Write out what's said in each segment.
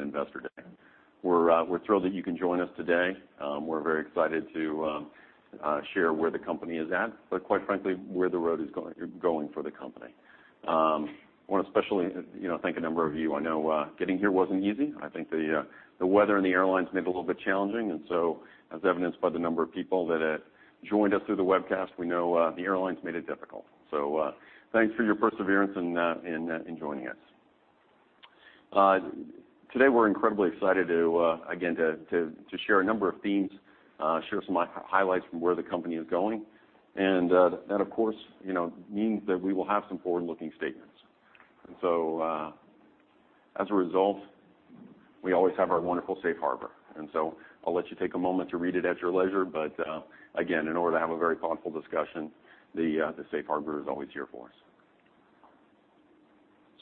Investor Day. We're thrilled that you can join us today. We're very excited to share where the company is at, but quite frankly, where the road is going for the company. I want to especially thank a number of you. I know getting here wasn't easy. I think the weather and the airlines made it a little bit challenging. As evidenced by the number of people that have joined us through the webcast, we know the airlines made it difficult. Thanks for your perseverance in joining us. Today, we're incredibly excited, again, to share a number of themes, share some highlights from where the company is going. That, of course, means that we will have some forward-looking statements. As a result, we always have our wonderful safe harbor. I'll let you take a moment to read it at your leisure. Again, in order to have a very thoughtful discussion, the safe harbor is always here for us.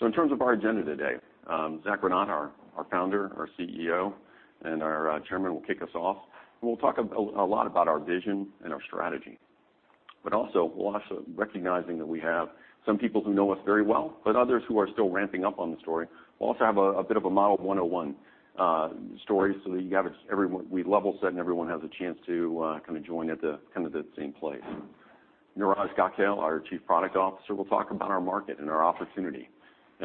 In terms of our agenda today, Zack Rinat, our Founder, our CEO, and our Chairman, will kick us off. We'll talk a lot about our vision and our strategy. Recognizing that we have some people who know us very well, but others who are still ramping up on the story. We'll also have a bit of a Model 101 story so that we level set and everyone has a chance to join at the same place. Neeraj Gokhale, our Chief Product Officer, will talk about our market and our opportunity,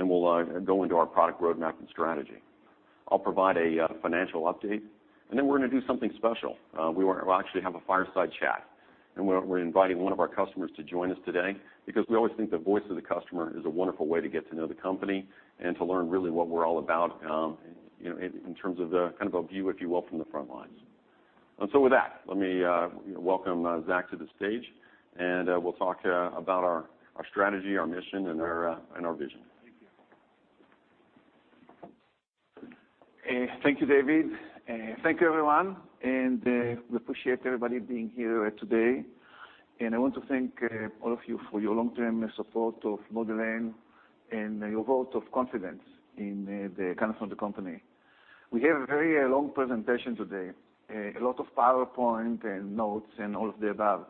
we'll go into our product roadmap and strategy. I'll provide a financial update, we're going to do something special. We'll actually have a fireside chat, we're inviting one of our customers to join us today because we always think the voice of the customer is a wonderful way to get to know the company and to learn really what we're all about, in terms of a view, if you will, from the front lines. With that, let me welcome Zack to the stage, we'll talk about our strategy, our mission, and our vision. Thank you. Thank you, David. Thank you, everyone, we appreciate everybody being here today. I want to thank all of you for your long-term support of Model N and your vote of confidence in the company. We have a very long presentation today, a lot of PowerPoint and notes and all of the above.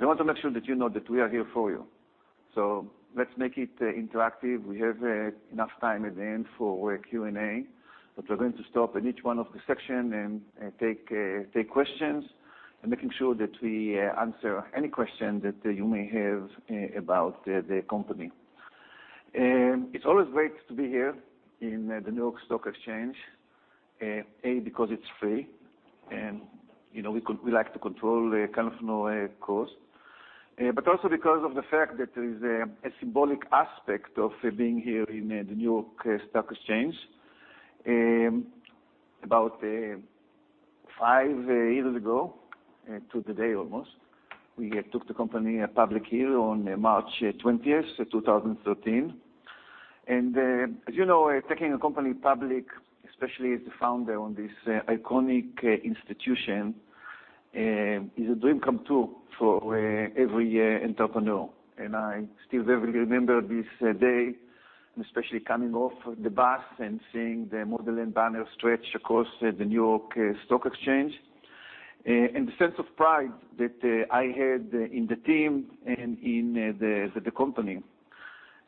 I want to make sure that you know that we are here for you. Let's make it interactive. We have enough time at the end for Q&A, but we're going to stop in each one of the section and take questions, making sure that we answer any question that you may have about the company. It's always great to be here in the New York Stock Exchange, A, because it's free, we like to control the cost. Because of the fact that there is a symbolic aspect of being here in the New York Stock Exchange. About five years ago, to the day almost, we took the company public here on March 20th, 2013. As you know, taking a company public, especially as the founder on this iconic institution, is a dream come true for every entrepreneur. I still vividly remember this day, especially coming off the bus and seeing the Model N banner stretched across the New York Stock Exchange, and the sense of pride that I had in the team and in the company.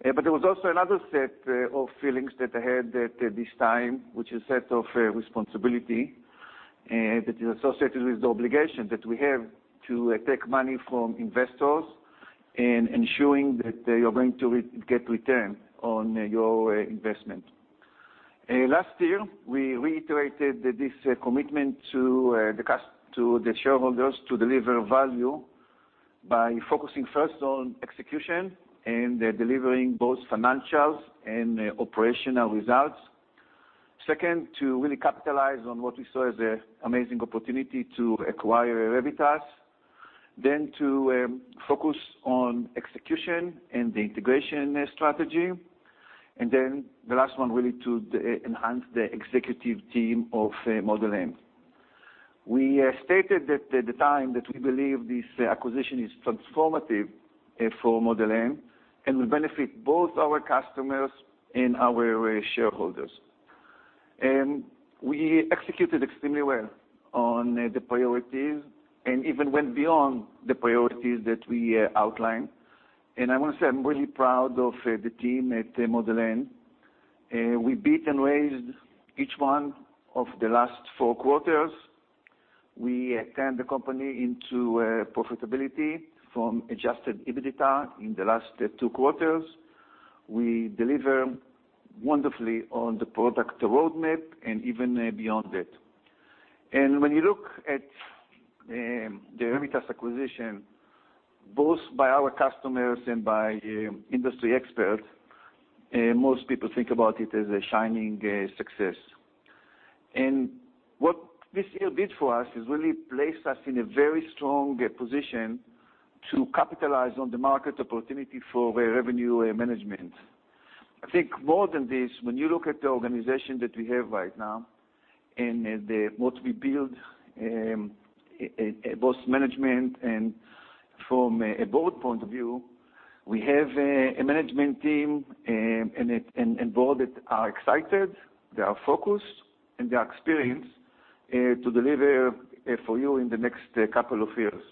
There was also another set of feelings that I had at this time, which is a set of responsibility that is associated with the obligation that we have to take money from investors and ensuring that you're going to get return on your investment. Last year, we reiterated this commitment to the shareholders to deliver value by focusing first on execution and delivering both financials and operational results. Second, to really capitalize on what we saw as an amazing opportunity to acquire Revitas, then to focus on execution and the integration strategy. The last one, really to enhance the executive team of Model N. We stated at the time that we believe this acquisition is transformative for Model N and will benefit both our customers and our shareholders. We executed extremely well on the priorities and even went beyond the priorities that we outlined. I want to say, I'm really proud of the team at Model N. We beat and raised each one of the last four quarters. We turned the company into profitability from adjusted EBITDA in the last two quarters. We deliver wonderfully on the product roadmap and even beyond that. When you look at the Revitas acquisition, both by our customers and by industry experts, most people think about it as a shining success. What this year did for us is really place us in a very strong position to capitalize on the market opportunity for revenue management. I think more than this, when you look at the organization that we have right now and what we build, both management and from a board point of view, we have a management team and board that are excited, they are focused, and they are experienced to deliver for you in the next couple of years.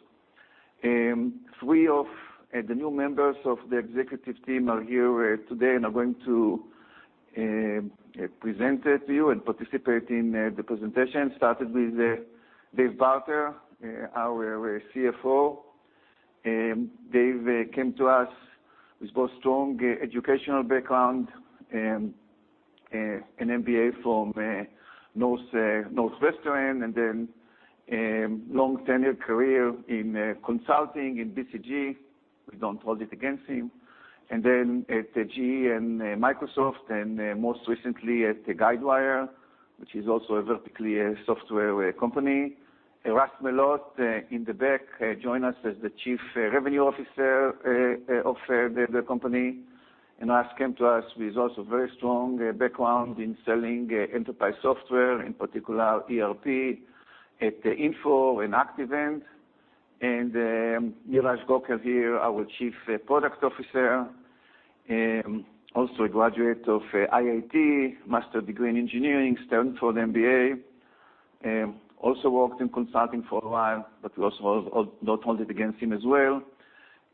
Three of the new members of the executive team are here today and are going to present it to you and participate in the presentation, starting with Dave Barter, our CFO. Dave came to us with both strong educational background and an MBA from Northwestern, then a long, tenured career in consulting in BCG. We don't hold it against him. Then at GE and Microsoft, most recently at Guidewire, which is also a vertically software company. Russ Mellott, in the back, joined us as the Chief Revenue Officer of the company. Russ came to us with also a very strong background in selling enterprise software, in particular ERP, at Infor and Aptean. Neeraj Gokhale here, our Chief Product Officer, also a graduate of IIT, Master's Degree in Engineering, Stanford MBA, also worked in consulting for a while, but we also don't hold it against him as well.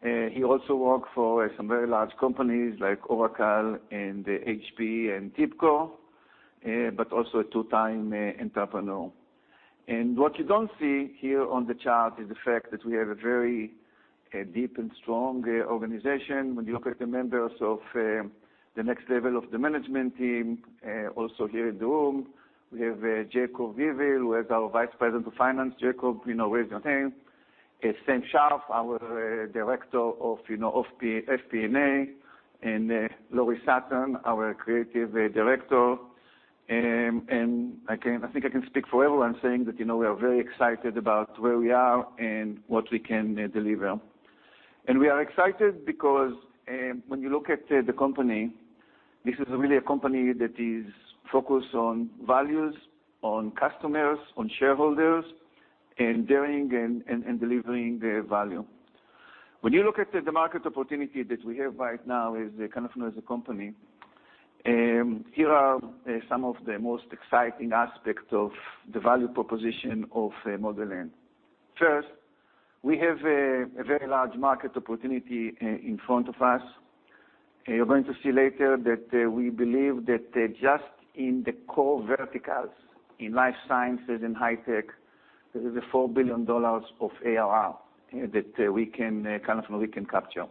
He also worked for some very large companies like Oracle and HP and TIBCO, but also a two-time entrepreneur. What you don't see here on the chart is the fact that we have a very deep and strong organization. When you look at the members of the next level of the management team, also here in the room, we have Jacob Yavil, who is our Vice President of Finance. Jacob, wave your hand. Sam Sharp, our Director of FP&A, and Lori Saturno, our Creative Director. I think I can speak for everyone saying that we are very excited about where we are and what we can deliver. We are excited because when you look at the company, this is really a company that is focused on values, on customers, on shareholders, and daring and delivering the value. When you look at the market opportunity that we have right now as a company, here are some of the most exciting aspects of the value proposition of Model N. First, we have a very large market opportunity in front of us. You're going to see later that we believe that just in the core verticals, in life sciences and high tech, there is $4 billion of ARR that we can capture.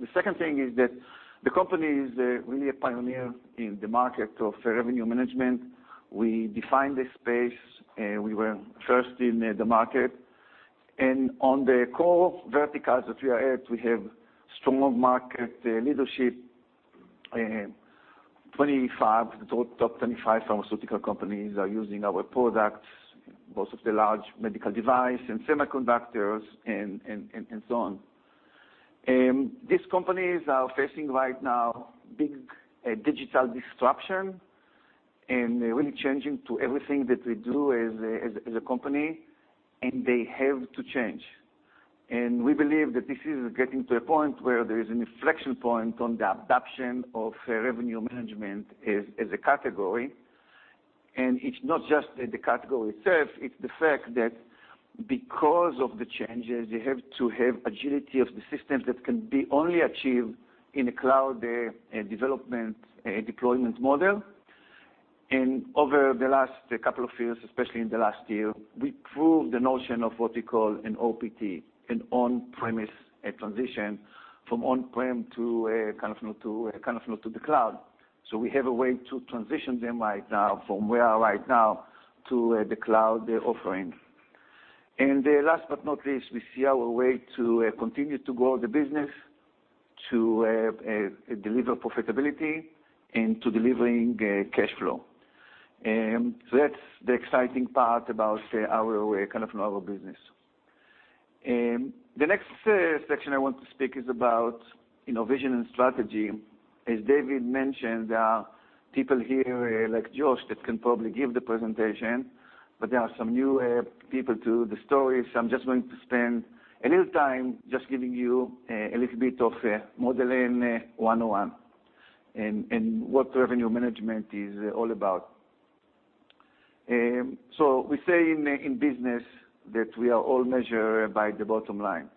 The second thing is that the company is really a pioneer in the market of revenue management. We defined the space. We were first in the market. On the core verticals that we are at, we have strong market leadership. Top 25 pharmaceutical companies are using our products, most of the large medical device and semiconductors and so on. These companies are facing right now big digital disruption, and really changing to everything that we do as a company, and they have to change. We believe that this is getting to a point where there is an inflection point on the adoption of revenue management as a category. It's not just the category itself, it's the fact that because of the changes, you have to have agility of the system that can be only achieved in a cloud deployment model. Over the last couple of years, especially in the last year, we proved the notion of what we call an OPT, an on-premise transition from on-prem to the cloud. We have a way to transition them right now from where we are right now to the cloud offering. Last but not least, we see our way to continue to grow the business, to deliver profitability, and to delivering cash flow. That's the exciting part about our business. The next section I want to speak is about vision and strategy. As David mentioned, there are people here like Josh that can probably give the presentation, but there are some new people to the story. I'm just going to spend a little time just giving you a little bit of Model N 101, and what revenue management is all about. We say in business that we are all measured by the bottom line.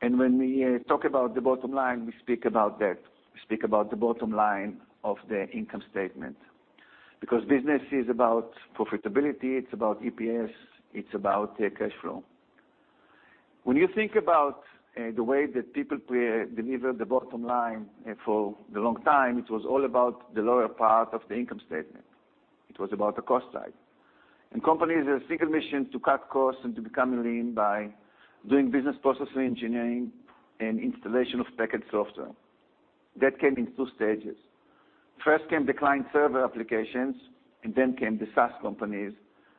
When we talk about the bottom line, we speak about that. We speak about the bottom line of the income statement because business is about profitability, it's about EPS, it's about cash flow. When you think about the way that people deliver the bottom line for the long time, it was all about the lower part of the income statement. It was about the cost side. Companies, their single mission to cut costs and to become lean by doing business process reengineering and installation of packaged software. That came in 2 stages. First came the client-server applications, then came the SaaS companies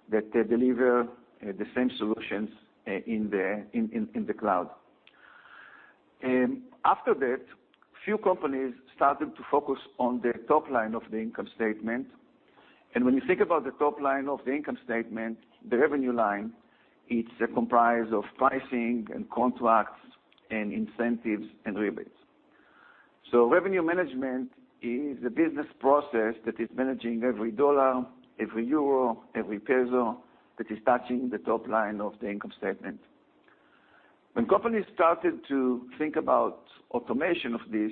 that deliver the same solutions in the cloud. After that, few companies started to focus on the top line of the income statement. When you think about the top line of the income statement, the revenue line, it's comprised of pricing and contracts and incentives and rebates. Revenue management is a business process that is managing every dollar, every euro, every peso that is touching the top line of the income statement. When companies started to think about automation of this,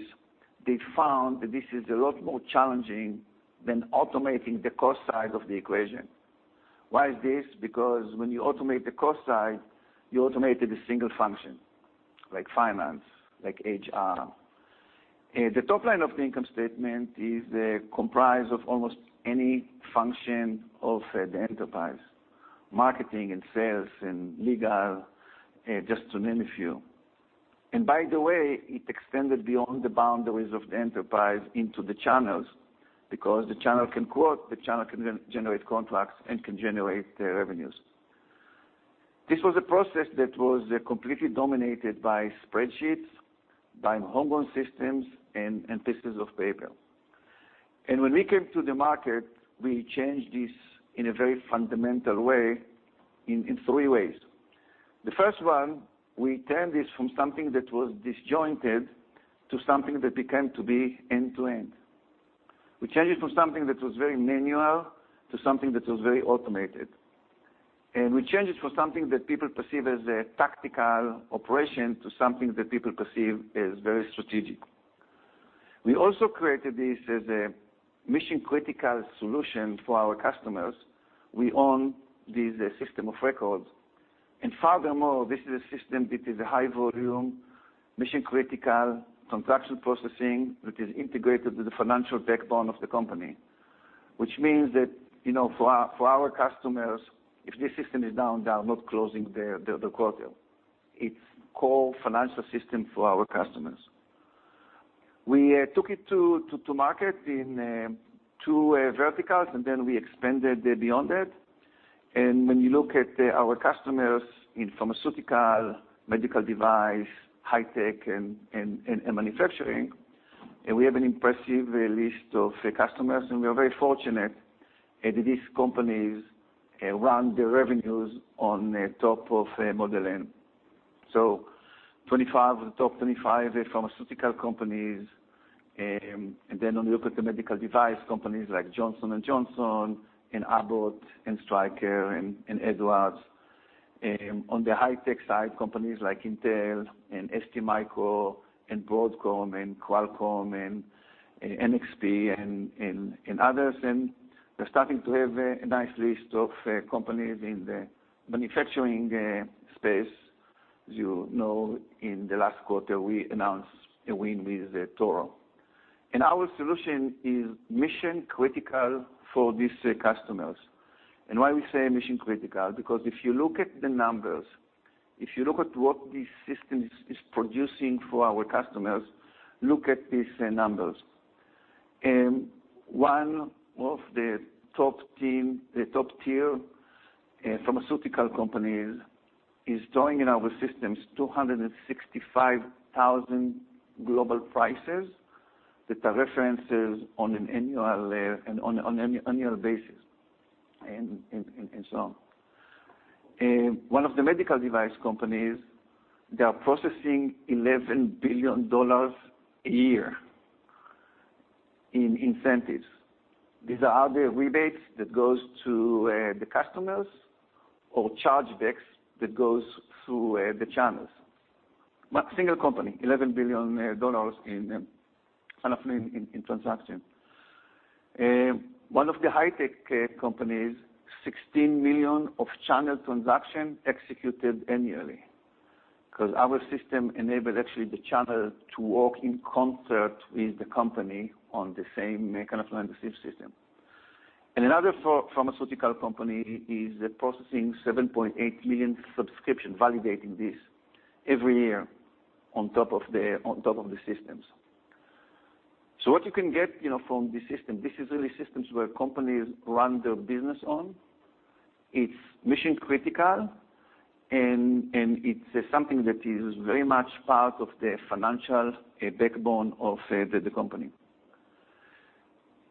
they found that this is a lot more challenging than automating the cost side of the equation. Why is this? When you automate the cost side, you automated a single function, like finance, like HR. The top line of the income statement is comprised of almost any function of the enterprise, marketing and sales, and legal, just to name a few. By the way, it extended beyond the boundaries of the enterprise into the channels, because the channel can quote, the channel can generate contracts and can generate revenues. This was a process that was completely dominated by spreadsheets, by homegrown systems, and pieces of paper. When we came to the market, we changed this in a very fundamental way, in three ways. The first one, we turned this from something that was disjointed to something that became to be end-to-end. We changed it from something that was very manual to something that was very automated. We changed it from something that people perceive as a tactical operation to something that people perceive as very strategic. We also created this as a mission-critical solution for our customers. We own this system of records. Furthermore, this is a system that is a high volume, mission-critical transaction processing that is integrated with the financial backbone of the company. Which means that for our customers, if this system is down, they are not closing the quarter. It's core financial system for our customers. We took it to market in 2 verticals, then we expanded beyond that. When you look at our customers in pharmaceutical, medical device, high tech, and manufacturing, we have an impressive list of customers, we're very fortunate that these companies run their revenues on top of Model N. The top 25 pharmaceutical companies, then when you look at the medical device companies like Johnson & Johnson and Abbott and Stryker and Edwards. On the high-tech side, companies like Intel and STMicro and Broadcom and Qualcomm and NXP, and others. We're starting to have a nice list of companies in the manufacturing space. As you know, in the last quarter, we announced a win with Toro. Our solution is mission-critical for these customers. Why we say mission-critical, because if you look at the numbers, if you look at what this system is producing for our customers, look at these numbers. One of the top-tier pharmaceutical companies is drawing in our systems 265,000 global prices that are references on an annual basis. One of the medical device companies, they are processing $11 billion a year in incentives. These are either rebates that goes to the customers or chargebacks that goes through the channels. One single company, $11 billion in transaction. One of the high-tech companies, 16 million of channel transaction executed annually, because our system enables actually the channel to work in concert with the company on the same kind of system. Another pharmaceutical company is processing 7.8 million subscription, validating this every year on top of the systems. What you can get from this system, this is really systems where companies run their business on. It's mission-critical, and it's something that is very much part of the financial backbone of the company.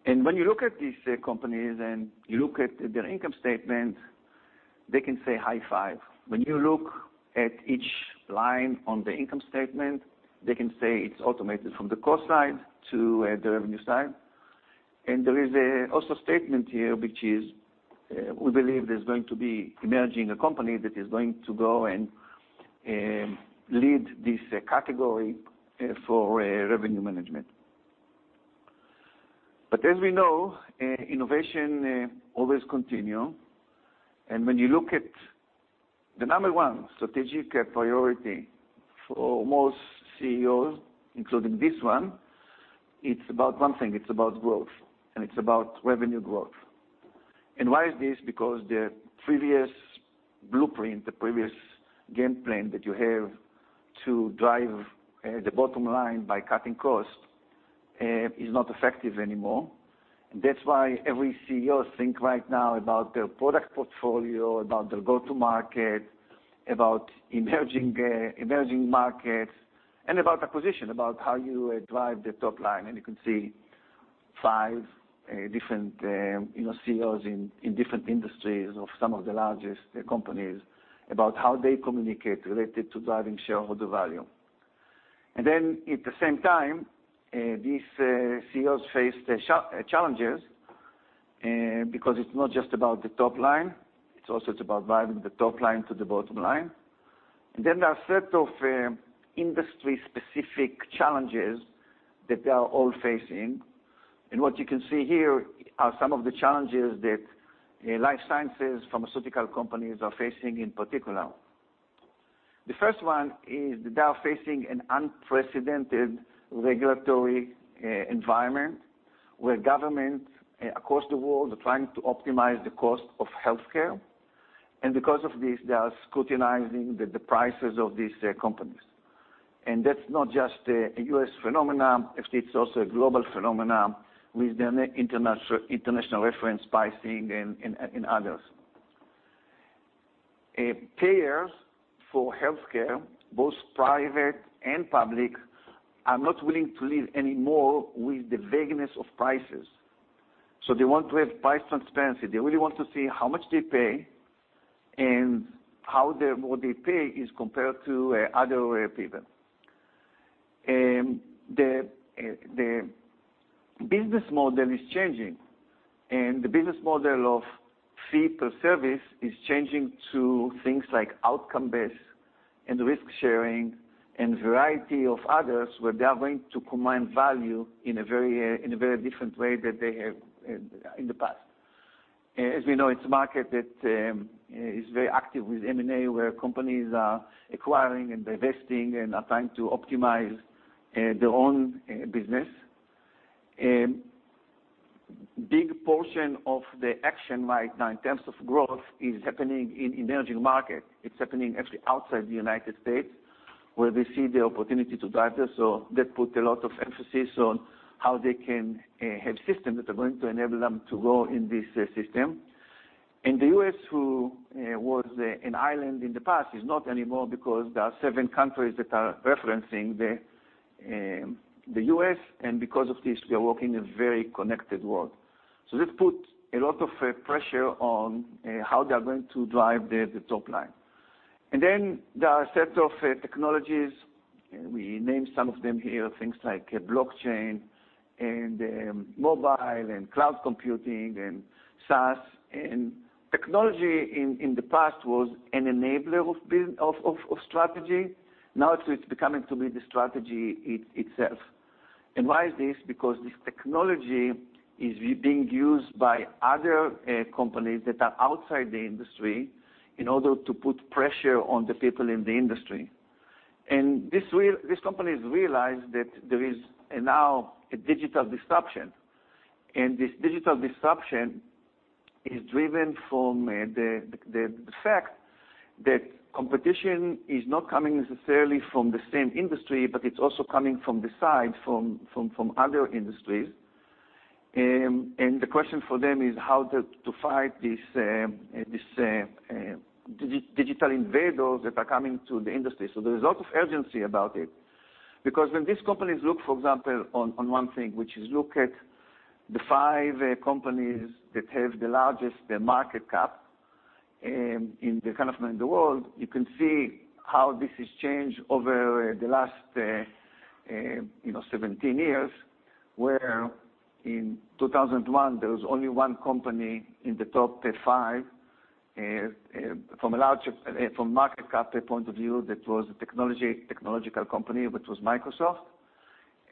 When you look at these companies and you look at their income statement, they can say, "High five." When you look at each line on the income statement, they can say it's automated from the cost side to the revenue side. There is also a statement here, which is, we believe there's going to be emerging a company that is going to go and lead this category for revenue management. As we know, innovation always continue. When you look at the number one strategic priority for most CEOs, including this one, it's about one thing, it's about growth, and it's about revenue growth. Why is this? Because the previous blueprint, the previous game plan that you have to drive the bottom line by cutting costs is not effective anymore. That's why every CEO think right now about their product portfolio, about their go-to-market, about emerging markets, and about acquisition, about how you drive the top line. You can see five different CEOs in different industries of some of the largest companies about how they communicate related to driving shareholder value. At the same time, these CEOs face challenges because it's not just about the top line, it's also about driving the top line to the bottom line. There are a set of industry-specific challenges that they are all facing, and what you can see here are some of the challenges that life sciences, pharmaceutical companies are facing in particular. The first one is that they are facing an unprecedented regulatory environment where governments across the world are trying to optimize the cost of healthcare. Because of this, they are scrutinizing the prices of these companies. That's not just a U.S. phenomenon, actually, it's also a global phenomenon with the International Reference Pricing and others. Payers for healthcare, both private and public, are not willing to live anymore with the vagueness of prices. They want to have price transparency. They really want to see how much they pay and how what they pay is compared to other people. The business model is changing. The business model of fee per service is changing to things like outcome-based and risk-sharing and a variety of others, where they are going to command value in a very different way than they have in the past. As we know, it's a market that is very active with M&A, where companies are acquiring and divesting and are trying to optimize their own business. A big portion of the action right now in terms of growth is happening in emerging markets. It's happening actually outside the U.S., where they see the opportunity to drive this, so that puts a lot of emphasis on how they can have systems that are going to enable them to go in this system. The U.S., who was an island in the past, is not anymore because there are seven countries that are referencing the U.S., because of this, we are working a very connected world. This puts a lot of pressure on how they are going to drive the top line. There are a set of technologies, we named some of them here, things like blockchain and mobile and cloud computing and SaaS. Technology in the past was an enabler of strategy. Now, it's becoming to be the strategy itself. Why is this? Because this technology is being used by other companies that are outside the industry in order to put pressure on the people in the industry. These companies realized that there is now a digital disruption, this digital disruption is driven from the fact that competition is not coming necessarily from the same industry, it's also coming from the side, from other industries. The question for them is how to fight these digital invaders that are coming to the industry. There's a lot of urgency about it because when these companies look, for example, on one thing, which is look at the five companies that have the largest market cap in the world, you can see how this has changed over the last 17 years, where in 2001, there was only one company in the top five from a market cap point of view that was a technological company, which was Microsoft,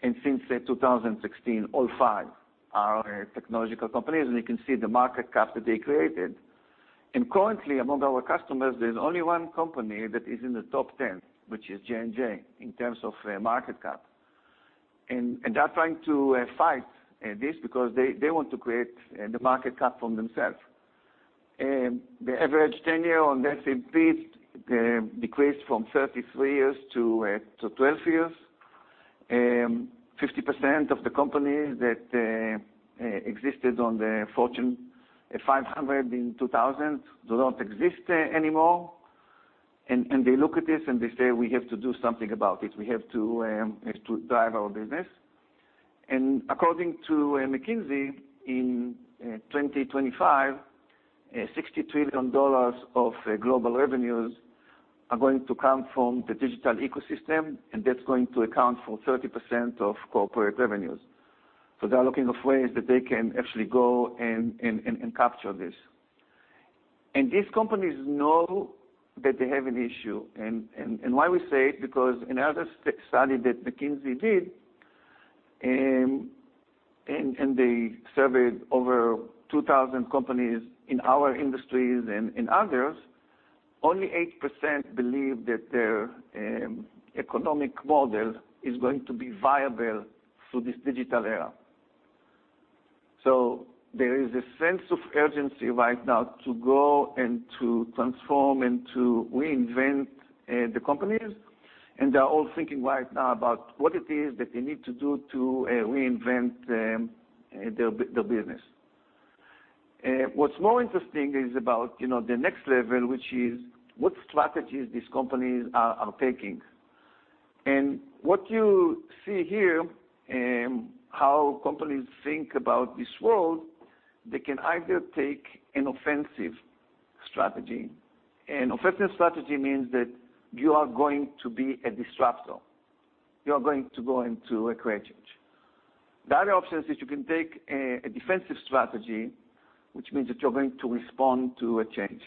and since 2016, all five are technological companies, and you can see the market cap that they created. Currently, among our customers, there's only one company that is in the top 10, which is J&J, in terms of market cap. They're trying to fight this because they want to create the market cap for themselves. The average tenure on S&P decreased from 33 years to 12 years. 50% of the companies that existed on the Fortune 500 in 2000 do not exist anymore. They look at this, and they say, "We have to do something about it. We have to drive our business." According to McKinsey, in 2025, $60 trillion of global revenues are going to come from the digital ecosystem, and that's going to account for 30% of corporate revenues. They're looking at ways that they can actually go and capture this. These companies know that they have an issue. Why we say it, because in another study that McKinsey did, they surveyed over 2,000 companies in our industries and in others, only 8% believe that their economic model is going to be viable through this digital era. There is a sense of urgency right now to go and to transform and to reinvent the companies, and they're all thinking right now about what it is that they need to do to reinvent their business. What's more interesting is about the next level, which is what strategies these companies are taking. What you see here, how companies think about this world, they can either take an offensive strategy. An offensive strategy means that you are going to be a disruptor. You are going to go into a great change. The other option is you can take a defensive strategy, which means that you're going to respond to a change.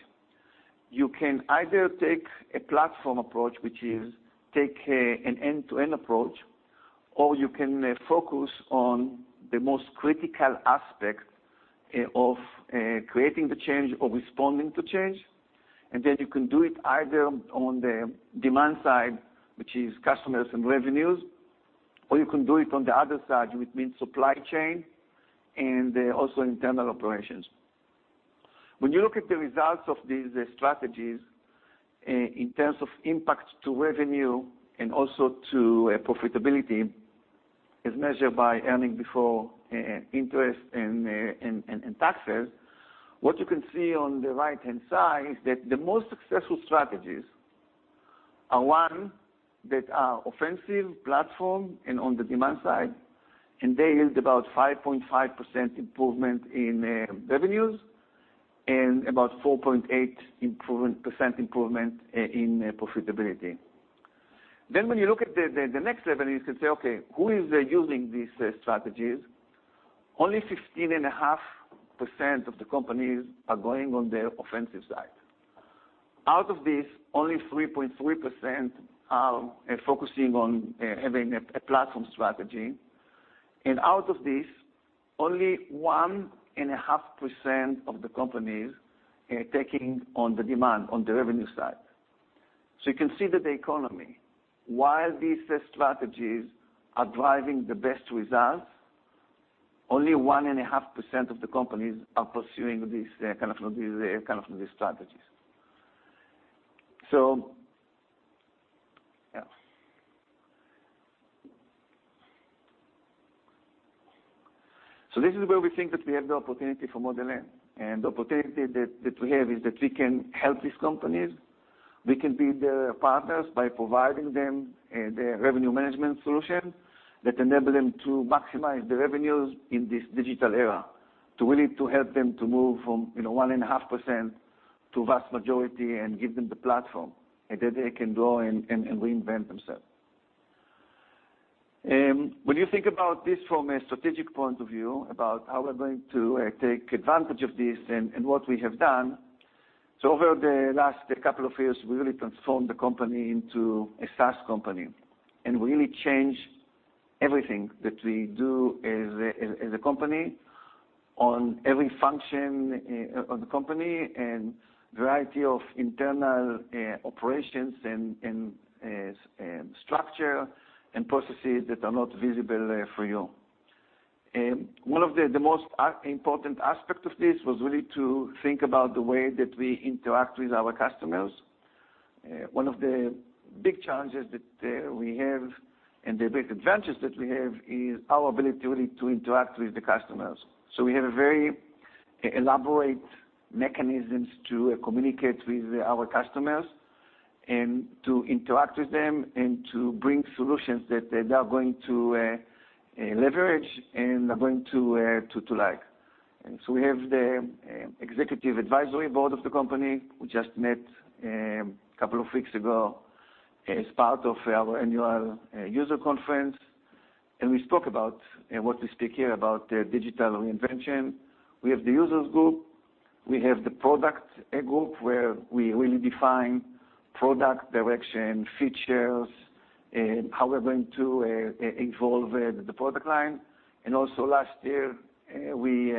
You can either take a platform approach, which is take an end-to-end approach, or you can focus on the most critical aspect of creating the change or responding to change. You can do it either on the demand side, which is customers and revenues, or you can do it on the other side, which means supply chain, and also internal operations. When you look at the results of these strategies, in terms of impact to revenue and also to profitability, as measured by earnings before interest and taxes. What you can see on the right-hand side is that the most successful strategies are, one, that are offensive platform and on the demand side, and they yield about 5.5% improvement in revenues and about 4.8% improvement in profitability. When you look at the next level, you could say, okay, who is using these strategies? Only 15.5% of the companies are going on the offensive side. Out of this, only 3.3% are focusing on having a platform strategy. Out of this, only 1.5% of the companies are taking on the demand on the revenue side. You can see that the economy, while these strategies are driving the best results, only 1.5% of the companies are pursuing these kind of strategies. This is where we think that we have the opportunity for Model N. The opportunity that we have is that we can help these companies. We can be their partners by providing them the revenue management solution that enable them to maximize the revenues in this digital era, to really help them to move from 1.5% to vast majority and give them the platform, and then they can go and reinvent themselves. When you think about this from a strategic point of view, about how we're going to take advantage of this and what we have done. Over the last couple of years, we really transformed the company into a SaaS company and really changed everything that we do as a company on every function of the company and variety of internal operations and structure and processes that are not visible for you. One of the most important aspect of this was really to think about the way that we interact with our customers. One of the big challenges that we have and the big advantages that we have is our ability really to interact with the customers. We have a very elaborate mechanisms to communicate with our customers and to interact with them and to bring solutions that they are going to leverage and are going to like. We have the executive advisory board of the company. We just met a couple of weeks ago as part of our annual user conference. We spoke about what we speak here about digital reinvention. We have the users group. We have the product group, where we really define product direction, features, and how we're going to evolve the product line. Also last year, we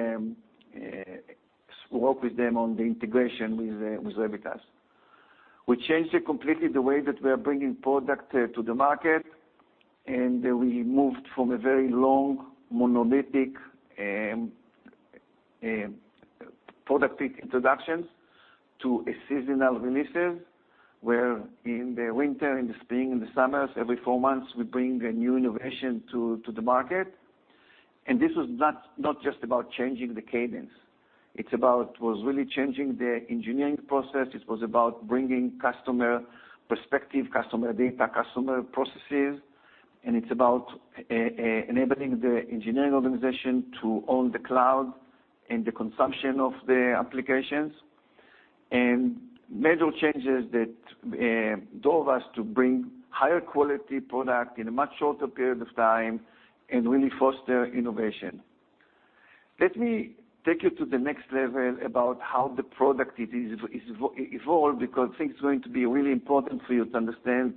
worked with them on the integration with Revitas. We changed completely the way that we are bringing product to the market. We moved from a very long, monolithic product introductions to seasonal releases, where in the winter, in the spring, in the summers, every four months, we bring a new innovation to the market. This was not just about changing the cadence. It was really changing the engineering process. It was about bringing customer perspective, customer data, customer processes. It's about enabling the engineering organization to own the cloud and the consumption of the applications. Major changes that drove us to bring higher quality product in a much shorter period of time and really foster innovation. Let me take you to the next level about how the product evolved, because things are going to be really important for you to understand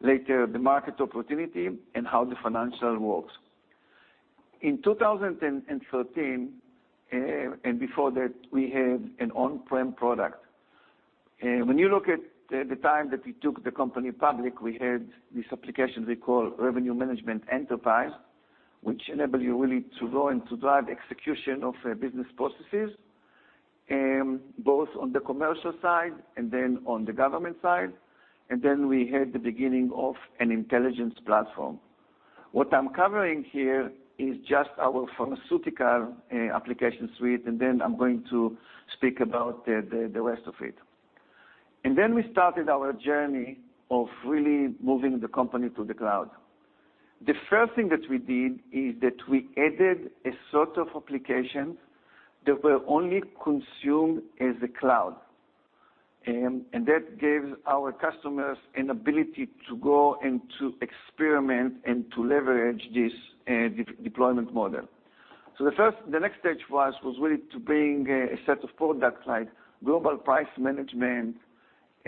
later the market opportunity and how the financial works. In 2013, before that, we had an on-prem product. When you look at the time that we took the company public, we had this application we call Revenue Management Enterprise, which enable you really to go to drive execution of business processes, both on the commercial side then on the government side. Then we had the beginning of an intelligence platform. What I'm covering here is just our pharmaceutical application suite. Then I'm going to speak about the rest of it. Then we started our journey of really moving the company to the cloud. The first thing that we did is that we added a set of applications that were only consumed as a cloud. That gave our customers an ability to go to experiment and to leverage this deployment model. The next stage was really to bring a set of products like Global Price Management,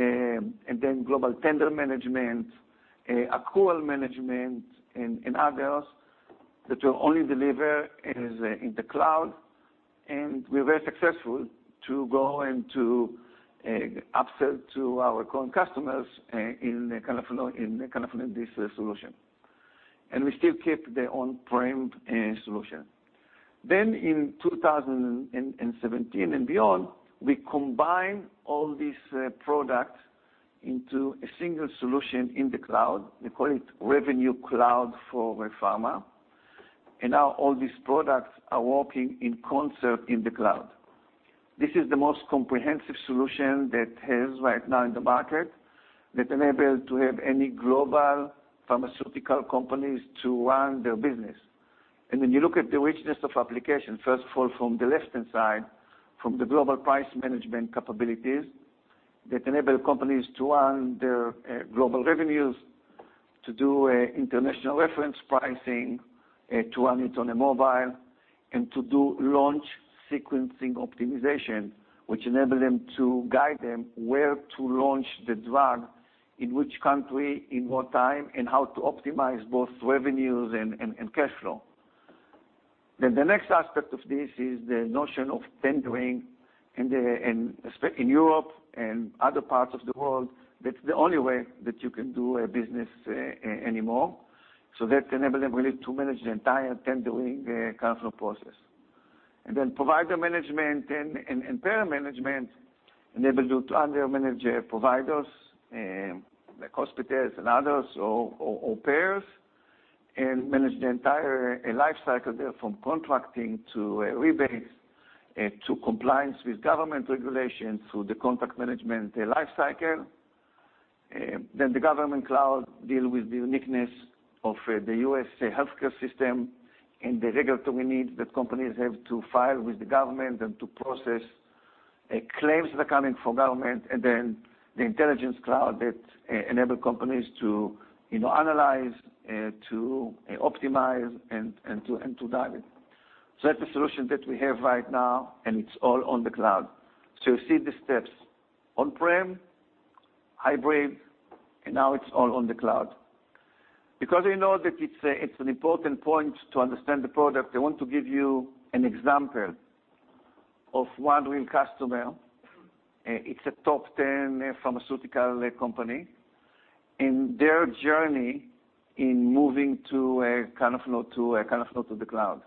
then Global Tender Management, Accrual Management, and others that will only deliver in the cloud. We were successful to go to upsell to our current customers in the kind of this solution. We still keep the on-prem solution. Then in 2017 beyond, we combined all these products into a single solution in the cloud. We call it Revenue Cloud for pharma. Now all these products are working in concert in the cloud. This is the most comprehensive solution that is right now in the market that enables to have any global pharmaceutical companies to run their business. When you look at the richness of application, first of all, from the left-hand side, from the Global Price Management capabilities that enable companies to run their global revenues, to do International Reference Pricing, to run it on a mobile, to do launch sequencing optimization, which enable them to guide them where to launch the drug, in which country, in what time, how to optimize both revenues and cash flow. Then the next aspect of this is the notion of tendering in Europe and other parts of the world. That's the only way that you can do business anymore. That enabled them really to manage the entire tendering kind of process. Provider management and payer management enable you to manage providers, like hospitals and others or payers, and manage the entire life cycle there, from contracting to rebates, to compliance with government regulations, through the contract management life cycle. The government cloud deal with the uniqueness of the U.S. healthcare system and the regulatory needs that companies have to file with the government and to process claims that are coming from government, the intelligence cloud that enable companies to analyze, to optimize, and to guide it. That's the solution that we have right now, and it's all on the cloud. You see the steps, on-prem, hybrid, and now it's all on the cloud. Because we know that it's an important point to understand the product, I want to give you an example of one real customer. It's a top 10 pharmaceutical company, and their journey in moving to kind of the cloud.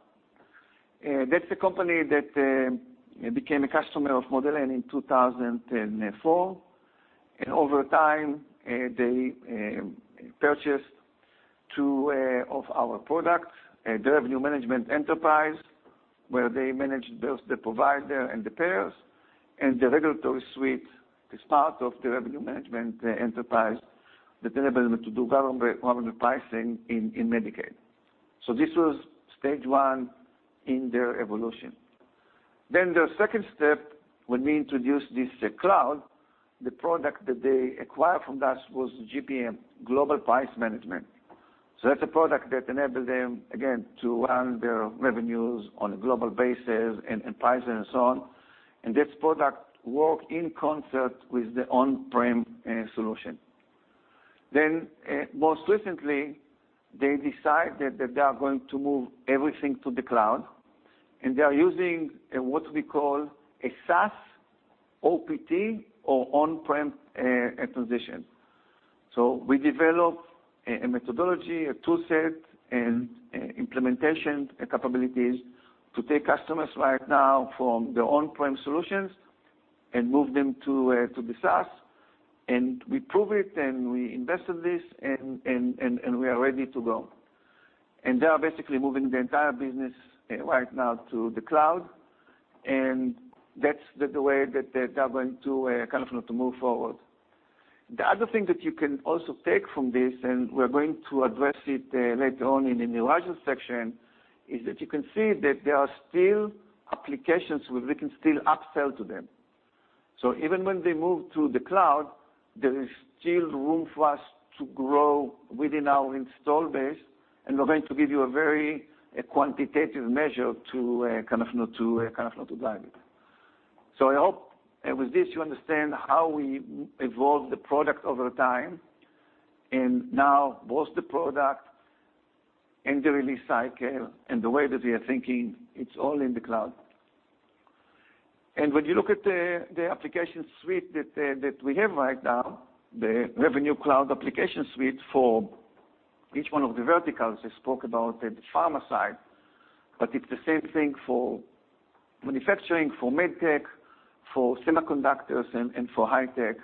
That's a company that became a customer of Model N in 2004. Over time, they purchased two of our products, the Revenue Management Enterprise, where they managed both the provider and the payers, and the regulatory suite is part of the Revenue Management Enterprise that enable them to do government pricing in Medicaid. This was stage 1 in their evolution. The second step, when we introduced this cloud, the product that they acquired from us was GPM, Global Price Management. That's a product that enabled them, again, to run their revenues on a global basis and pricing and so on. This product worked in concert with the on-prem solution. Most recently, they decided that they are going to move everything to the cloud, and they are using what we call a SaaS OPT or on-prem transition. We developed a methodology, a tool set, and implementation capabilities to take customers right now from their on-prem solutions and move them to the SaaS. We prove it, we invest in this, we are ready to go. They are basically moving the entire business right now to the cloud, and that's the way that they're going to kind of to move forward. The other thing that you can also take from this, and we're going to address it later on in the New Horizons section, is that you can see that there are still applications where we can still upsell to them. Even when they move to the cloud, there is still room for us to grow within our install base, and we're going to give you a very quantitative measure to kind of guide it. I hope with this you understand how we evolved the product over time, and now both the product and the release cycle, and the way that we are thinking, it's all in the cloud. When you look at the application suite that we have right now, the Revenue Cloud application suite for each one of the verticals, I spoke about the pharma side. It's the same thing for Manufacturing for MedTech, for semiconductors, and for high tech,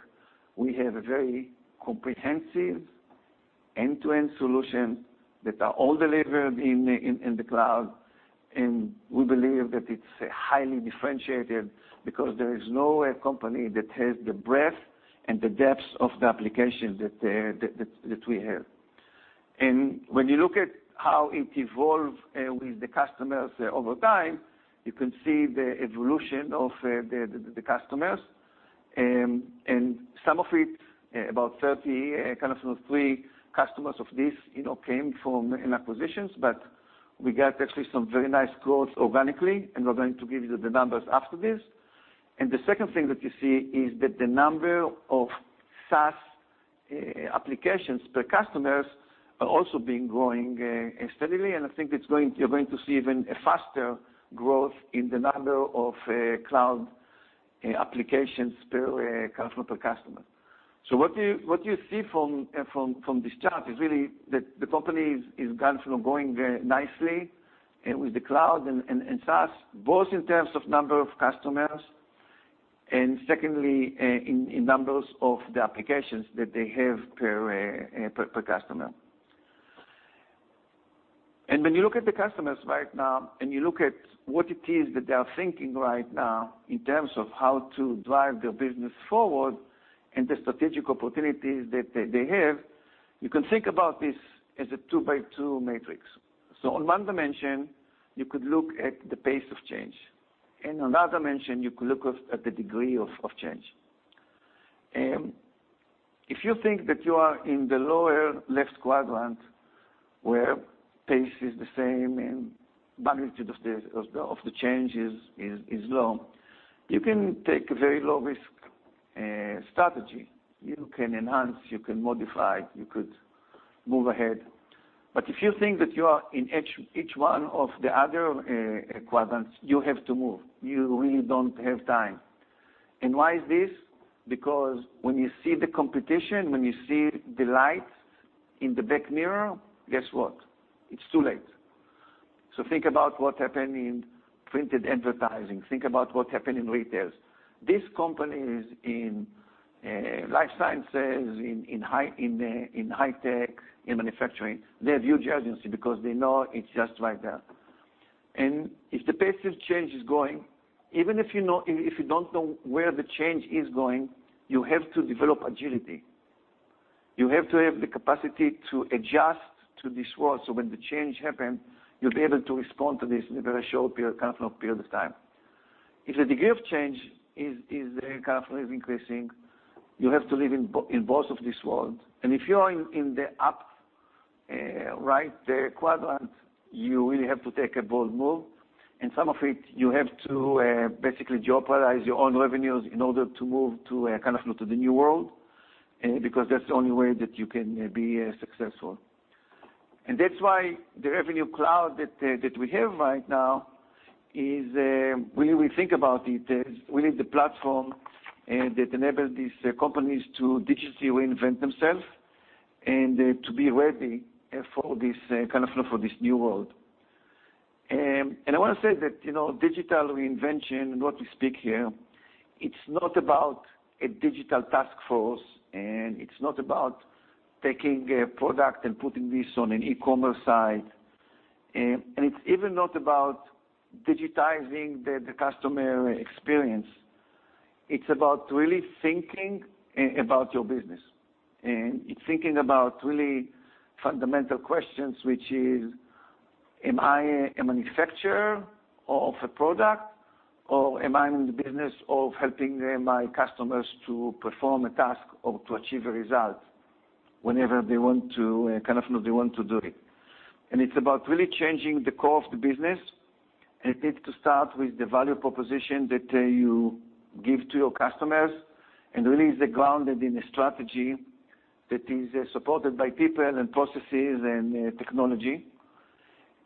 we have a very comprehensive end-to-end solution that are all delivered in the cloud. We believe that it's highly differentiated because there is no company that has the breadth and the depth of the application that we have. When you look at how it evolved with the customers over time, you can see the evolution of the customers. Some of it, about 30 customers of this came from acquisitions. But we got actually some very nice growth organically, we're going to give you the numbers after this. The second thing that you see is that the number of SaaS applications per customers are also being growing steadily, I think you're going to see even a faster growth in the number of cloud applications per customer. What you see from this chart is really that the company is going very nicely with the cloud and SaaS, both in terms of number of customers and secondly, in numbers of the applications that they have per customer. When you look at the customers right now, you look at what it is that they are thinking right now in terms of how to drive their business forward and the strategic opportunities that they have, you can think about this as a two by two matrix. On one dimension, you could look at the pace of change, another dimension you could look at the degree of change. If you think that you are in the lower left quadrant, where pace is the same and magnitude of the change is low, you can take a very low-risk strategy. You can enhance, you can modify, you could move ahead. If you think that you are in each one of the other quadrants, you have to move. You really don't have time. Why is this? Because when you see the competition, when you see the light in the rearview mirror, guess what? It's too late. Think about what happened in printed advertising. Think about what happened in retail. These companies in life sciences, in high tech, in manufacturing, they have huge urgency because they know it's just right there. If the pace of change is going, even if you don't know where the change is going, you have to develop agility. You have to have the capacity to adjust to this world, so when the change happen, you'll be able to respond to this in a very short period of time. If the degree of change is increasing, you have to live in both of these worlds. If you are in the up right quadrant, you really have to take a bold move, some of it, you have to basically jeopardize your own revenues in order to move to the new world, because that's the only way that you can be successful. That's why the Revenue Cloud that we have right now is, when we think about it, is we need the platform that enable these companies to digitally reinvent themselves and to be ready for this new world. I want to say that digital reinvention and what we speak here, it's not about a digital task force, it's not about taking a product and putting this on an e-commerce site. It's even not about digitizing the customer experience. It's about really thinking about your business, and it's thinking about really fundamental questions, which is, am I a manufacturer of a product, or am I in the business of helping my customers to perform a task or to achieve a result whenever they want to do it? It's about really changing the core of the business. It needs to start with the value proposition that you give to your customers, and really is grounded in a strategy that is supported by people and processes and technology.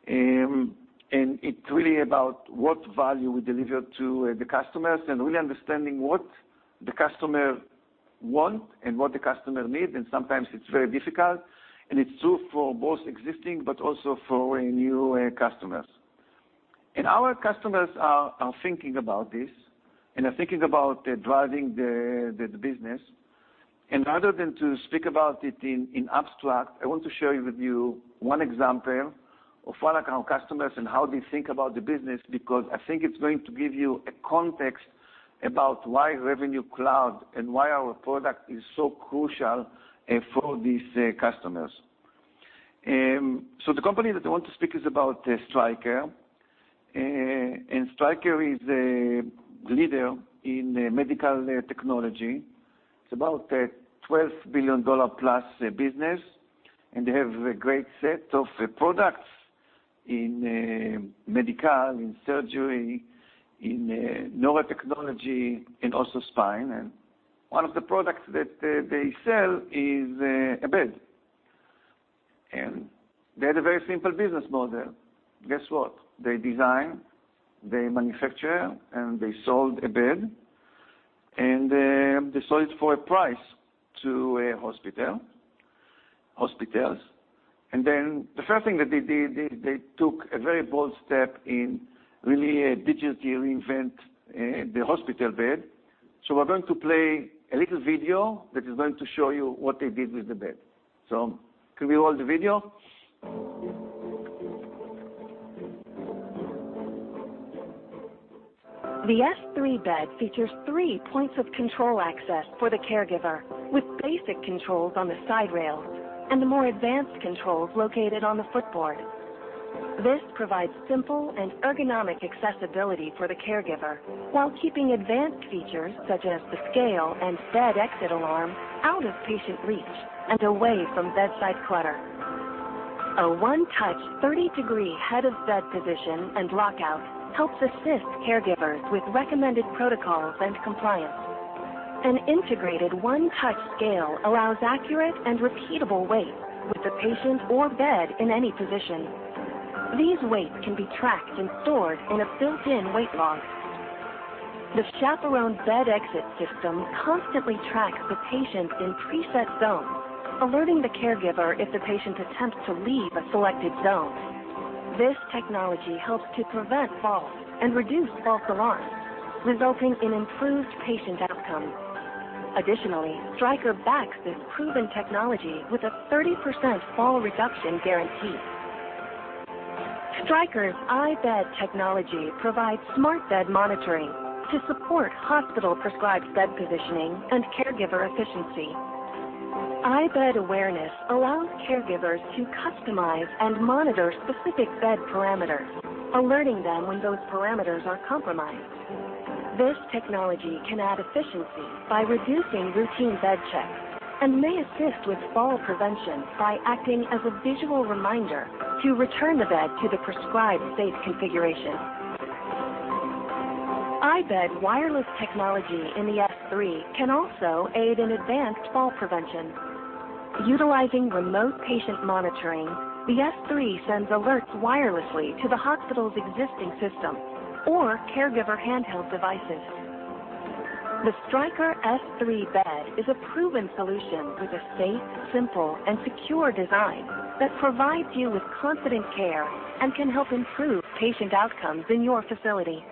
It's really about what value we deliver to the customers and really understanding what the customer want and what the customer need, and sometimes it's very difficult, and it's true for both existing, but also for new customers. Our customers are thinking about this and are thinking about driving the business. Rather than to speak about it in abstract, I want to share with you one example of one account customers and how they think about the business, because I think it's going to give you a context about why Revenue Cloud and why our product is so crucial for these customers. The company that I want to speak is about Stryker. Stryker is a leader in medical technology. It's about a $12 billion plus business, and they have a great set of products in medical, in surgery, in neurotechnology and also spine. One of the products that they sell is a bed. They had a very simple business model. Guess what? They design, they manufacture, and they sold a bed, and they sold it for a price to a hospital. Hospitals. The first thing that they did, they took a very bold step in really digitally invent the hospital bed. We're going to play a little video that is going to show you what they did with the bed. Could we roll the video? The S3 bed features three points of control access for the caregiver, with basic controls on the side rails and the more advanced controls located on the footboard. This provides simple and ergonomic accessibility for the caregiver, while keeping advanced features such as the scale and bed exit alarm out of patient reach and away from bedside clutter. A one-touch 30-degree head of bed position and lockout helps assist caregivers with recommended protocols and compliance. An integrated one-touch scale allows accurate and repeatable weights with the patient or bed in any position. These weights can be tracked and stored in a built-in weight log. The Chaperone Bed Exit system constantly tracks the patient in preset zones, alerting the caregiver if the patient attempts to leave a selected zone. This technology helps to prevent falls and reduce false alarms, resulting in improved patient outcomes. Additionally, Stryker backs this proven technology with a 30% fall reduction guarantee. Stryker's iBed technology provides smart bed monitoring to support hospital-prescribed bed positioning and caregiver efficiency. iBed awareness allows caregivers to customize and monitor specific bed parameters, alerting them when those parameters are compromised. This technology can add efficiency by reducing routine bed checks and may assist with fall prevention by acting as a visual reminder to return the bed to the prescribed safe configuration. iBed wireless technology in the S3 can also aid in advanced fall prevention. Utilizing remote patient monitoring, the S3 sends alerts wirelessly to the hospital's existing system or caregiver handheld devices. The Stryker S3 bed is a proven solution with a safe, simple, and secure design that provides you with confident care and can help improve patient outcomes in your facility.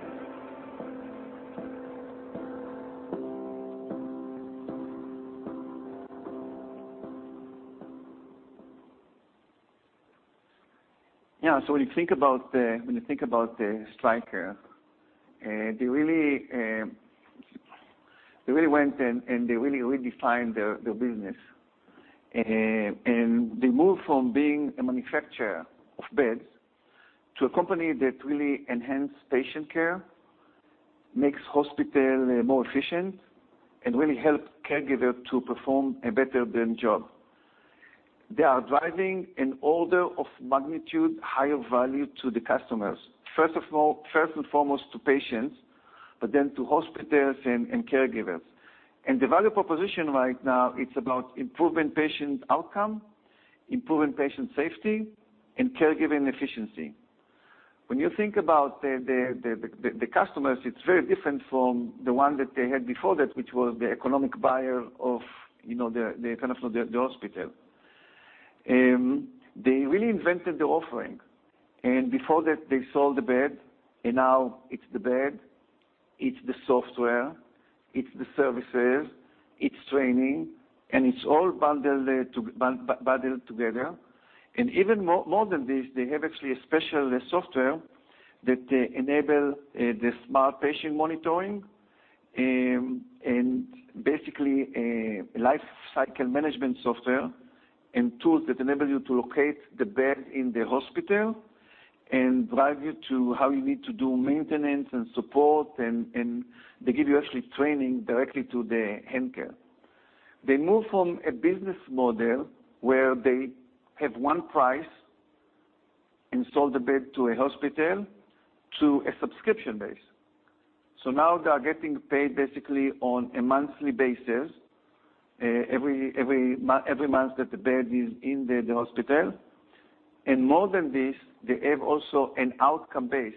Yeah. When you think about Stryker, they really went and they really redefined their business. They moved from being a manufacturer of beds to a company that really enhance patient care, makes hospital more efficient, and really help caregiver to perform a better job. They are driving an order of magnitude higher value to the customers. First and foremost to patients, but then to hospitals and caregivers. The value proposition right now it's about improving patient outcome, improving patient safety, and caregiving efficiency. When you think about the customers, it's very different from the one that they had before that, which was the economic buyer of the hospital. They really invented the offering, and before that they sold the bed, and now it's the bed, it's the software, it's the services, it's training, and it's all bundled together. Even more than this, they have actually a special software that enable the smart patient monitoring, and basically a life cycle management software and tools that enable you to locate the bed in the hospital and drive you to how you need to do maintenance and support, and they give you actually training directly to the handheld. Now they are getting paid basically on a monthly basis, every month that the bed is in the hospital. More than this, they have also an outcome base.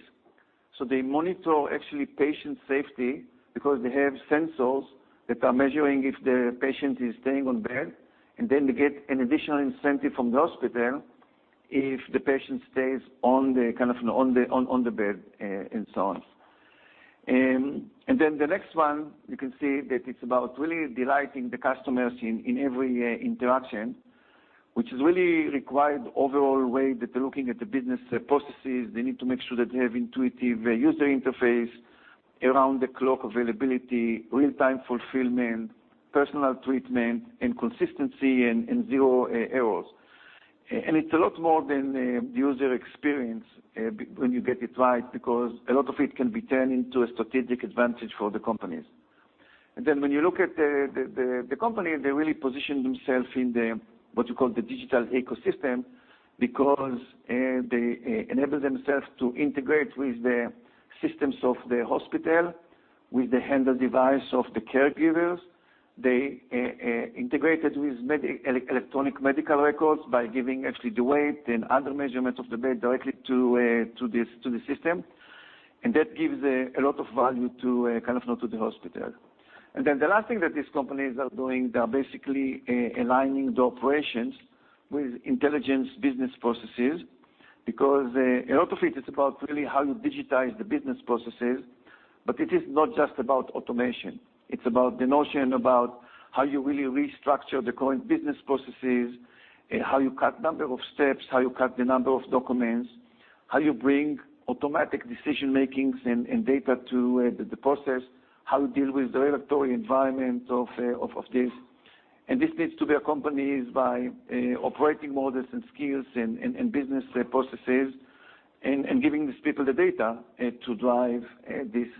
They monitor actually patient safety because they have sensors that are measuring if the patient is staying on bed, and then they get an additional incentive from the hospital if the patient stays on the bed and so on. The next one, you can see that it's about really delighting the customers in every interaction, which is really required overall way that they're looking at the business processes. They need to make sure that they have intuitive user interface, around-the-clock availability, real-time fulfillment, personal treatment, and consistency, and zero errors. It's a lot more than the user experience when you get it right, because a lot of it can be turned into a strategic advantage for the companies. When you look at the company, they really position themselves in the, what you call the digital ecosystem because they enable themselves to integrate with the systems of the hospital, with the handheld device of the caregivers. They integrated with electronic medical records by giving actually the weight and other measurements of the bed directly to the system. That gives a lot of value to the hospital. The last thing that these companies are doing, they are basically aligning the operations with intelligence business processes, because a lot of it is about really how you digitize the business processes. It is not just about automation. It is about the notion about how you really restructure the current business processes, how you cut number of steps, how you cut the number of documents, how you bring automatic decision-makings and data to the process, how you deal with the regulatory environment of this. This needs to be accompanied by operating models and skills and business processes and giving these people the data to drive these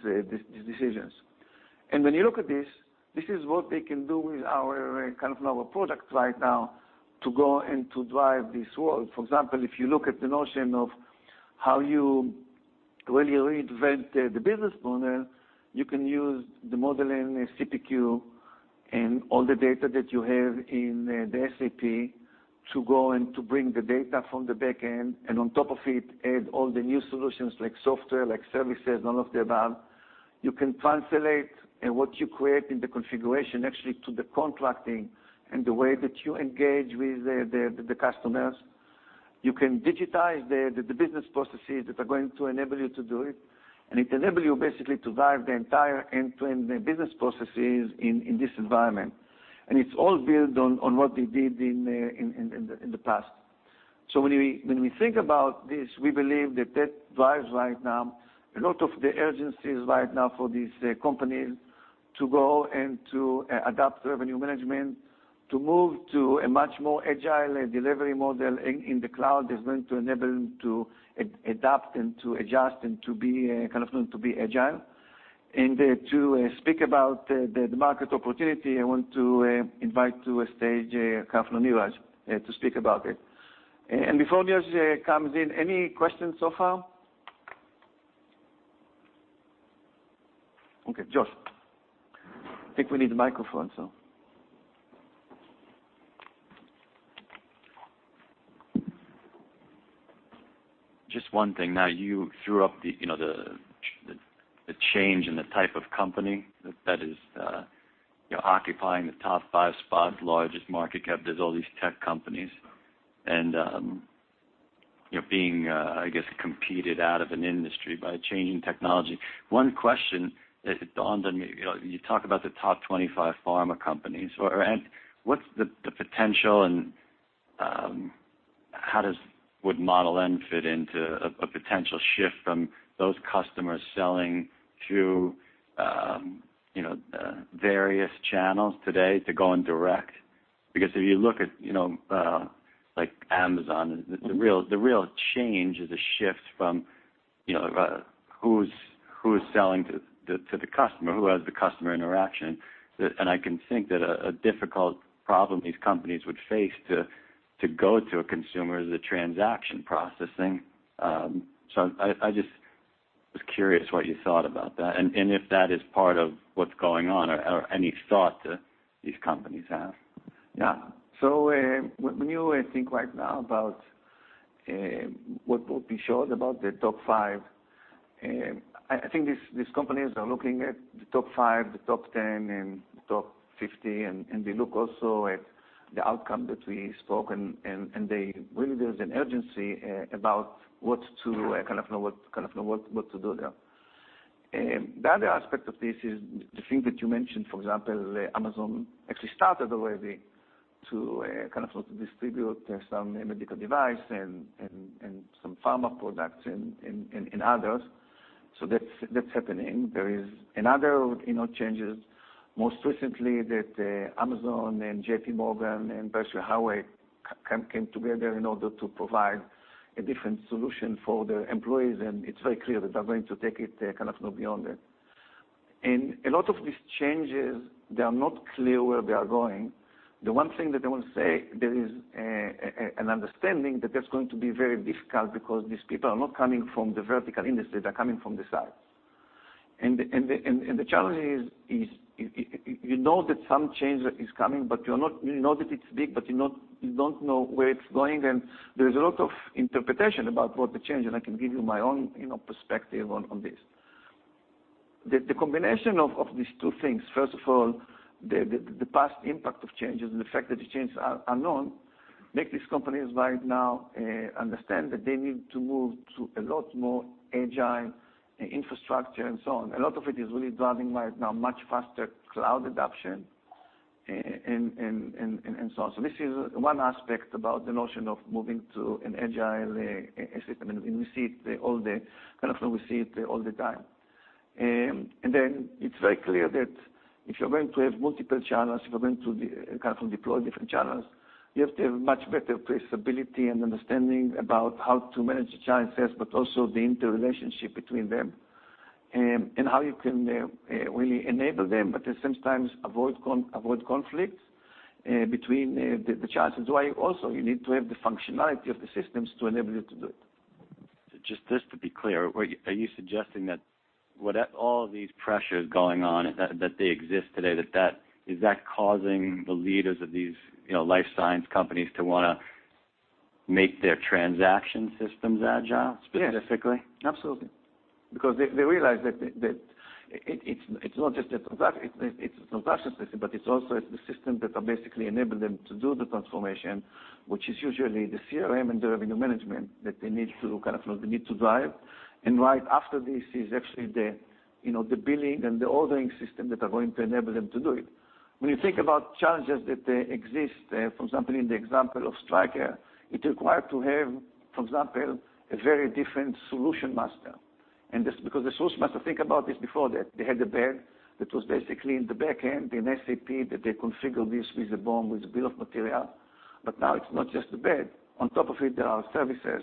decisions. When you look at this is what they can do with our products right now to go and to drive this world. For example, if you look at the notion of how you really reinvent the business model, you can use the Model N CPQ and all the data that you have in the SAP to go and to bring the data from the back end, and on top of it, add all the new solutions like software, like services, and all of the above. You can translate what you create in the configuration actually to the contracting and the way that you engage with the customers. You can digitize the business processes that are going to enable you to do it, and it enable you basically to drive the entire end-to-end business processes in this environment. It's all built on what we did in the past. When we think about this, we believe that that drives right now a lot of the urgencies right now for these companies to go and to adopt revenue management, to move to a much more agile delivery model in the cloud is going to enable them to adapt and to adjust and to be agile. To speak about the market opportunity, I want to invite to stage Neeraj to speak about it. Before Neeraj comes in, any questions so far? Okay, Josh. I think we need the microphone, so. Just one thing. Now, you threw up the change in the type of company that is occupying the top five spots, largest market cap. There's all these tech companies, and being, I guess, competed out of an industry by changing technology. One question that dawned on me, you talk about the top 25 pharma companies. What's the potential and how does would Model N fit into a potential shift from those customers selling through various channels today to going direct? Because if you look at Amazon, the real change is a shift from who's selling to the customer, who has the customer interaction. I can think that a difficult problem these companies would face to go to a consumer is the transaction processing. I just was curious what you thought about that, and if that is part of what's going on or any thought these companies have. Yeah. When you think right now about what we showed about the top five, I think these companies are looking at the top five, the top 10, and the top 50. They look also at the outcome that we spoke. There's an urgency about what to do there. The other aspect of this is the thing that you mentioned, for example, Amazon actually started already to distribute some medical device and some pharma products and others. That's happening. There is another changes most recently that Amazon and JP Morgan and Berkshire Hathaway came together in order to provide a different solution for their employees, and it's very clear that they're going to take it kind of beyond that. In a lot of these changes, they are not clear where they are going. The one thing that I want to say, there is an understanding that that's going to be very difficult because these people are not coming from the vertical industry, they're coming from the sides. The challenge is, you know that some change is coming, you know that it's big, but you don't know where it's going, and there's a lot of interpretation about what the change. I can give you my own perspective on this. The combination of these two things, first of all, the past impact of changes and the fact that the changes are known, make these companies right now understand that they need to move to a lot more agile infrastructure and so on. A lot of it is really driving right now much faster cloud adoption and so on. This is one aspect about the notion of moving to an agile system. We see it all the time. It's very clear that if you're going to have multiple channels, if you're going to deploy different channels, you have to have much better traceability and understanding about how to manage the channel sales, but also the interrelationship between them, and how you can really enable them, but at the same time avoid conflict between the channels. That's why also you need to have the functionality of the systems to enable you to do it. Just this to be clear, are you suggesting that with all these pressures going on, that they exist today, is that causing the leaders of these life science companies to want to make their transaction systems agile specifically? Yes, absolutely. They realize that it's not just a transaction system, but it's also the systems that are basically enabling them to do the transformation, which is usually the CRM and the revenue management that they need to drive. Right after this is actually the billing and the ordering system that are going to enable them to do it. When you think about challenges that exist, for example, in the example of Stryker, it required to have, for example, a very different solution master. That's because the solution master, think about this, before that, they had the bed that was basically in the back end, in SAP, that they configured this with the BOM, with the bill of material. Now it's not just the bed. On top of it, there are services,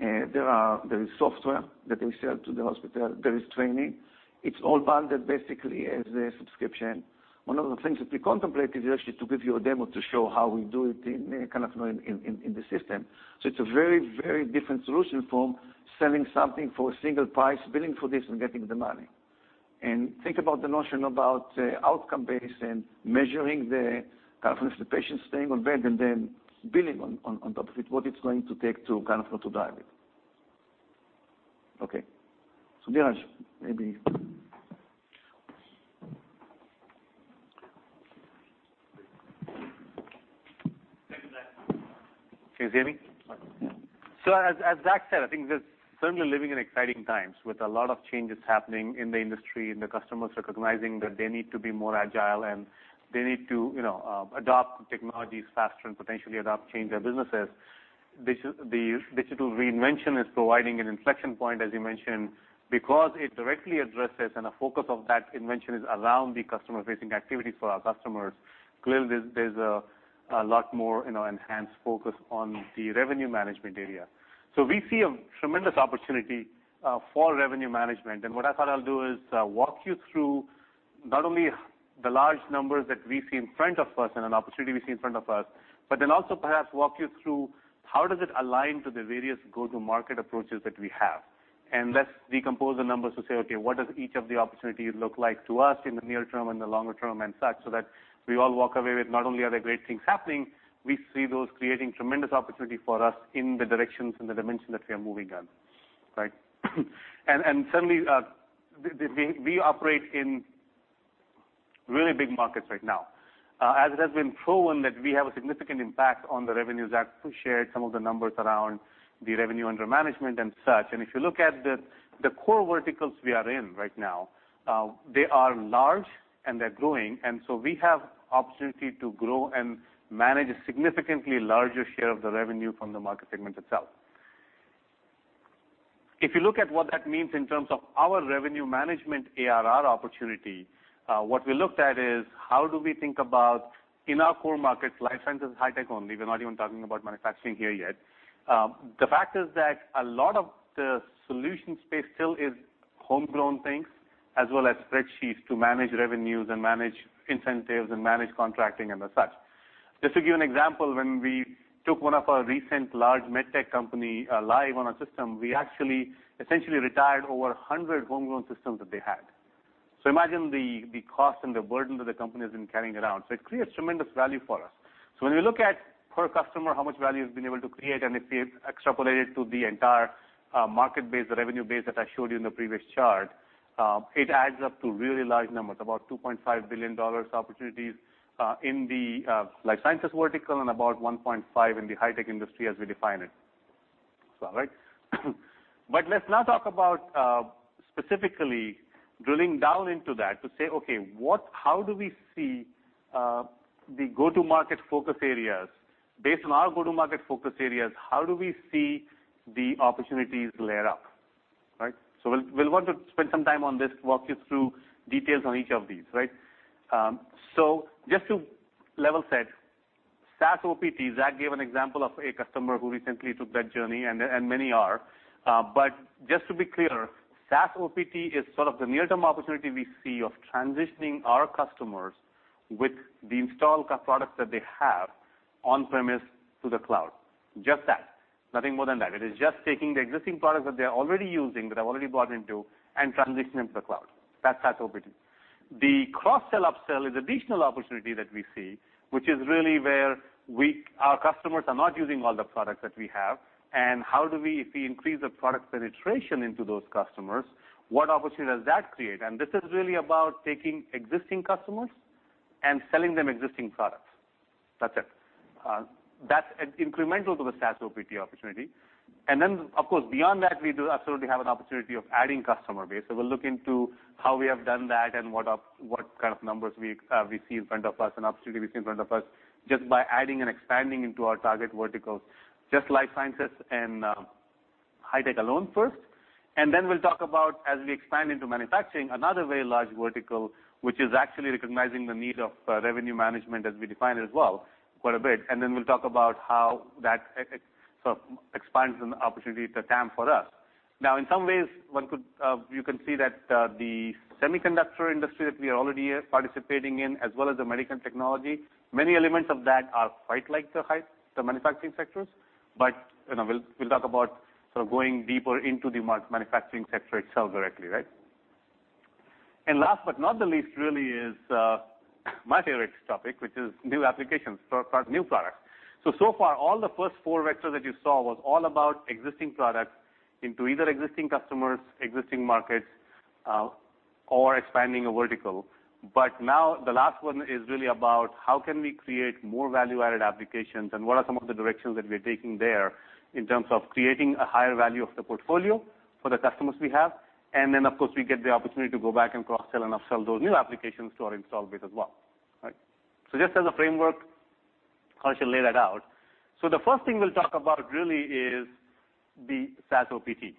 there is software that they sell to the hospital. There is training. It's all bundled basically as a subscription. One of the things that we contemplated is actually to give you a demo to show how we do it in the system. It's a very different solution from selling something for a single price, billing for this, and getting the money. Think about the notion about outcome-based and measuring the confidence of patients staying on bed and then billing on top of it, what it's going to take to drive it. Okay. Neeraj, maybe. Thank you, Zack. Can you hear me? Yeah. As Zack said, I think we're certainly living in exciting times with a lot of changes happening in the industry, the customers recognizing that they need to be more agile, they need to adopt technologies faster and potentially adopt, change their businesses. The digital reinvention is providing an inflection point, as you mentioned, because it directly addresses, a focus of that invention is around the customer-facing activities for our customers. Clearly, there's a lot more enhanced focus on the revenue management area. We see a tremendous opportunity for revenue management. What I thought I'll do is walk you through not only the large numbers that we see in front of us and an opportunity we see in front of us, also perhaps walk you through how does it align to the various go-to-market approaches that we have. Let's decompose the numbers to say, okay, what does each of the opportunities look like to us in the near term and the longer term and such, so that we all walk away with not only are there great things happening, we see those creating tremendous opportunity for us in the directions and the dimension that we are moving in. Right? Certainly, we operate in really big markets right now. As it has been proven that we have a significant impact on the revenues, Zack shared some of the numbers around the revenue under management and such. If you look at the core verticals we are in right now, they are large, and they're growing. We have opportunity to grow and manage a significantly larger share of the revenue from the market segment itself. If you look at what that means in terms of our revenue management ARR opportunity, what we looked at is how do we think about in our core markets, life sciences, high tech only, we're not even talking about manufacturing here yet. The fact is that a lot of the solution space still is homegrown things as well as spreadsheets to manage revenues and manage incentives and manage contracting and the such. Just to give you an example, when we took one of our recent large med tech company live on our system, we actually essentially retired over 100 homegrown systems that they had. Imagine the cost and the burden that the company has been carrying around. It creates tremendous value for us. When we look at per customer, how much value has been able to create, and if we extrapolate it to the entire market base, the revenue base that I showed you in the previous chart, it adds up to really large numbers, about $2.5 billion opportunities, in the life sciences vertical and about $1.5 billion in the high-tech industry as we define it. Is that all right? Let's now talk about, specifically drilling down into that to say, okay, how do we see the go-to-market focus areas? Based on our go-to-market focus areas, how do we see the opportunities layer up? Right? We'll want to spend some time on this, walk you through details on each of these. Right? Just to level set, SaaS OPT, Zack gave an example of a customer who recently took that journey, and many are. Just to be clear, SaaS OPT is sort of the near-term opportunity we see of transitioning our customers with the installed products that they have on-premise to the cloud. Just that. Nothing more than that. It is just taking the existing products that they're already using, that they've already bought into, and transitioning them to the cloud. That's SaaS OPT. The cross-sell/upsell is additional opportunity that we see, which is really where our customers are not using all the products that we have, and how do we, if we increase the product penetration into those customers, what opportunity does that create? This is really about taking existing customers and selling them existing products. That's it. That's incremental to the SaaS OPT opportunity. Then, of course, beyond that, we do absolutely have an opportunity of adding customer base. We'll look into how we have done that and what kind of numbers we see in front of us and opportunity we see in front of us just by adding and expanding into our target verticals. Just life sciences and high tech alone first. We'll talk about as we expand into manufacturing, another very large vertical, which is actually recognizing the need of revenue management as we define it as well, quite a bit. We'll talk about how that sort of expands an opportunity to TAM for us. In some ways, you can see that the semiconductor industry that we are already participating in, as well as the medical technology, many elements of that are quite like the manufacturing sectors. We'll talk about sort of going deeper into the manufacturing sector itself directly, right? Last but not the least, really is my favorite topic, which is new applications for new products. So far, all the first four vectors that you saw was all about existing products into either existing customers, existing markets, or expanding a vertical. Now the last one is really about how can we create more value-added applications and what are some of the directions that we're taking there in terms of creating a higher value of the portfolio for the customers we have. Of course, we get the opportunity to go back and cross-sell and up-sell those new applications to our install base as well. Right? Just as a framework, I shall lay that out. The first thing we'll talk about really is the SaaS OPT.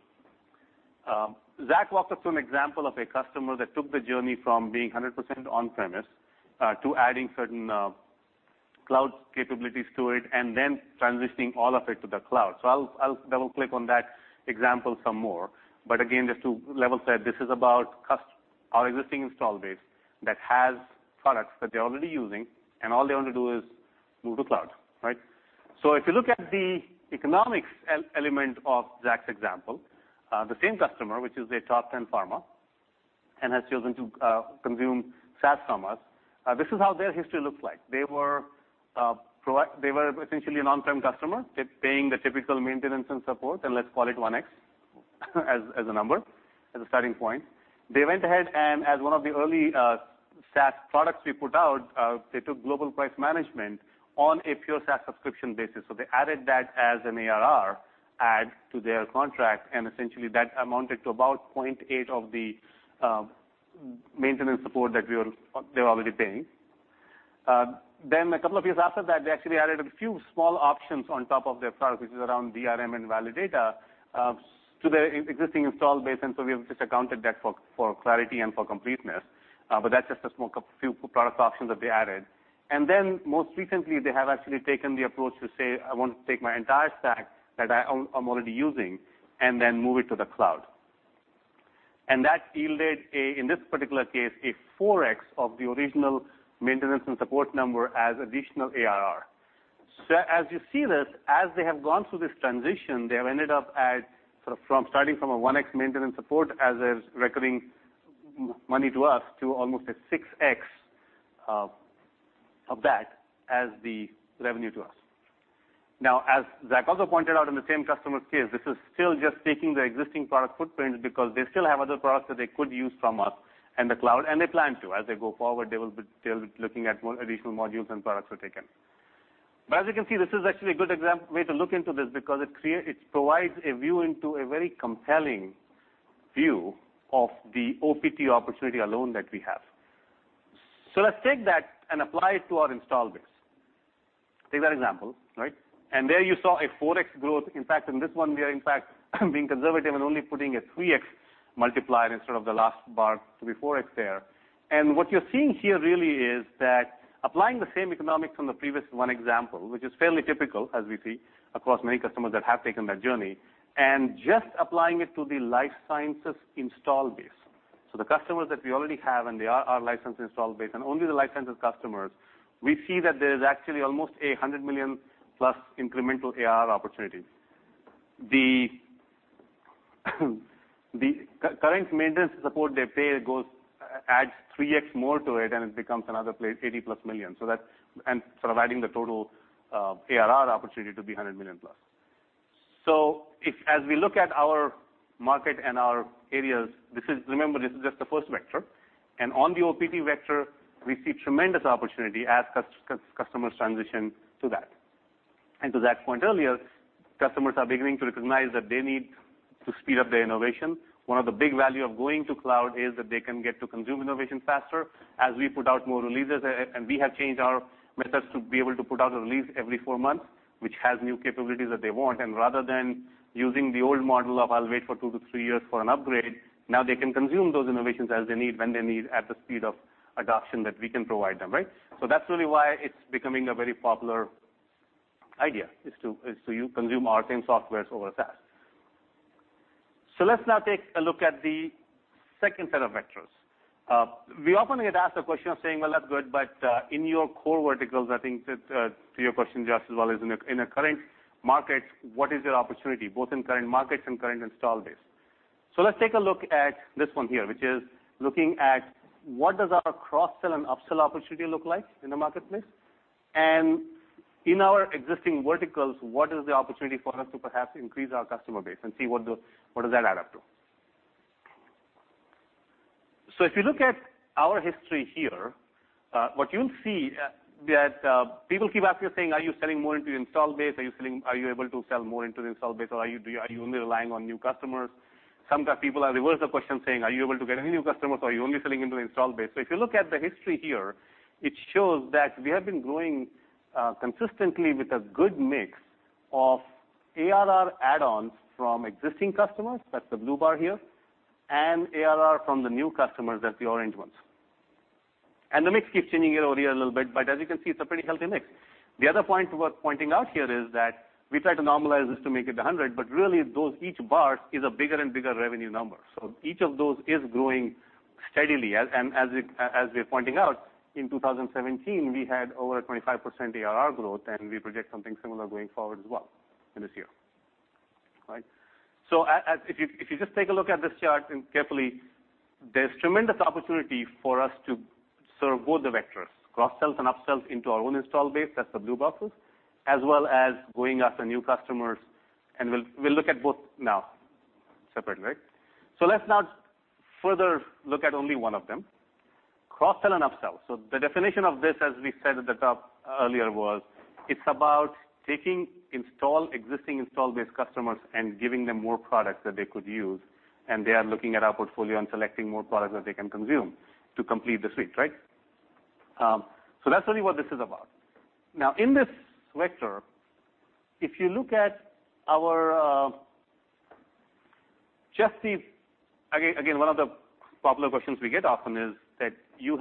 Zack walked us through an example of a customer that took the journey from being 100% on-premise, to adding certain cloud capabilities to it and then transitioning all of it to the cloud. I'll double-click on that example some more. Again, just to level set, this is about our existing install base that has products that they're already using, and all they want to do is move to cloud, right? If you look at the economics element of Zack's example, the same customer, which is a top 10 pharma, and has chosen to consume SaaS from us, this is how their history looks like. They were essentially an on-prem customer. They're paying the typical maintenance and support, and let's call it 1X as a number, as a starting point. They went ahead as one of the early SaaS products we put out, they took Global Price Management on a pure SaaS subscription basis. They added that as an ARR add to their contract, and essentially that amounted to about 0.8 of the maintenance support that they were already paying. A couple of years after that, they actually added a few small options on top of their product, which is around DRM and Validata, to their existing install base. We have just accounted that for clarity and for completeness. That's just a smoke up few product options that they added. Most recently, they have actually taken the approach to say, "I want to take my entire stack that I'm already using and then move it to the cloud." That yielded a, in this particular case, a 4x of the original maintenance and support number as additional ARR. As you see this, as they have gone through this transition, they have ended up at sort of from starting from a 1x maintenance support as a recurring money to us to almost a 6x of that as the revenue to us. As Zack also pointed out in the same customer's case, this is still just taking the existing product footprint because they still have other products that they could use from us and the cloud, and they plan to. As they go forward, they'll be looking at more additional modules and products that they can. As you can see, this is actually a good way to look into this because it provides a view into a very compelling view of the OPT opportunity alone that we have. Let's take that and apply it to our install base. Take that example, right? There you saw a 4x growth. In fact, in this one, we are in fact being conservative and only putting a 3x multiplier instead of the last bar to be 4x there. What you're seeing here really is that applying the same economics from the previous one example, which is fairly typical as we see across many customers that have taken that journey, and just applying it to the life sciences install base. The customers that we already have, and they are our license install base and only the licensed customers, we see that there is actually almost a $100 million-plus incremental ARR opportunity. The current maintenance support they pay adds 3x more to it and it becomes another $80 million-plus. Sort of adding the total ARR opportunity to be $100 million-plus. As we look at our market and our areas, remember, this is just the first vector, and on the OPT vector, we see tremendous opportunity as customers transition to that. To Zack's point earlier, customers are beginning to recognize that they need to speed up their innovation. One of the big value of going to cloud is that they can get to consume innovation faster as we put out more releases. We have changed our methods to be able to put out a release every four months, which has new capabilities that they want. Rather than using the old model of I'll wait for two to three years for an upgrade, now they can consume those innovations as they need, when they need, at the speed of adoption that we can provide them, right? That's really why it's becoming a very popular idea is to consume our same softwares over SaaS. Let's now take a look at the second set of vectors. We often get asked the question of saying, "Well, that's good, but in your core verticals," I think to your question, Josh, as well, "In a current market, what is your opportunity, both in current markets and current install base?" Let's take a look at this one here, which is looking at what does our cross-sell and up-sell opportunity look like in the marketplace? In our existing verticals, what is the opportunity for us to perhaps increase our customer base and see what does that add up to? If you look at our history here, what you'll see, that people keep asking, saying, "Are you selling more into your install base? Are you able to sell more into the install base, or are you only relying on new customers?" Sometimes people ask reverse the question, saying, "Are you able to get any new customers, or are you only selling into install base?" If you look at the history here, it shows that we have been growing consistently with a good mix of ARR add-ons from existing customers, that's the blue bar here, and ARR from the new customers, that's the orange ones. The mix keeps changing year-over-year a little bit, but as you can see, it's a pretty healthy mix. The other point worth pointing out here is that we try to normalize this to make it 100, but really those each bars is a bigger and bigger revenue number. Each of those is growing steadily. As we're pointing out, in 2017, we had over a 25% ARR growth, and we project something similar going forward as well in this year. Right. If you just take a look at this chart carefully, there's tremendous opportunity for us to serve both the vectors, cross-sells and up-sells into our own install base. That's the blue boxes. As well as going after new customers, we'll look at both now separately. Let's now further look at only one of them, cross-sell and up-sell. The definition of this, as we said at the top earlier, was it's about taking existing install-based customers and giving them more products that they could use. They are looking at our portfolio and selecting more products that they can consume to complete the suite, right? That's really what this is about. In this vector, again, one of the popular questions we get often is that you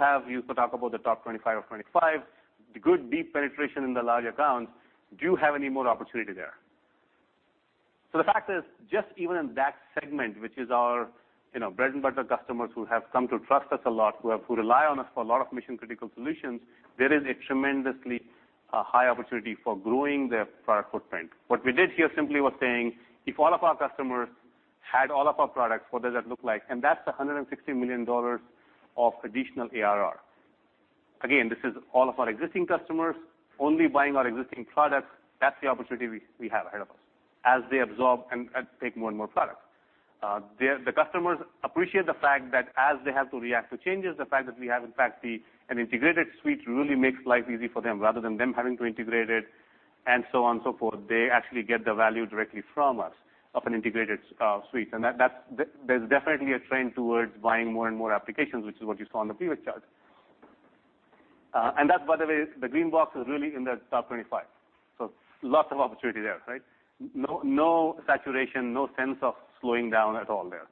talk about the top 25 are 25, the good deep penetration in the large accounts. Do you have any more opportunity there? The fact is, just even in that segment, which is our bread-and-butter customers who have come to trust us a lot, who rely on us for a lot of mission-critical solutions, there is a tremendously high opportunity for growing their product footprint. What we did here simply was saying, if all of our customers had all of our products, what does that look like? That's $160 million of additional ARR. Again, this is all of our existing customers only buying our existing products. That's the opportunity we have ahead of us as they absorb and take more and more products. The customers appreciate the fact that as they have to react to changes, the fact that we have, in fact, an integrated suite really makes life easy for them, rather than them having to integrate it and so on and so forth. They actually get the value directly from us of an integrated suite. There's definitely a trend towards buying more and more applications, which is what you saw on the previous chart. That, by the way, the green box is really in the top 25. Lots of opportunity there, right? No saturation, no sense of slowing down at all there.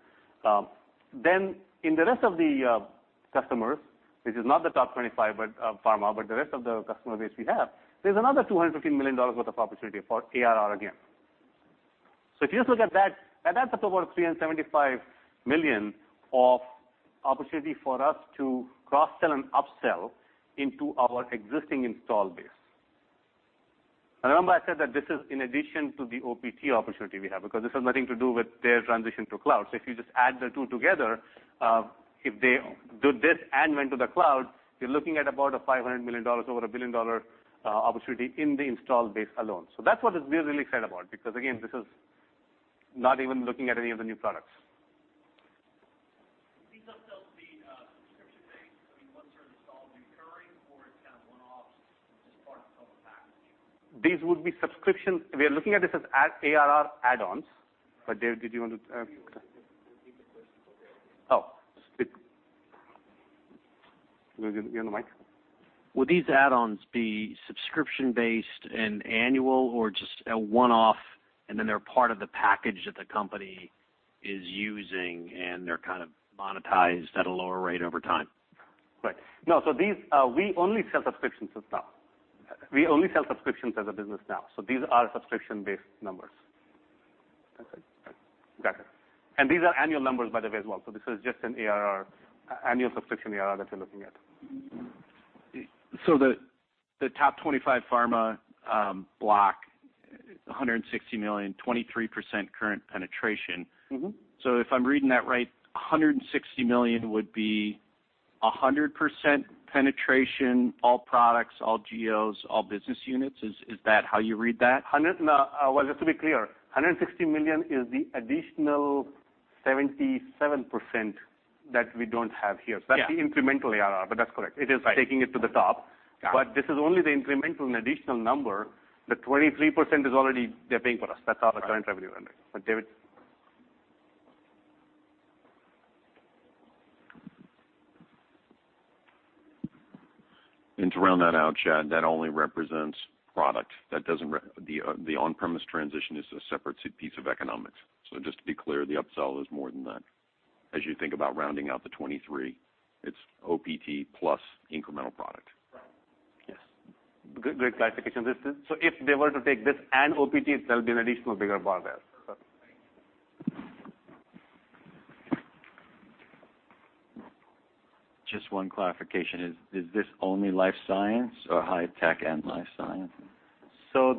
In the rest of the customers, this is not the top 25 pharma, but the rest of the customer base we have, there's another $215 million worth of opportunity for ARR again. If you just look at that's up to about $375 million of opportunity for us to cross-sell and up-sell into our existing install base. Remember I said that this is in addition to the OPT opportunity we have, because this has nothing to do with their transition to cloud. If you just add the two together, if they do this and went to the cloud, you're looking at about a $500 million, over a billion-dollar opportunity in the install base alone. That's what we're really excited about, because again, this is not even looking at any of the new products. These up-sells being subscription-based, I mean, once they're installed, recurring, or it's kind of one-offs as part of a package? These would be subscription. We are looking at this as ARR add-ons. Dave, did you want to- Repeat the question for Dave. Oh. You want the mic? Would these add-ons be subscription-based and annual or just a one-off, and then they're part of the package that the company is using, and they're kind of monetized at a lower rate over time? Right. No. We only sell subscriptions as a business now. These are subscription-based numbers. That's it. Got it. These are annual numbers, by the way, as well. This is just an annual subscription ARR that you're looking at. The top 25 pharma block, $160 million, 23% current penetration. If I'm reading that right, $160 million would be 100% penetration, all products, all geos, all business units. Is that how you read that? Well, just to be clear, $160 million is the additional 77% that we don't have here. Yeah. That's the incremental ARR. That's correct. Right. It is taking it to the top. Got it. This is only the incremental and additional number. The 23% they're paying for us. That's our current revenue run rate. David? To round that out, Chad, that only represents product. The on-premise transition is a separate piece of economics. Just to be clear, the up-sell is more than that. As you think about rounding out the 23, it's OPT plus incremental product. Yes. Great clarification. If they were to take this and OPT, there'll be an additional bigger bar there. Perfect. Thanks. Just one clarification. Is this only life sciences or high tech and life sciences?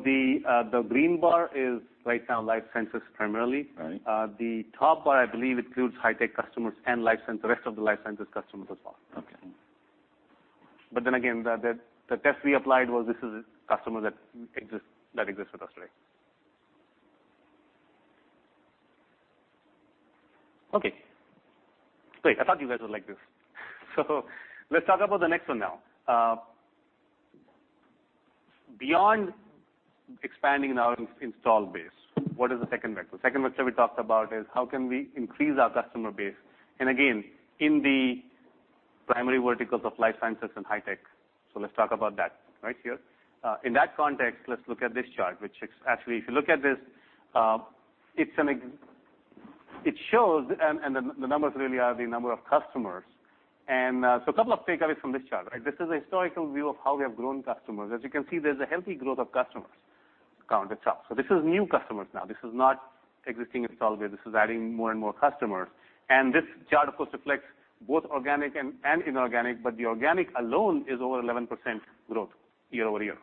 The green bar is right now life sciences primarily. Right. The top bar, I believe, includes high tech customers and the rest of the life sciences customers as well. Okay. Again, the test we applied was this is a customer that exists with us today. Okay, great. I thought you guys would like this. Let's talk about the next one now. Beyond expanding our install base, what is the second vector? Second vector we talked about is how can we increase our customer base, again, in the primary verticals of life sciences and high tech. Let's talk about that right here. In that context, let's look at this chart. Actually, if you look at this, it shows, and the numbers really are the number of customers. A couple of takeaways from this chart. This is a historical view of how we have grown customers. As you can see, there's a healthy growth of customers count itself. This is new customers now. This is not existing install base. This is adding more and more customers. This chart, of course, reflects both organic and inorganic, but the organic alone is over 11% growth year-over-year.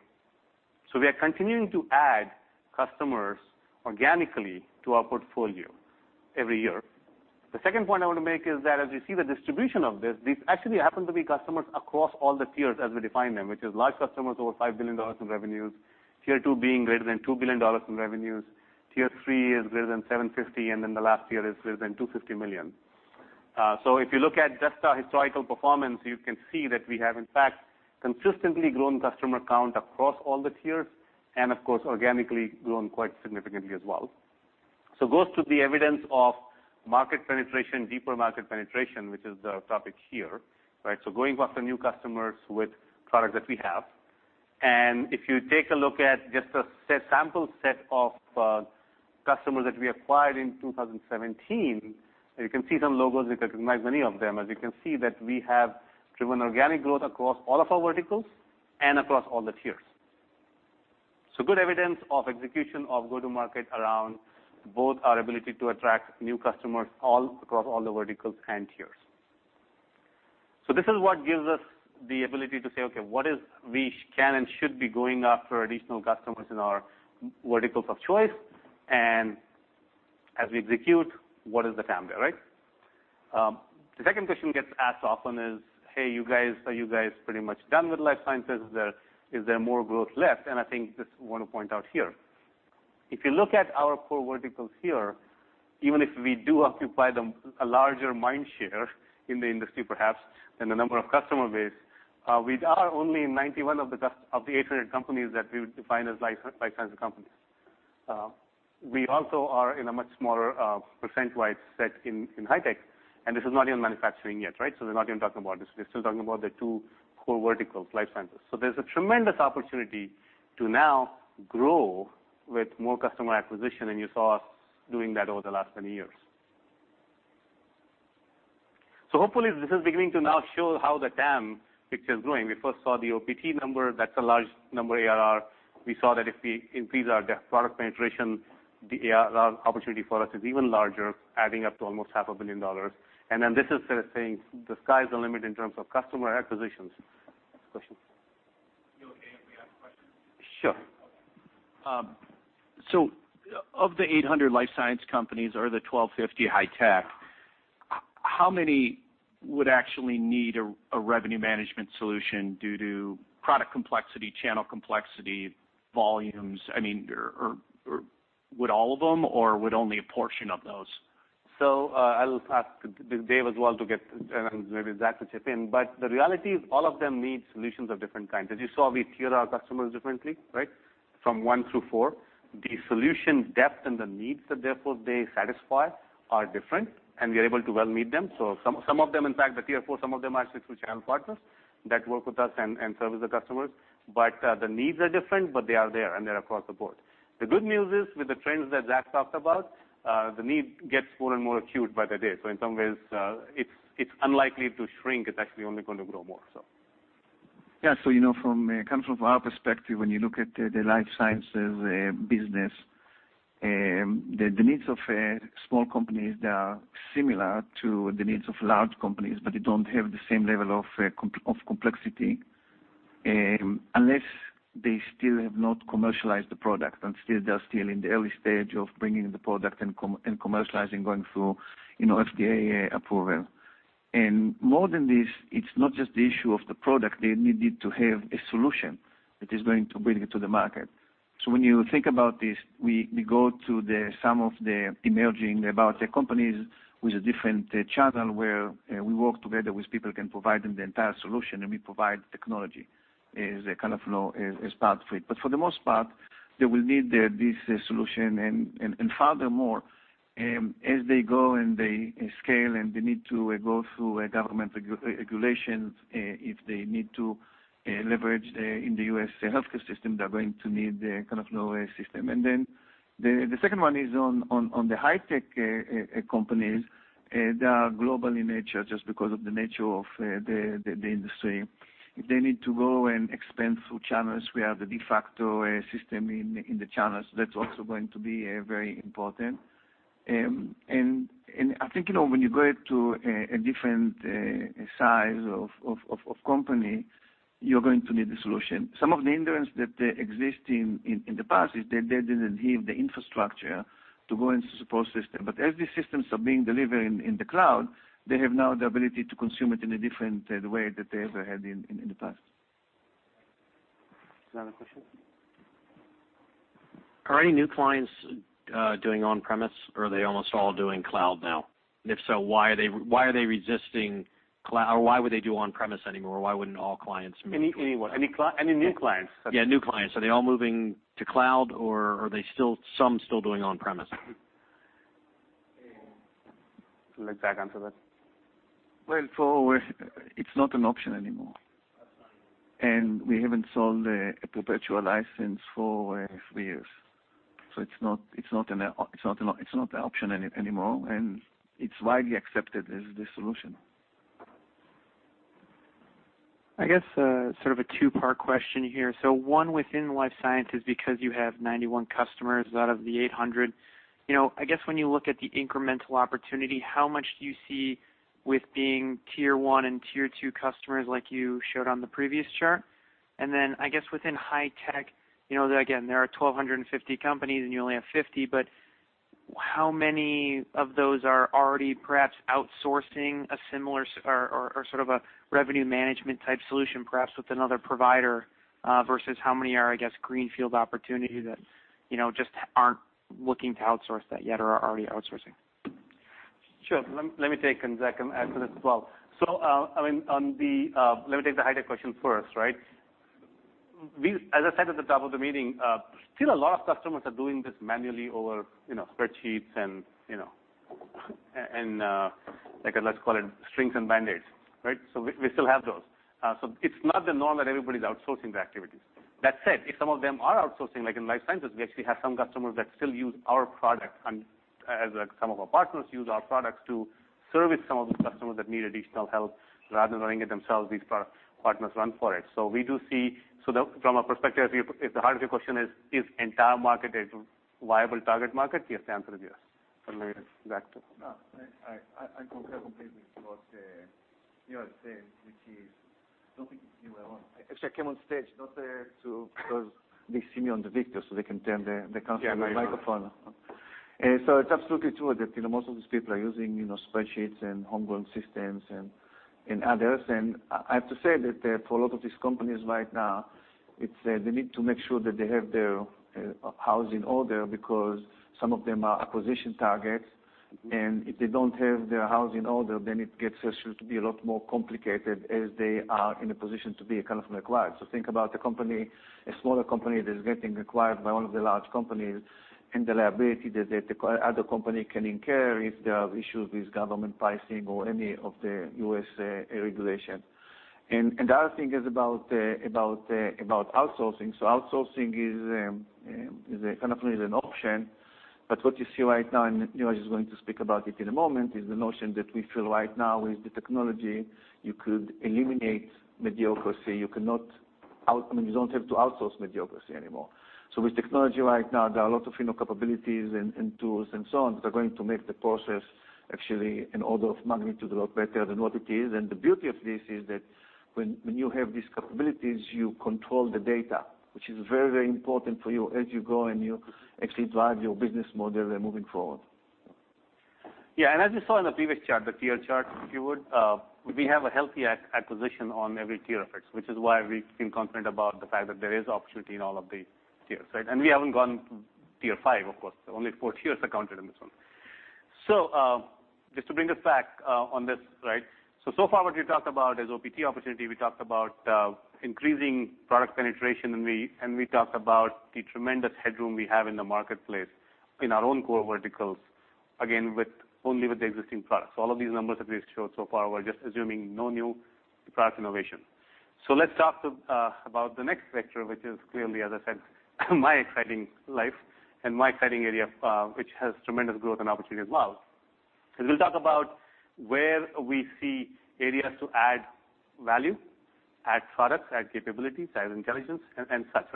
We are continuing to add customers organically to our portfolio every year. The second point I want to make is that as you see the distribution of this, these actually happen to be customers across all the tiers as we define them, which is large customers over $5 billion in revenues, tier 2 being greater than $2 billion in revenues, tier 3 is greater than $750 million, and then the last tier is greater than $250 million. If you look at just our historical performance, you can see that we have, in fact, consistently grown customer count across all the tiers and, of course, organically grown quite significantly as well. Goes to the evidence of market penetration, deeper market penetration, which is the topic here, right. Going after new customers with products that we have. If you take a look at just a sample set of customers that we acquired in 2017, you can see some logos. You can recognize many of them, and you can see that we have driven organic growth across all of our verticals and across all the tiers. Good evidence of execution of go-to-market around both our ability to attract new customers all across all the verticals and tiers. This is what gives us the ability to say, "Okay, what is we can and should be going after additional customers in our verticals of choice. As we execute, what is the TAM there? The second question gets asked often is, "Hey, are you guys pretty much done with life sciences? Is there more growth left?" I think I just want to point out here. If you look at our core verticals here, even if we do occupy a larger mind share in the industry, perhaps, than the number of customer base, we are only in 91 of the 800 companies that we would define as life sciences companies. We also are in a much smaller, percent-wide set in high tech, and this is not even manufacturing yet. We're not even talking about this. We're still talking about the two core verticals, life sciences. There's a tremendous opportunity to now grow with more customer acquisition, and you saw us doing that over the last many years. Hopefully, this is beginning to now show how the TAM picture is growing. We first saw the OPT number. That's a large number ARR. We saw that if we increase our depth product penetration, the ARR opportunity for us is even larger, adding up to almost half a billion dollars. This is saying the sky's the limit in terms of customer acquisitions. Questions? You okay if we ask questions? Sure. Of the 800 life science companies or the 1250 high tech, how many would actually need a revenue management solution due to product complexity, channel complexity, volumes? Would all of them, or would only a portion of those? I'll ask Dave as well to get, and maybe Zack to chip in. The reality is all of them need solutions of different kinds. As you saw, we tier our customers differently from one through four. The solution depth and the needs that, therefore, they satisfy are different, and we are able to well meet them. Some of them, in fact, the tier 4, some of them are actually through channel partners that work with us and service the customers. The needs are different, but they are there, and they're across the board. The good news is, with the trends that Zack talked about, the need gets more and more acute by the day. In some ways, it's unlikely to shrink. It's actually only going to grow more so. Yeah. Coming from our perspective, when you look at the life sciences business, the needs of small companies, they are similar to the needs of large companies, but they don't have the same level of complexity, unless they still have not commercialized the product and still they're still in the early stage of bringing the product and commercializing, going through FDA approval. More than this, it's not just the issue of the product. They needed to have a solution that is going to bring it to the market. When you think about this, we go to some of the emerging biotech companies with a different channel where we work together with people who can provide them the entire solution, and we provide technology as part of it. For the most part, they will need this solution. Furthermore, as they go and they scale and they need to go through government regulations, if they need to leverage in the U.S. healthcare system, they're going to need a system. The second one is on the high-tech companies. They are global in nature, just because of the nature of the industry. If they need to go and expand through channels, we are the de facto system in the channels. That's also going to be very important. I think, when you go to a different size of company, you're going to need a solution. Some of the hindrance that exist in the past is that they didn't have the infrastructure to go into support system. As these systems are being delivered in the cloud, they have now the ability to consume it in a different way that they ever had in the past. Is there another question? Are any new clients doing on-premise, or are they almost all doing cloud now? If so, why are they resisting cloud? Or why would they do on-premise anymore? Why wouldn't all clients move? Any what? Any new clients? Yeah, new clients. Are they all moving to cloud, or are some still doing on-premise? Let Zack answer that. Well, it's not an option anymore. That's fine. We haven't sold a perpetual license for 3 years, so it's not an option anymore, and it's widely accepted as the solution. I guess sort of a two-part question here. One, within Life Sciences, because you have 91 customers out of the 800, I guess when you look at the incremental opportunity, how much do you see (With) being tier 1 and tier 2 customers like you showed on the previous chart. Then I guess within High Tech, again, there are 1,250 companies and you only have 50, but how many of those are already perhaps outsourcing a similar or sort of a Revenue Management type solution, perhaps with another provider versus how many are, I guess, greenfield opportunity that just aren't looking to outsource that yet or are already outsourcing? Sure. Let me take, and Zack can add to this as well. Let me take the High Tech question first. As I said at the top of the meeting, still a lot of customers are doing this manually over spreadsheets and let's call it strings and Band-Aids. We still have those. It's not the norm that everybody's outsourcing the activities. That said, if some of them are outsourcing, like in Life Sciences, we actually have some customers that still use our product and as some of our partners use our products to service some of the customers that need additional help rather than running it themselves, these partners run for it. From our perspective, if the heart of your question is entire market a viable target market? Yes, the answer is yes. Maybe Zack too. I completely agree with what Neeraj said, which is I don't think it's new at all. Actually, I came on stage because they see me on the (Victor), so they can turn the microphone. It's absolutely true that most of these people are using spreadsheets and homegrown systems and others. I have to say that for a lot of these companies right now, they need to make sure that they have their house in order because some of them are acquisition targets, and if they don't have their house in order, then it gets to be a lot more complicated as they are in a position to be acquired. Think about a smaller company that is getting acquired by one of the large companies, and the liability that the other company can incur if there are issues with government pricing or any of the U.S. regulation. The other thing is about outsourcing. Outsourcing is definitely an option. What you see right now, and Neeraj is going to speak about it in a moment, is the notion that we feel right now with the technology, you could eliminate mediocrity. You don't have to outsource mediocrity anymore. With technology right now, there are lots of capabilities and tools and so on that are going to make the process actually an order of magnitude a lot better than what it is. The beauty of this is that when you have these capabilities, you control the data, which is very important for you as you go, and you actually drive your business model then moving forward. Yeah. As you saw in the previous chart, the tier chart, if you would, we have a healthy acquisition on every tier of it, which is why we feel confident about the fact that there is opportunity in all of the tiers. We haven't gone tier 5, of course, only 4 tiers are counted in this one. Just to bring us back on this. So far, what we've talked about is OPT opportunity. We talked about increasing product penetration, and we talked about the tremendous headroom we have in the marketplace in our own core verticals, again, only with the existing products. All of these numbers that we've showed so far, we're just assuming no new product innovation. Let's talk about the next vector, which is clearly, as I said, my exciting life and my exciting area, which has tremendous growth and opportunity as well. We'll talk about where we see areas to add value, add products, add capabilities, add intelligence, and such.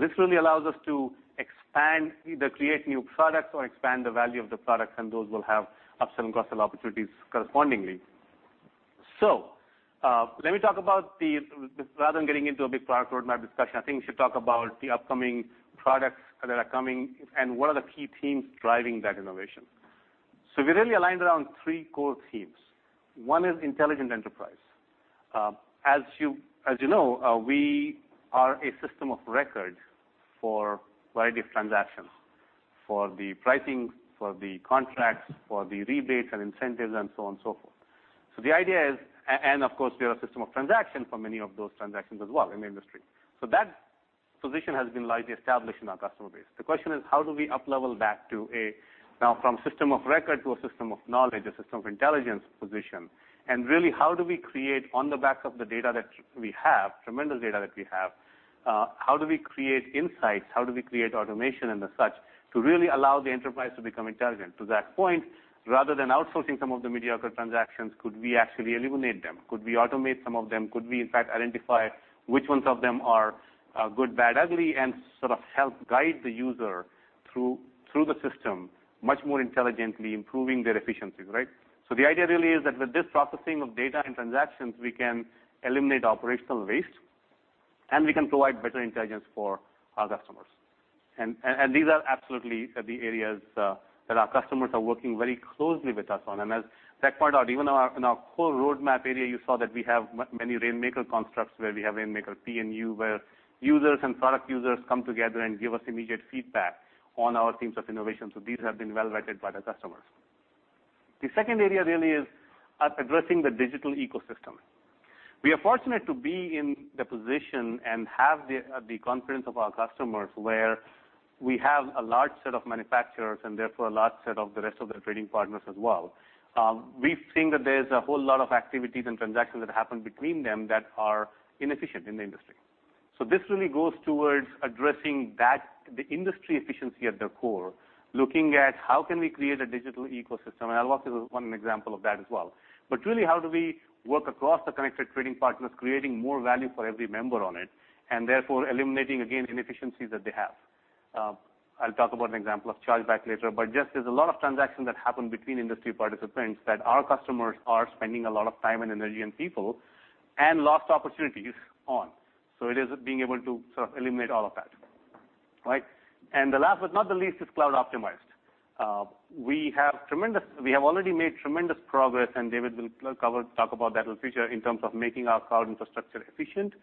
This really allows us to expand, either create new products or expand the value of the products, and those will have upsell and cross-sell opportunities correspondingly. Let me talk about the rather than getting into a big product roadmap discussion, I think we should talk about the upcoming products that are coming and what are the key themes driving that innovation. We really aligned around three core themes. One is intelligent enterprise. As you know, we are a system of record for a variety of transactions, for the pricing, for the contracts, for the rebates and incentives, and so on and so forth. Of course, we are a system of transaction for many of those transactions as well in the industry. That position has been largely established in our customer base. The question is, how do we uplevel that from system of record to a system of knowledge, a system of intelligence position? Really, how do we create on the back of the data that we have, tremendous data that we have, how do we create insights? How do we create automation and such to really allow the enterprise to become intelligent? To Zack's point, rather than outsourcing some of the mediocre transactions, could we actually eliminate them? Could we automate some of them? Could we, in fact, identify which ones of them are good, bad, ugly, and sort of help guide the user through the system much more intelligently, improving their efficiencies, right? The idea really is that with this processing of data and transactions, we can eliminate operational waste, and we can provide better intelligence for our customers. These are absolutely the areas that our customers are working very closely with us on. As Zack pointed out, even in our core roadmap area, you saw that we have many Rainmaker constructs where we have Rainmaker P&U, where users and product users come together and give us immediate feedback on our themes of innovation. These have been well vetted by the customers. The second area really is addressing the digital ecosystem. We are fortunate to be in the position and have the confidence of our customers, where we have a large set of manufacturers and therefore a large set of the rest of their trading partners as well. We've seen that there's a whole lot of activities and transactions that happen between them that are inefficient in the industry. This really goes towards addressing the industry efficiency at the core, looking at how can we create a digital ecosystem. Alvogen is one example of that as well. Really, how do we work across the connected trading partners, creating more value for every member on it, and therefore eliminating, again, inefficiencies that they have? I'll talk about an example of chargeback later, but just there's a lot of transactions that happen between industry participants that our customers are spending a lot of time and energy and people and lost opportunities on. It is being able to sort of eliminate all of that. Right? The last, but not the least, is cloud optimized. We have already made tremendous progress, and Dave will talk about that in future in terms of making our cloud infrastructure efficient.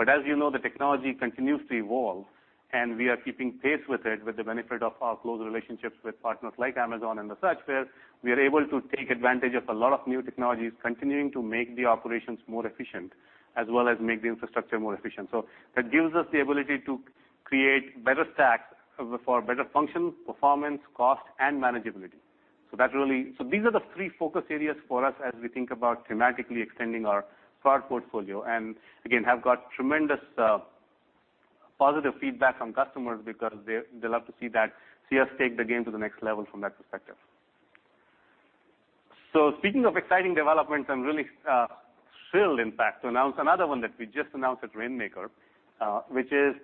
As you know, the technology continues to evolve, and we are keeping pace with it with the benefit of our close relationships with partners like Amazon and the such, where we are able to take advantage of a lot of new technologies continuing to make the operations more efficient as well as make the infrastructure more efficient. That gives us the ability to create better stacks for better function, performance, cost, and manageability. These are the three focus areas for us as we think about dramatically extending our product portfolio. Again, have got tremendous positive feedback from customers because they love to see that, see us take the game to the next level from that perspective. Speaking of exciting developments, I'm really thrilled, in fact, to announce another one that we just announced at Rainmaker, which is,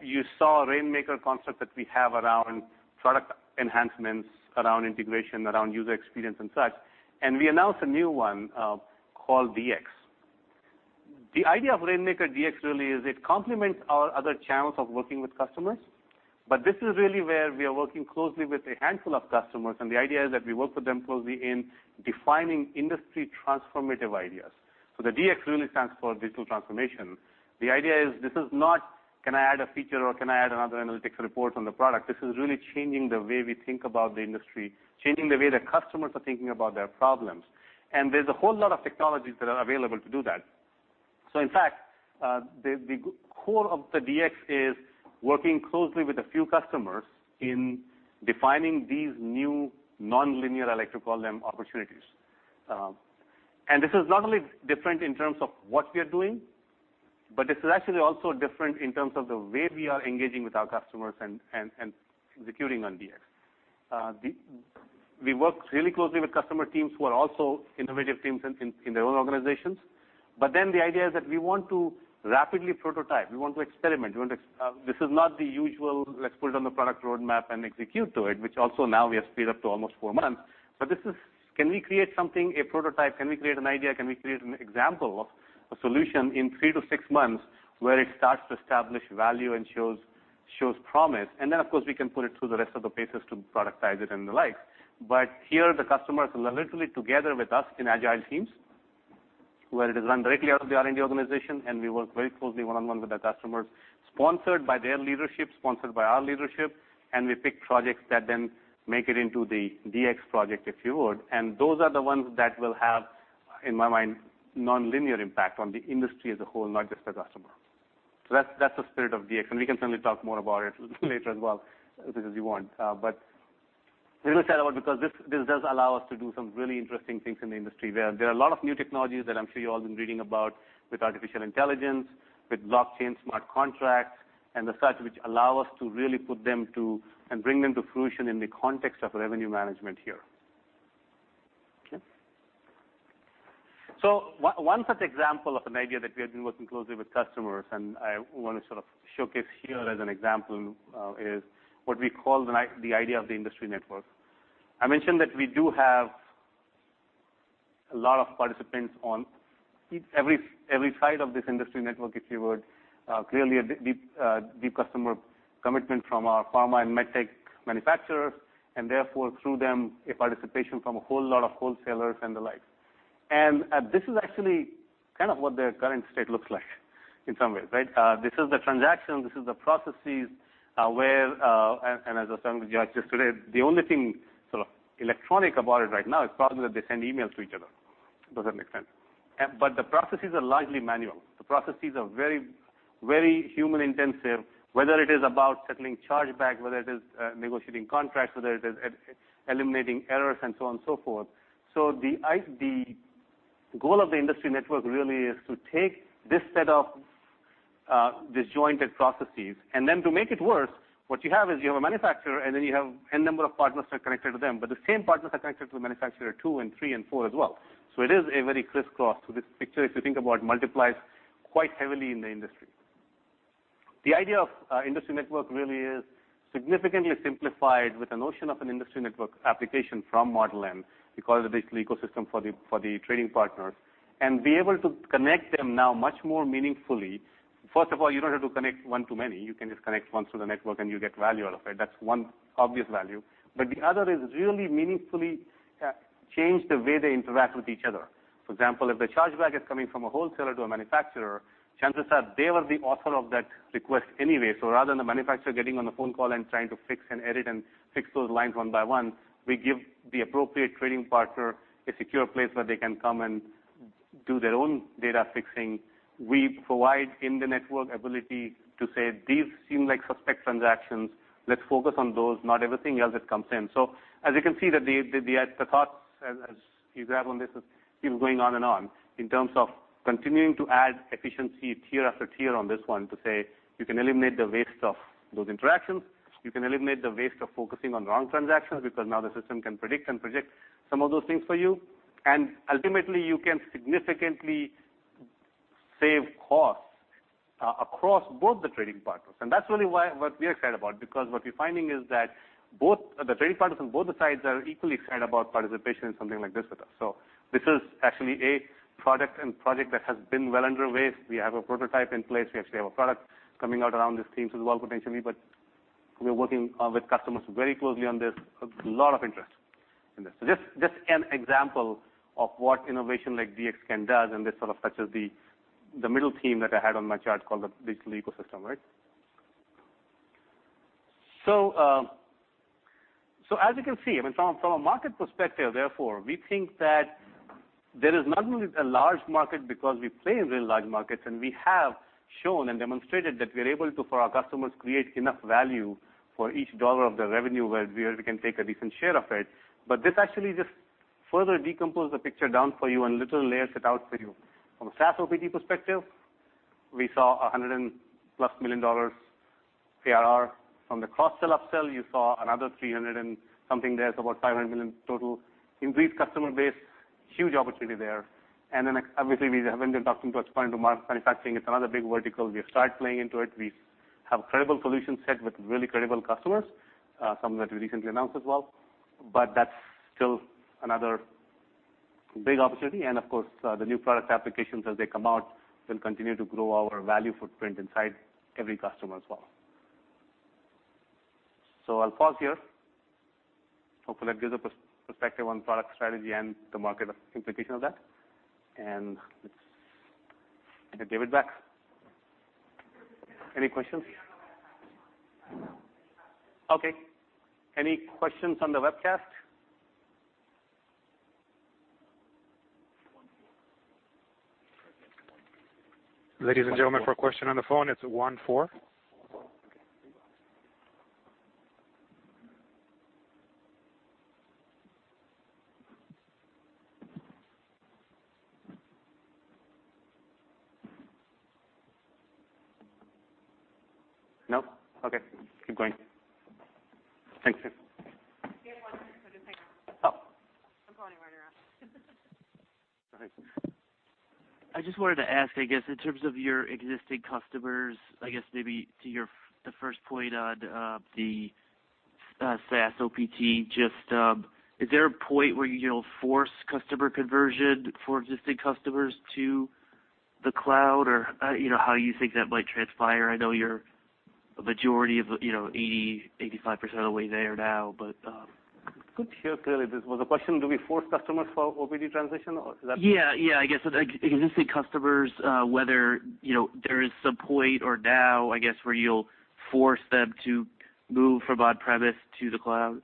you saw Rainmaker concept that we have around product enhancements, around integration, around user experience and such, and we announced a new one called DX. The idea of RainmakerDX really is it complements our other channels of working with customers, but this is really where we are working closely with a handful of customers, and the idea is that we work with them closely in defining industry transformative ideas. The DX really stands for digital transformation. The idea is, this is not, can I add a feature or can I add another analytics report on the product? This is really changing the way we think about the industry, changing the way that customers are thinking about their problems. There's a whole lot of technologies that are available to do that. In fact, the core of the DX is working closely with a few customers in defining these new nonlinear, I like to call them, opportunities. This is not only different in terms of what we are doing, but this is actually also different in terms of the way we are engaging with our customers and executing on DX. We work really closely with customer teams who are also innovative teams in their own organizations. The idea is that we want to rapidly prototype, we want to experiment. This is not the usual, let's put it on the product roadmap and execute to it, which also now we have sped up to almost four months. This is, can we create something, a prototype? Can we create an idea? Can we create an example of a solution in three to six months where it starts to establish value and shows promise? Then, of course, we can put it through the rest of the phases to productize it and the like. Here, the customers are literally together with us in agile teams, where it is run directly out of the R&D organization, and we work very closely one-on-one with our customers, sponsored by their leadership, sponsored by our leadership, and we pick projects that then make it into the DX project, if you would. Those are the ones that will have, in my mind, nonlinear impact on the industry as a whole, not just the customer. That's the spirit of DX, and we can certainly talk more about it later as well, as much as you want. We're going to talk about it because this does allow us to do some really interesting things in the industry where there are a lot of new technologies that I'm sure you all have been reading about with artificial intelligence, with blockchain, smart contracts, and the such, which allow us to really put them to and bring them to fruition in the context of revenue management here. Okay. One such example of an idea that we have been working closely with customers, and I want to sort of showcase here as an example, is what we call the idea of the industry network. I mentioned that we do have a lot of participants on every side of this industry network, if you would. Clearly, a deep customer commitment from our pharma and med tech manufacturers, therefore, through them, a participation from a whole lot of wholesalers and the like. This is actually kind of what their current state looks like in some ways, right? This is the transaction, this is the processes where, as I was telling the judge just today, the only thing sort of electronic about it right now is probably that they send emails to each other. Does that make sense? The processes are largely manual. The processes are very human-intensive, whether it is about settling chargeback, whether it is negotiating contracts, whether it is eliminating errors, and so on and so forth. The goal of the industry network really is to take this set of disjointed processes. To make it worse, what you have is you have a manufacturer, you have N number of partners that are connected to them, but the same partners are connected to manufacturer 2 and 3 and 4 as well. It is a very crisscross to this picture, if you think about multiplies quite heavily in the industry. The idea of industry network really is significantly simplified with the notion of an industry network application from Model N, we call it a digital ecosystem for the trading partners, and be able to connect them now much more meaningfully. First of all, you don't have to connect one to many. You can just connect once to the network and you get value out of it. That's one obvious value. The other is really meaningfully change the way they interact with each other. For example, if the chargeback is coming from a wholesaler to a manufacturer, chances are they were the author of that request anyway. Rather than the manufacturer getting on a phone call and trying to fix and edit and fix those lines one by one, we give the appropriate trading partner a secure place where they can come and do their own data fixing. We provide in the network ability to say, "These seem like suspect transactions. Let's focus on those, not everything else that comes in." As you can see, the thoughts as you grab on this, it's going on and on in terms of continuing to add efficiency tier after tier on this one to say you can eliminate the waste of those interactions. You can eliminate the waste of focusing on wrong transactions, because now the system can predict and project some of those things for you. Ultimately, you can significantly save costs across both the trading partners. That's really what we are excited about, because what we're finding is that the trading partners on both sides are equally excited about participation in something like this with us. This is actually a product and project that has been well underway. We have a prototype in place. We actually have a product coming out around this theme as well, potentially, but we are working with customers very closely on this. A lot of interest in this. Just an example of what innovation like DX can do and this sort of touches the middle theme that I had on my chart, called the digital ecosystem. As you can see, from a market perspective, therefore, we think that there is not only a large market because we play in really large markets, and we have shown and demonstrated that we're able to, for our customers, create enough value for each dollar of the revenue where we can take a decent share of it. This actually just further decomposes the picture down for you and little layers it out for you. From a SaaS/OPT perspective, we saw $100+ million ARR. From the cross-sell, up-sell, you saw another 300 and something there, so about $500 million total. Increased customer base, huge opportunity there. Then obviously we have been talking to a point of manufacturing. It's another big vertical. We have started playing into it. We have a credible solution set with really credible customers, some that we recently announced as well. That's still another big opportunity. Of course, the new product applications, as they come out, will continue to grow our value footprint inside every customer as well. I'll pause here. Hopefully, that gives a perspective on product strategy and the market implication of that. I give it back. Any questions? Okay. Any questions on the webcast? I guess, in terms of your existing customers, I guess maybe to the first point on the SaaS OPT, just is there a point where you'll force customer conversion for existing customers to the cloud, or how you think that might transpire? I know you're 85% of the way there now. Good. Sure. Clearly, this was a question, do we force customers for OPT transition or is that- Yeah. I guess, existing customers, whether there is some point or now, I guess, where you will force them to move from on-premise to the cloud.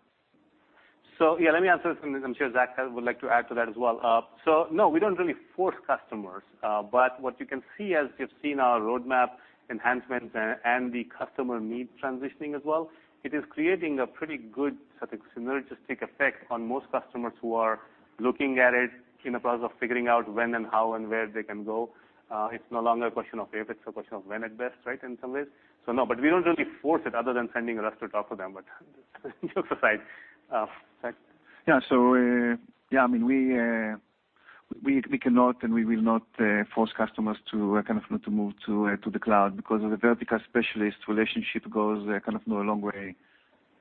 Yeah, let me answer this and I am sure Zack would like to add to that as well. No, we don't really force customers. What you can see as you have seen our roadmap enhancements and the customer need transitioning as well, it is creating a pretty good synergistic effect on most customers who are looking at it in the process of figuring out when and how and where they can go. It's no longer a question of if, it's a question of when, at best, right, in some ways. No, we don't really force it other than sending Russ to talk with them, but jokes aside. Zack? Yeah. We cannot, and we will not force customers to move to the cloud because of the vertical specialist relationship goes a long way,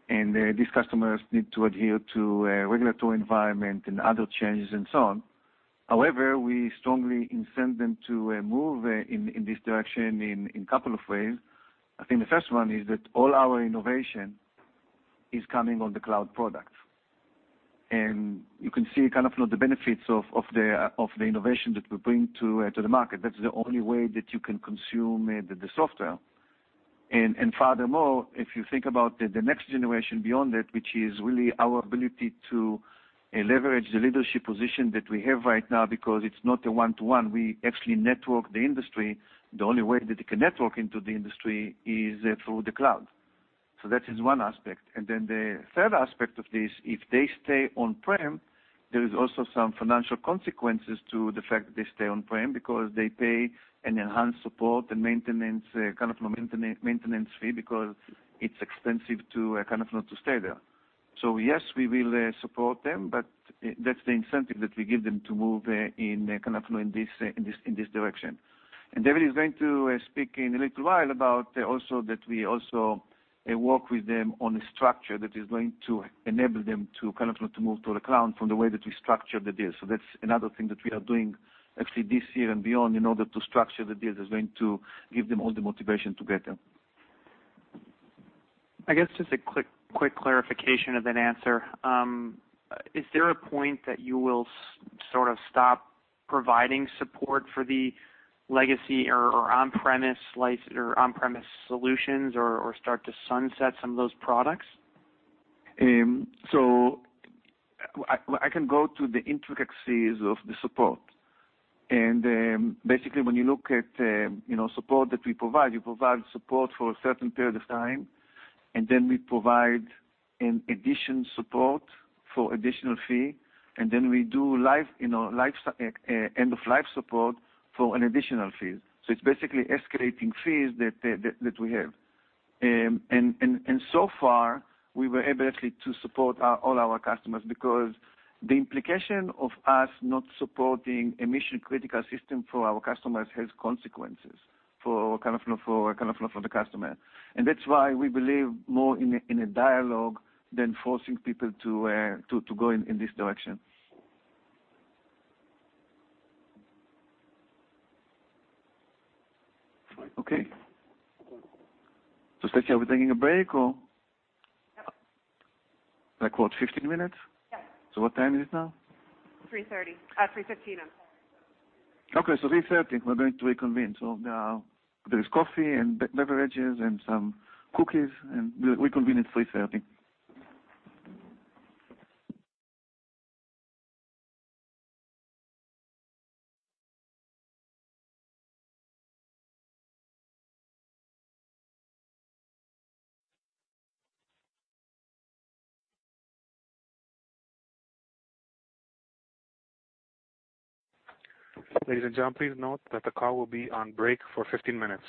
and these customers need to adhere to a regulatory environment and other changes and so on. However, we strongly incent them to move in this direction in a couple of ways. I think the first one is that all our innovation is coming on the cloud products. You can see the benefits of the innovation that we bring to the market. That's the only way that you can consume the software. Furthermore, if you think about the next generation beyond that, which is really our ability to leverage the leadership position that we have right now because it's not a one-to-one, we actually network the industry. The only way that they can network into the industry is through the cloud. That is one aspect. The third aspect of this, if they stay on-prem, there is also some financial consequences to the fact that they stay on-prem because they pay an enhanced support and maintenance fee because it's expensive to stay there. Yes, we will support them, but that's the incentive that we give them to move in this direction. David is going to speak in a little while about that we also work with them on a structure that is going to enable them to move to the cloud from the way that we structure the deal. That's another thing that we are doing actually this year and beyond, in order to structure the deals, is going to give them all the motivation to get there. I guess just a quick clarification of that answer. Is there a point that you will sort of stop providing support for the legacy or on-premise solutions or start to sunset some of those products? I can go to the intricacies of the support. Basically, when you look at support that we provide, we provide support for a certain period of time, then we provide an additional support for additional fee, then we do end-of-life support for an additional fee. It's basically escalating fees that we have. So far, we were able actually to support all our customers because the implication of us not supporting a mission-critical system for our customers has consequences for the customer. That's why we believe more in a dialogue than forcing people to go in this direction. Okay. Stacia, are we taking a break or? Yep. Like what, 15 minutes? Yeah. What time is it now? 3:30 P.M. 3:15 P.M. 3:30 P.M., we're going to reconvene. There is coffee and beverages and some cookies, and we'll reconvene at 3:30 P.M. Ladies and gentlemen, please note that the call will be on break for 15 minutes.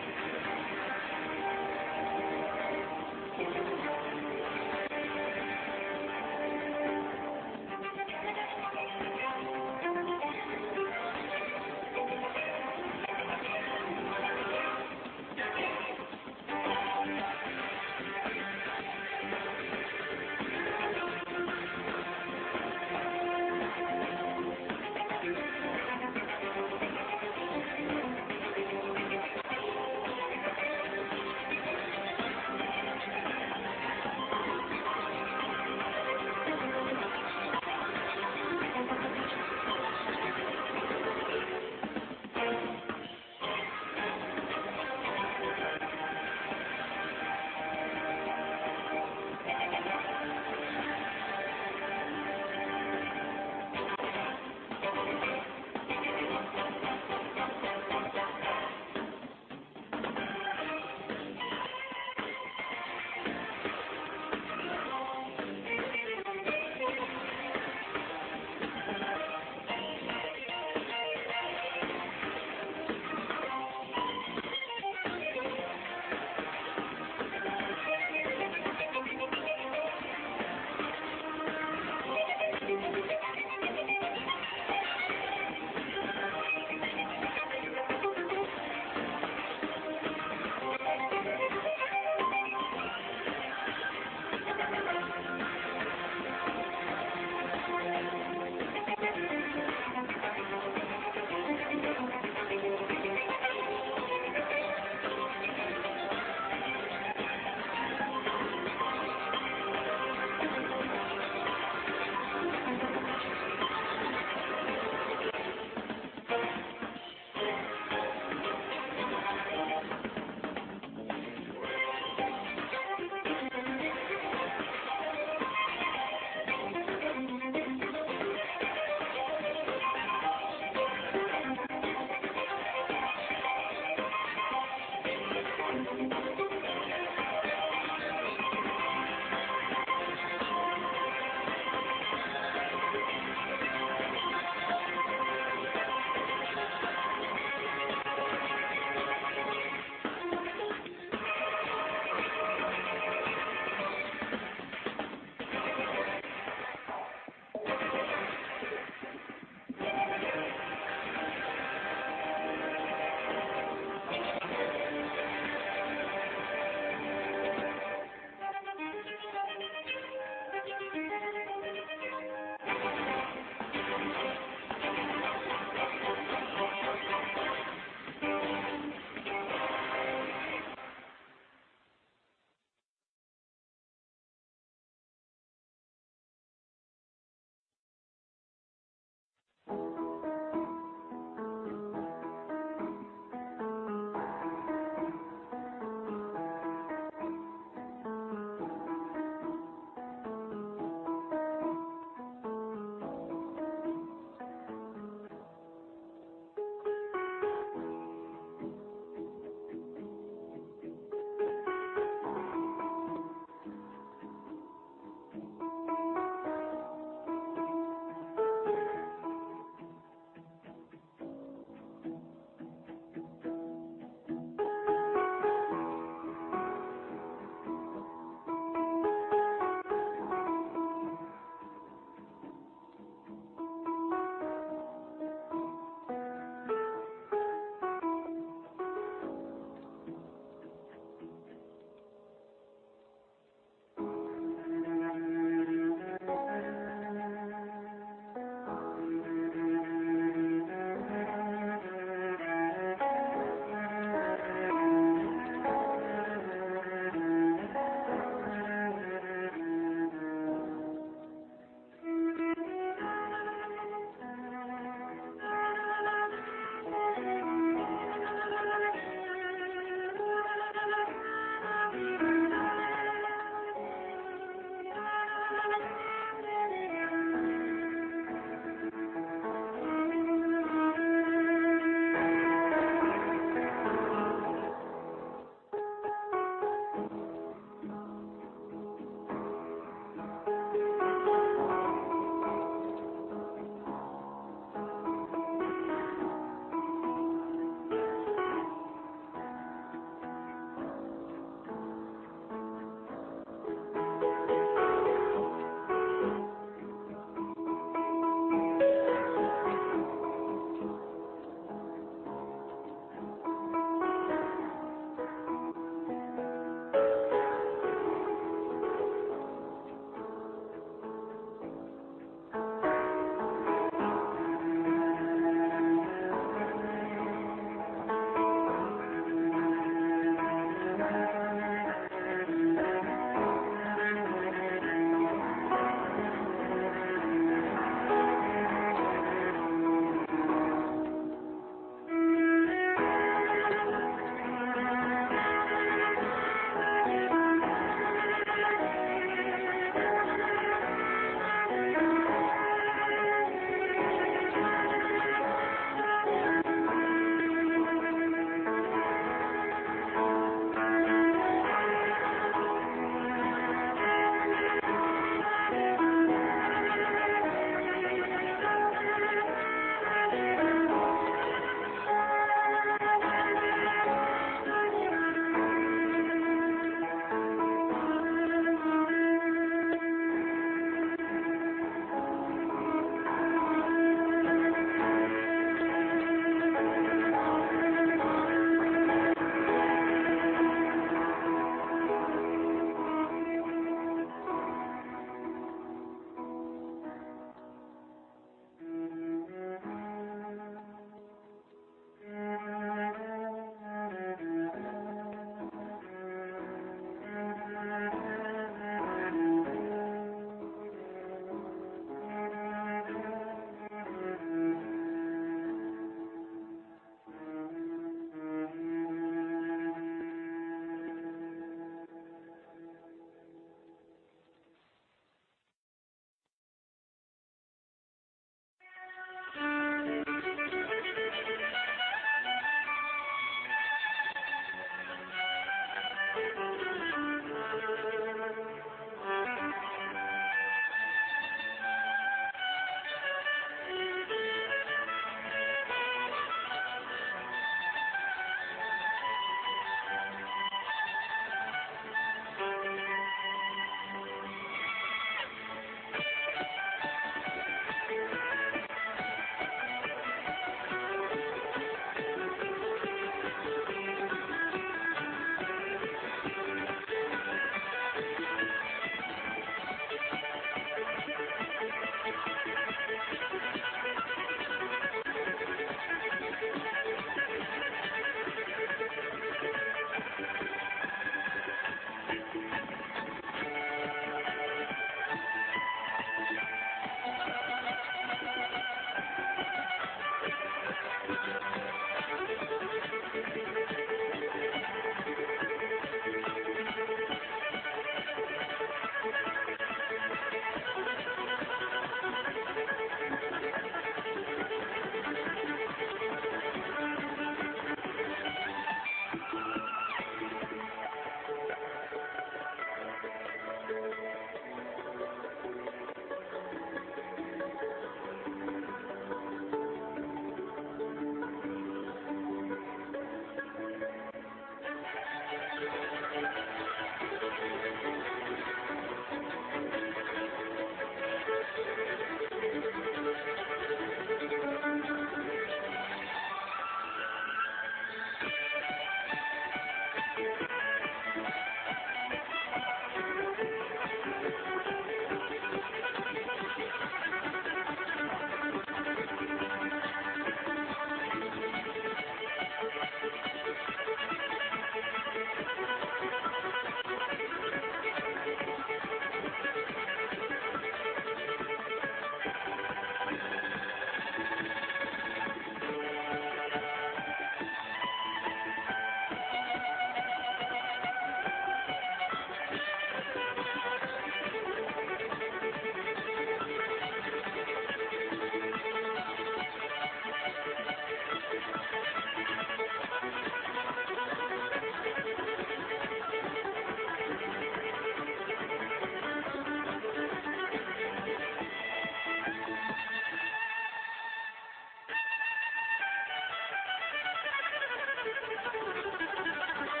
The mic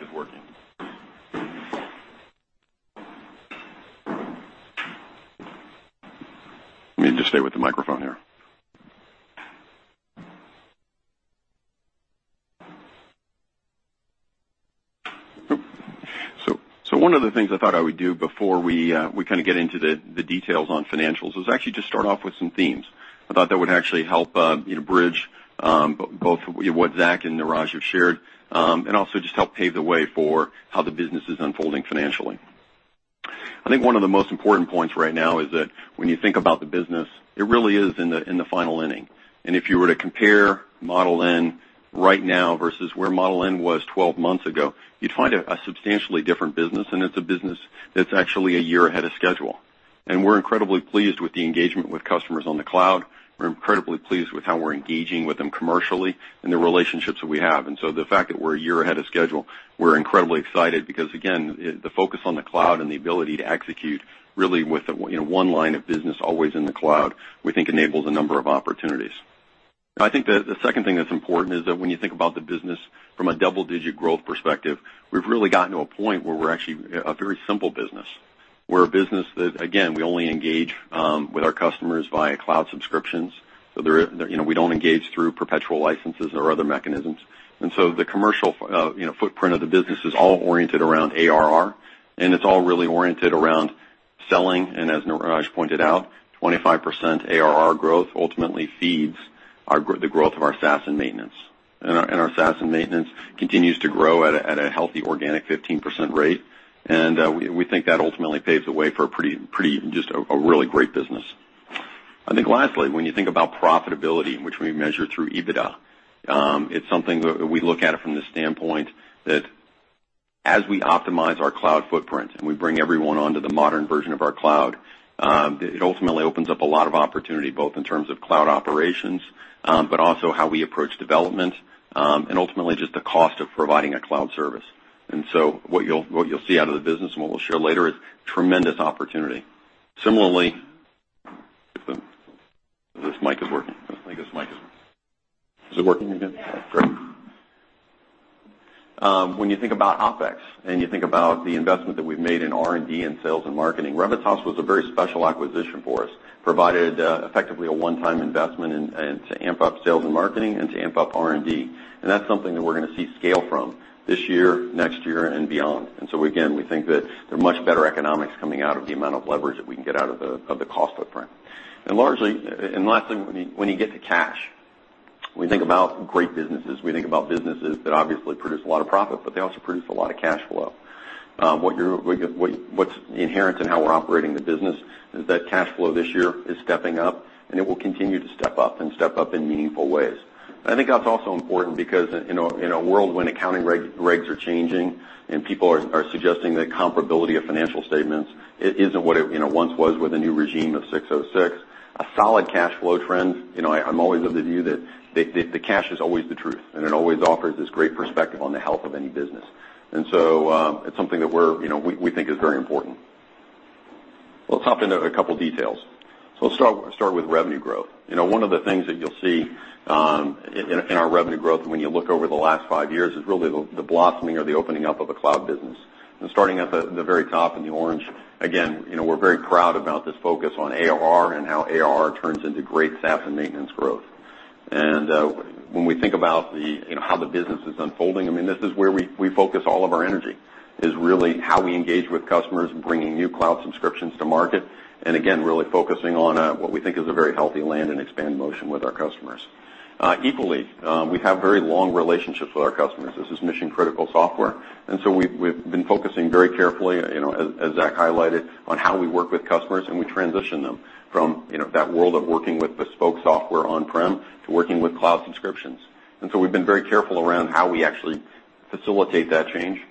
is working. Let me just stay with the microphone here. One of the things I thought I would do before we get into the details on financials is actually just start off with some themes. I thought that would actually help bridge both what Zack and Neeraj have shared, also just help pave the way for how the business is unfolding financially. I think one of the most important points right now is that when you think about the business, it really is in the final inning. If you were to compare Model N right now versus where Model N was 12 months ago, you'd find a substantially different business, and it's a business that's actually a year ahead of schedule. We're incredibly pleased with the engagement with customers on the cloud. We're incredibly pleased with how we're engaging with them commercially and the relationships that we have. The fact that we're a year ahead of schedule, we're incredibly excited because, again, the focus on the cloud and the ability to execute really with one line of business always in the cloud, we think enables a number of opportunities. I think that the second thing that's important is that when you think about the business from a double-digit growth perspective, we've really gotten to a point where we're actually a very simple business. We're a business that, again, we only engage with our customers via cloud subscriptions. We don't engage through perpetual licenses or other mechanisms. The commercial footprint of the business is all oriented around ARR, and it's all really oriented around selling. As Neeraj pointed out, 25% ARR growth ultimately feeds the growth of our SaaS and maintenance. Our SaaS and maintenance continues to grow at a healthy organic 15% rate. We think that ultimately paves the way for just a really great business. I think lastly, when you think about profitability, which we measure through EBITDA, it's something that we look at it from the standpoint that as we optimize our cloud footprint and we bring everyone onto the modern version of our cloud, it ultimately opens up a lot of opportunity, both in terms of cloud operations, but also how we approach development, and ultimately just the cost of providing a cloud service. What you'll see out of the business and what we'll show later is tremendous opportunity. This mic is working. I think this mic is Is it working again? Great. When you think about OpEx and you think about the investment that we've made in R&D and sales and marketing, Revitas was a very special acquisition for us. Provided effectively a one-time investment to amp up sales and marketing and to amp up R&D. That's something that we're going to see scale from this year, next year, and beyond. Again, we think that there are much better economics coming out of the amount of leverage that we can get out of the cost footprint. Lastly, when you get to cash, we think about great businesses. We think about businesses that obviously produce a lot of profit, but they also produce a lot of cash flow. What's inherent in how we're operating the business is that cash flow this year is stepping up, and it will continue to step up and step up in meaningful ways. I think that's also important because in a world when accounting regs are changing and people are suggesting the comparability of financial statements isn't what it once was with a new regime of ASC 606. A solid cash flow trend, I'm always of the view that the cash is always the truth, and it always offers this great perspective on the health of any business. It's something that we think is very important. Let's hop into a couple of details. Let's start with revenue growth. One of the things that you'll see in our revenue growth when you look over the last five years is really the blossoming or the opening up of the cloud business. Starting at the very top in the orange, again, we're very proud about this focus on ARR and how ARR turns into great SaaS and maintenance growth. When we think about how the business is unfolding, this is where we focus all of our energy, is really how we engage with customers, bringing new cloud subscriptions to market, again, really focusing on what we think is a very healthy land and expand motion with our customers. Equally, we have very long relationships with our customers. This is mission-critical software. We've been focusing very carefully, as Zack highlighted, on how we work with customers, we transition them from that world of working with bespoke software on-prem to working with cloud subscriptions. We've been very careful around how we actually facilitate that change.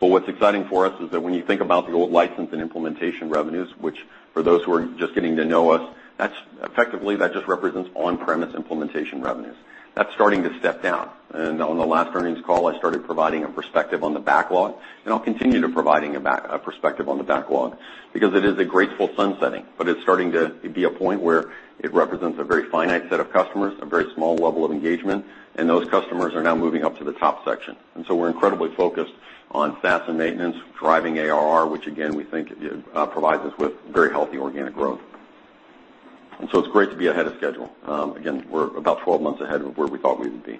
What's exciting for us is that when you think about the old license and implementation revenues, which for those who are just getting to know us, effectively, that just represents on-premise implementation revenues. That's starting to step down. On the last earnings call, I started providing a perspective on the backlog, and I'll continue to providing a perspective on the backlog because it is a graceful sunsetting, but it's starting to be a point where it represents a very finite set of customers, a very small level of engagement, and those customers are now moving up to the top section. We're incredibly focused on SaaS and maintenance, driving ARR, which again, we think provides us with very healthy organic growth. It's great to be ahead of schedule. Again, we're about 12 months ahead of where we thought we would be.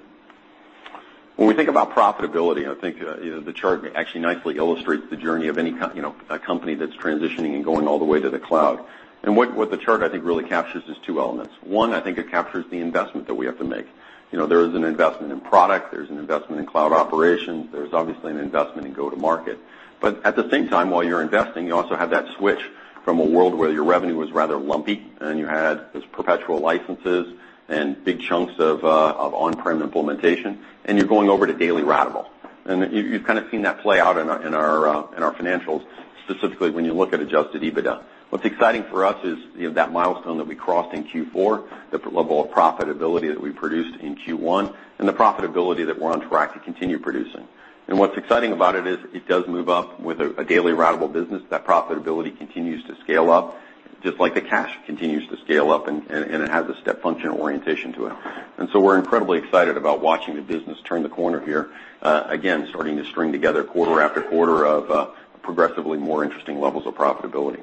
When we think about profitability, I think the chart actually nicely illustrates the journey of a company that's transitioning and going all the way to the cloud. What the chart, I think, really captures is two elements. One, I think it captures the investment that we have to make. There is an investment in product, there's an investment in cloud operations, there's obviously an investment in go-to-market. At the same time, while you're investing, you also have that switch from a world where your revenue was rather lumpy, and you had those perpetual licenses and big chunks of on-prem implementation, and you're going over to daily ratable. You've kind of seen that play out in our financials, specifically when you look at adjusted EBITDA. What's exciting for us is that milestone that we crossed in Q4, the level of profitability that we produced in Q1, and the profitability that we're on track to continue producing. What's exciting about it is it does move up with a daily ratable business. That profitability continues to scale up, just like the cash continues to scale up, and it has a step function orientation to it. We're incredibly excited about watching the business turn the corner here. Again, starting to string together quarter after quarter of progressively more interesting levels of profitability.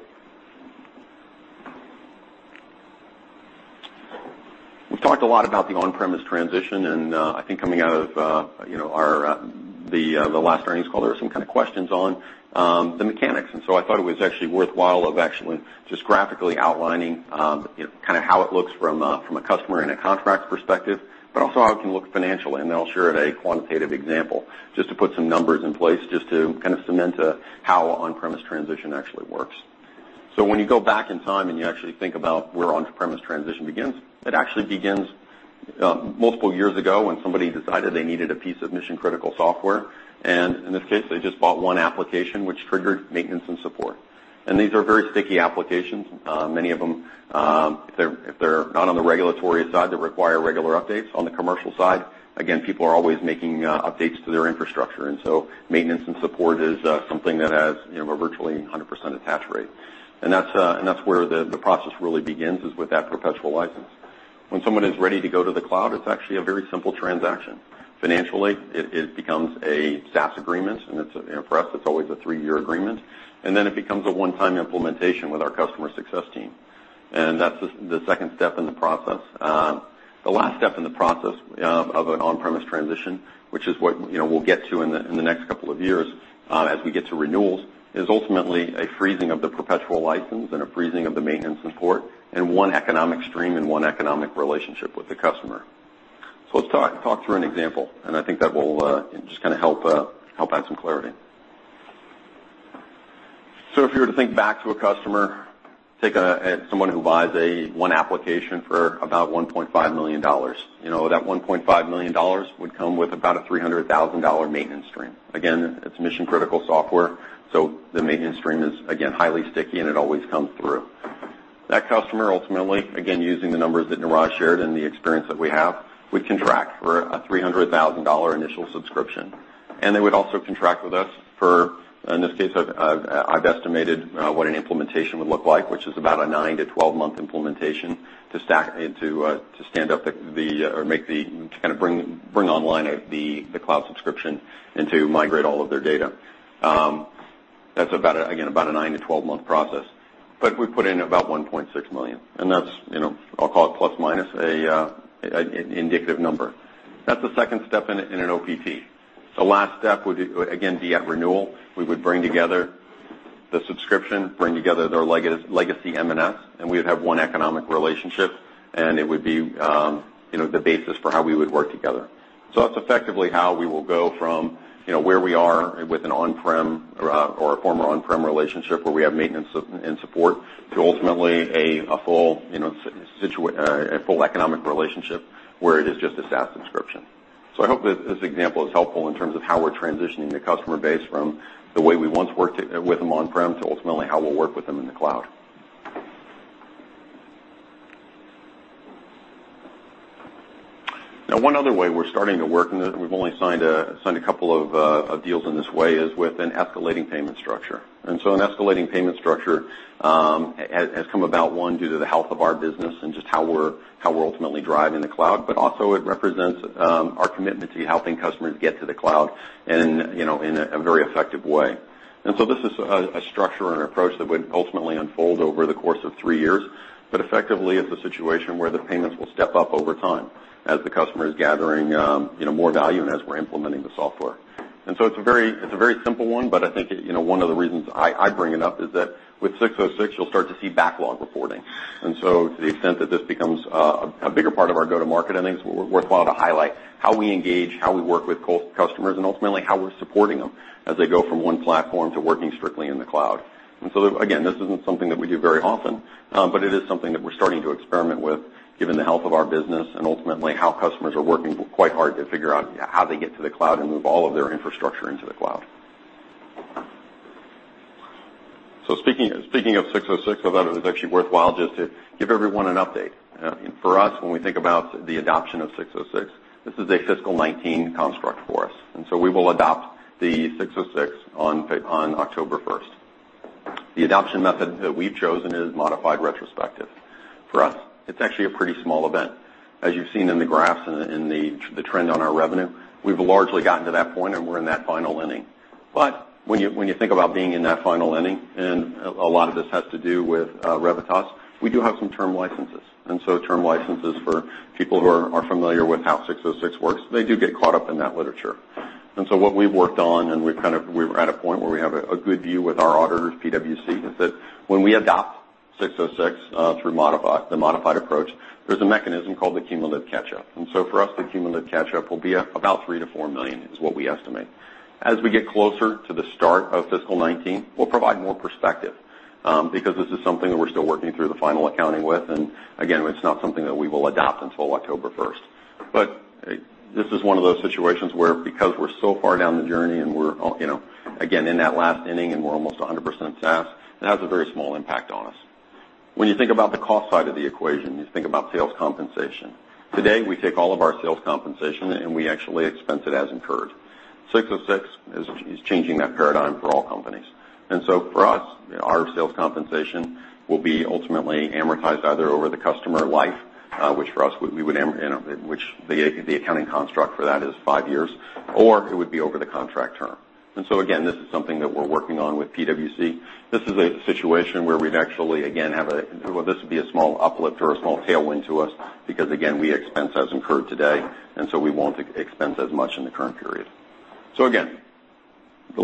We've talked a lot about the on-premise transition. Coming out of the last earnings call, there were some kind of questions on the mechanics. I thought it was actually worthwhile of actually just graphically outlining how it looks from a customer and a contract perspective, but also how it can look financially. I'll share a quantitative example just to put some numbers in place just to cement how on-premise transition actually works. When you go back in time and you actually think about where on-premise transition begins, it actually begins multiple years ago when somebody decided they needed a piece of mission-critical software. In this case, they just bought one application which triggered maintenance and support. These are very sticky applications. Many of them, if they're not on the regulatory side that require regular updates on the commercial side, again, people are always making updates to their infrastructure. Maintenance and support is something that has a virtually 100% attach rate. That's where the process really begins, is with that perpetual license. When someone is ready to go to the cloud, it's actually a very simple transaction. Financially, it becomes a SaaS agreement. For us, it's always a three-year agreement. It becomes a one-time implementation with our customer success team. That's the second step in the process. The last step in the process of an on-premise transition, which is what we'll get to in the next couple of years as we get to renewals, is ultimately a freezing of the perpetual license and a freezing of the maintenance and support in one economic stream and one economic relationship with the customer. Let's talk through an example. I think that will just help add some clarity. If you were to think back to a customer, take someone who buys one application for about $1.5 million. That $1.5 million would come with about a $300,000 maintenance stream. Again, it's mission-critical software, so the maintenance stream is, again, highly sticky, and it always comes through. That customer ultimately, again, using the numbers that Neeraj shared and the experience that we have, would contract for a $300,000 initial subscription. They would also contract with us for, in this case, I've estimated what an implementation would look like, which is about a 9 to 12-month implementation to bring online the cloud subscription and to migrate all of their data. That's about, again, about a 9 to 12-month process. We put in about $1.6 million, and that's, I'll call it plus or minus, an indicative number. That's the second step in an OPT. The last step would, again, be at renewal. We would bring together the subscription, bring together their legacy M&S. We would have one economic relationship, and it would be the basis for how we would work together. That's effectively how we will go from where we are with an on-prem or a former on-prem relationship where we have maintenance and support to ultimately a full economic relationship where it is just a SaaS subscription. I hope this example is helpful in terms of how we're transitioning the customer base from the way we once worked with them on-prem to ultimately how we'll work with them in the cloud. Now, one other way we're starting to work, and we've only signed a couple of deals in this way, is with an escalating payment structure. An escalating payment structure has come about, one, due to the health of our business and just how we're ultimately driving the cloud. Also it represents our commitment to helping customers get to the cloud and in a very effective way. This is a structure and approach that would ultimately unfold over the course of three years. Effectively, it's a situation where the payments will step up over time as the customer is gathering more value and as we're implementing the software. It's a very simple one, but I think one of the reasons I bring it up is that with ASC 606, you'll start to see backlog reporting. To the extent that this becomes a bigger part of our go-to-market, I think it's worthwhile to highlight how we engage, how we work with customers, and ultimately how we're supporting them as they go from one platform to working strictly in the cloud. Again, this isn't something that we do very often, but it is something that we're starting to experiment with given the health of our business and ultimately how customers are working quite hard to figure out how they get to the cloud and move all of their infrastructure into the cloud. Speaking of ASC 606, I thought it was actually worthwhile just to give everyone an update. For us, when we think about the adoption of ASC 606, this is a fiscal FY 2019 construct for us. We will adopt the ASC 606 on October 1st. The adoption method that we've chosen is modified retrospective. For us, it's actually a pretty small event. As you've seen in the graphs and in the trend on our revenue, we've largely gotten to that point, and we're in that final inning. When you think about being in that final inning, and a lot of this has to do with Revitas, we do have some term licenses. Term licenses for people who are familiar with how ASC 606 works, they do get caught up in that literature. What we've worked on, and we're at a point where we have a good view with our auditors, PwC, is that when we adopt ASC 606 through the modified approach, there's a mechanism called the cumulative catch-up. For us, the cumulative catch-up will be about $3 million-$4 million is what we estimate. As we get closer to the start of fiscal FY 2019, we'll provide more perspective because this is something that we're still working through the final accounting with. Again, it's not something that we will adopt until October 1st. This is one of those situations where, because we're so far down the journey and we're, again, in that last inning, and we're almost 100% SaaS, it has a very small impact on us. When you think about the cost side of the equation, you think about sales compensation. Today, we take all of our sales compensation, and we actually expense it as incurred. 606 is changing that paradigm for all companies. For us, our sales compensation will be ultimately amortized either over the customer life, which for us, the accounting construct for that is 5 years, or it would be over the contract term. Again, this is something that we're working on with PwC. This is a situation where this would be a small uplift or a small tailwind to us because, again, we expense as incurred today. We won't expense as much in the current period. Again, there's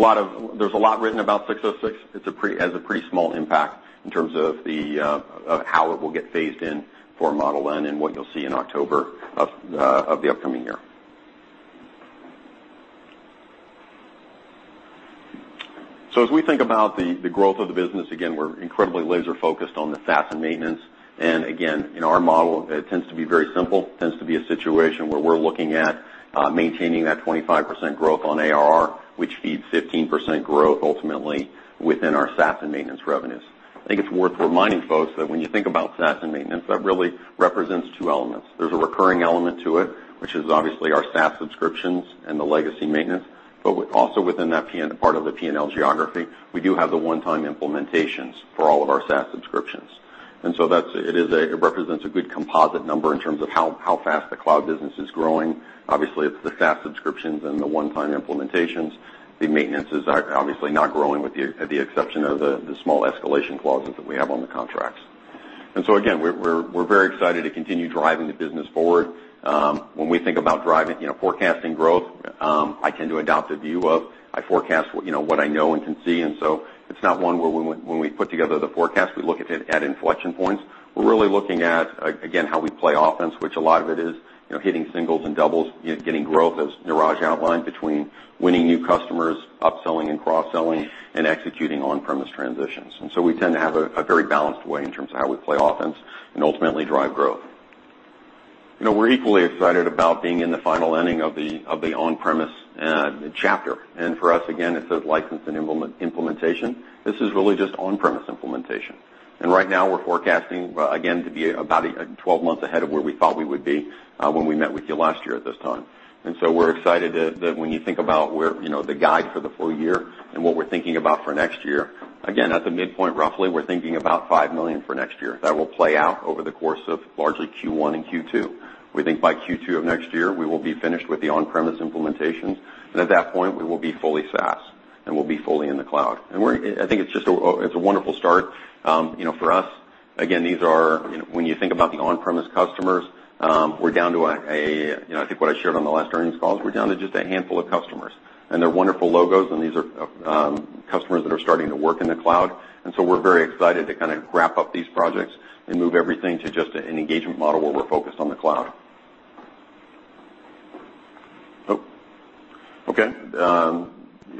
a lot written about 606. It has a pretty small impact in terms of how it will get phased in for Model N and what you'll see in October of the upcoming year. As we think about the growth of the business, again, we're incredibly laser-focused on the SaaS and maintenance. Again, in our model, it tends to be very simple. It tends to be a situation where we're looking at maintaining that 25% growth on ARR, which feeds 15% growth ultimately within our SaaS and maintenance revenues. I think it's worth reminding folks that when you think about SaaS and maintenance, that really represents two elements. There's a recurring element to it, which is obviously our SaaS subscriptions and the legacy maintenance, but also within that part of the P&L geography, we do have the one-time implementations for all of our SaaS subscriptions. It represents a good composite number in terms of how fast the cloud business is growing. Obviously, it's the SaaS subscriptions and the one-time implementations. The maintenances are obviously not growing, with the exception of the small escalation clauses that we have on the contracts. Again, we're very excited to continue driving the business forward. When we think about forecasting growth, I tend to adopt a view of, I forecast what I know and can see. It's not one where when we put together the forecast, we look at inflection points. We're really looking at, again, how we play offense, which a lot of it is hitting singles and doubles, getting growth, as Neeraj outlined, between winning new customers, upselling and cross-selling, and executing on-premise transitions. We tend to have a very balanced way in terms of how we play offense and ultimately drive growth. We're equally excited about being in the final inning of the on-premise chapter. For us, again, it says license and implementation. This is really just on-premise implementation. Right now, we're forecasting, again, to be about 12 months ahead of where we thought we would be when we met with you last year at this time. We're excited that when you think about the guide for the full year and what we're thinking about for next year, again, at the midpoint, roughly, we're thinking about $5 million for next year. That will play out over the course of largely Q1 and Q2. We think by Q2 of next year, we will be finished with the on-premise implementations. At that point, we will be fully SaaS, and we'll be fully in the cloud. I think it's a wonderful start. For us, again, when you think about the on-premise customers, I think what I shared on the last earnings call is we're down to just a handful of customers. They're wonderful logos, and these are customers that are starting to work in the cloud. So we're very excited to wrap up these projects and move everything to just an engagement model where we're focused on the cloud. Okay.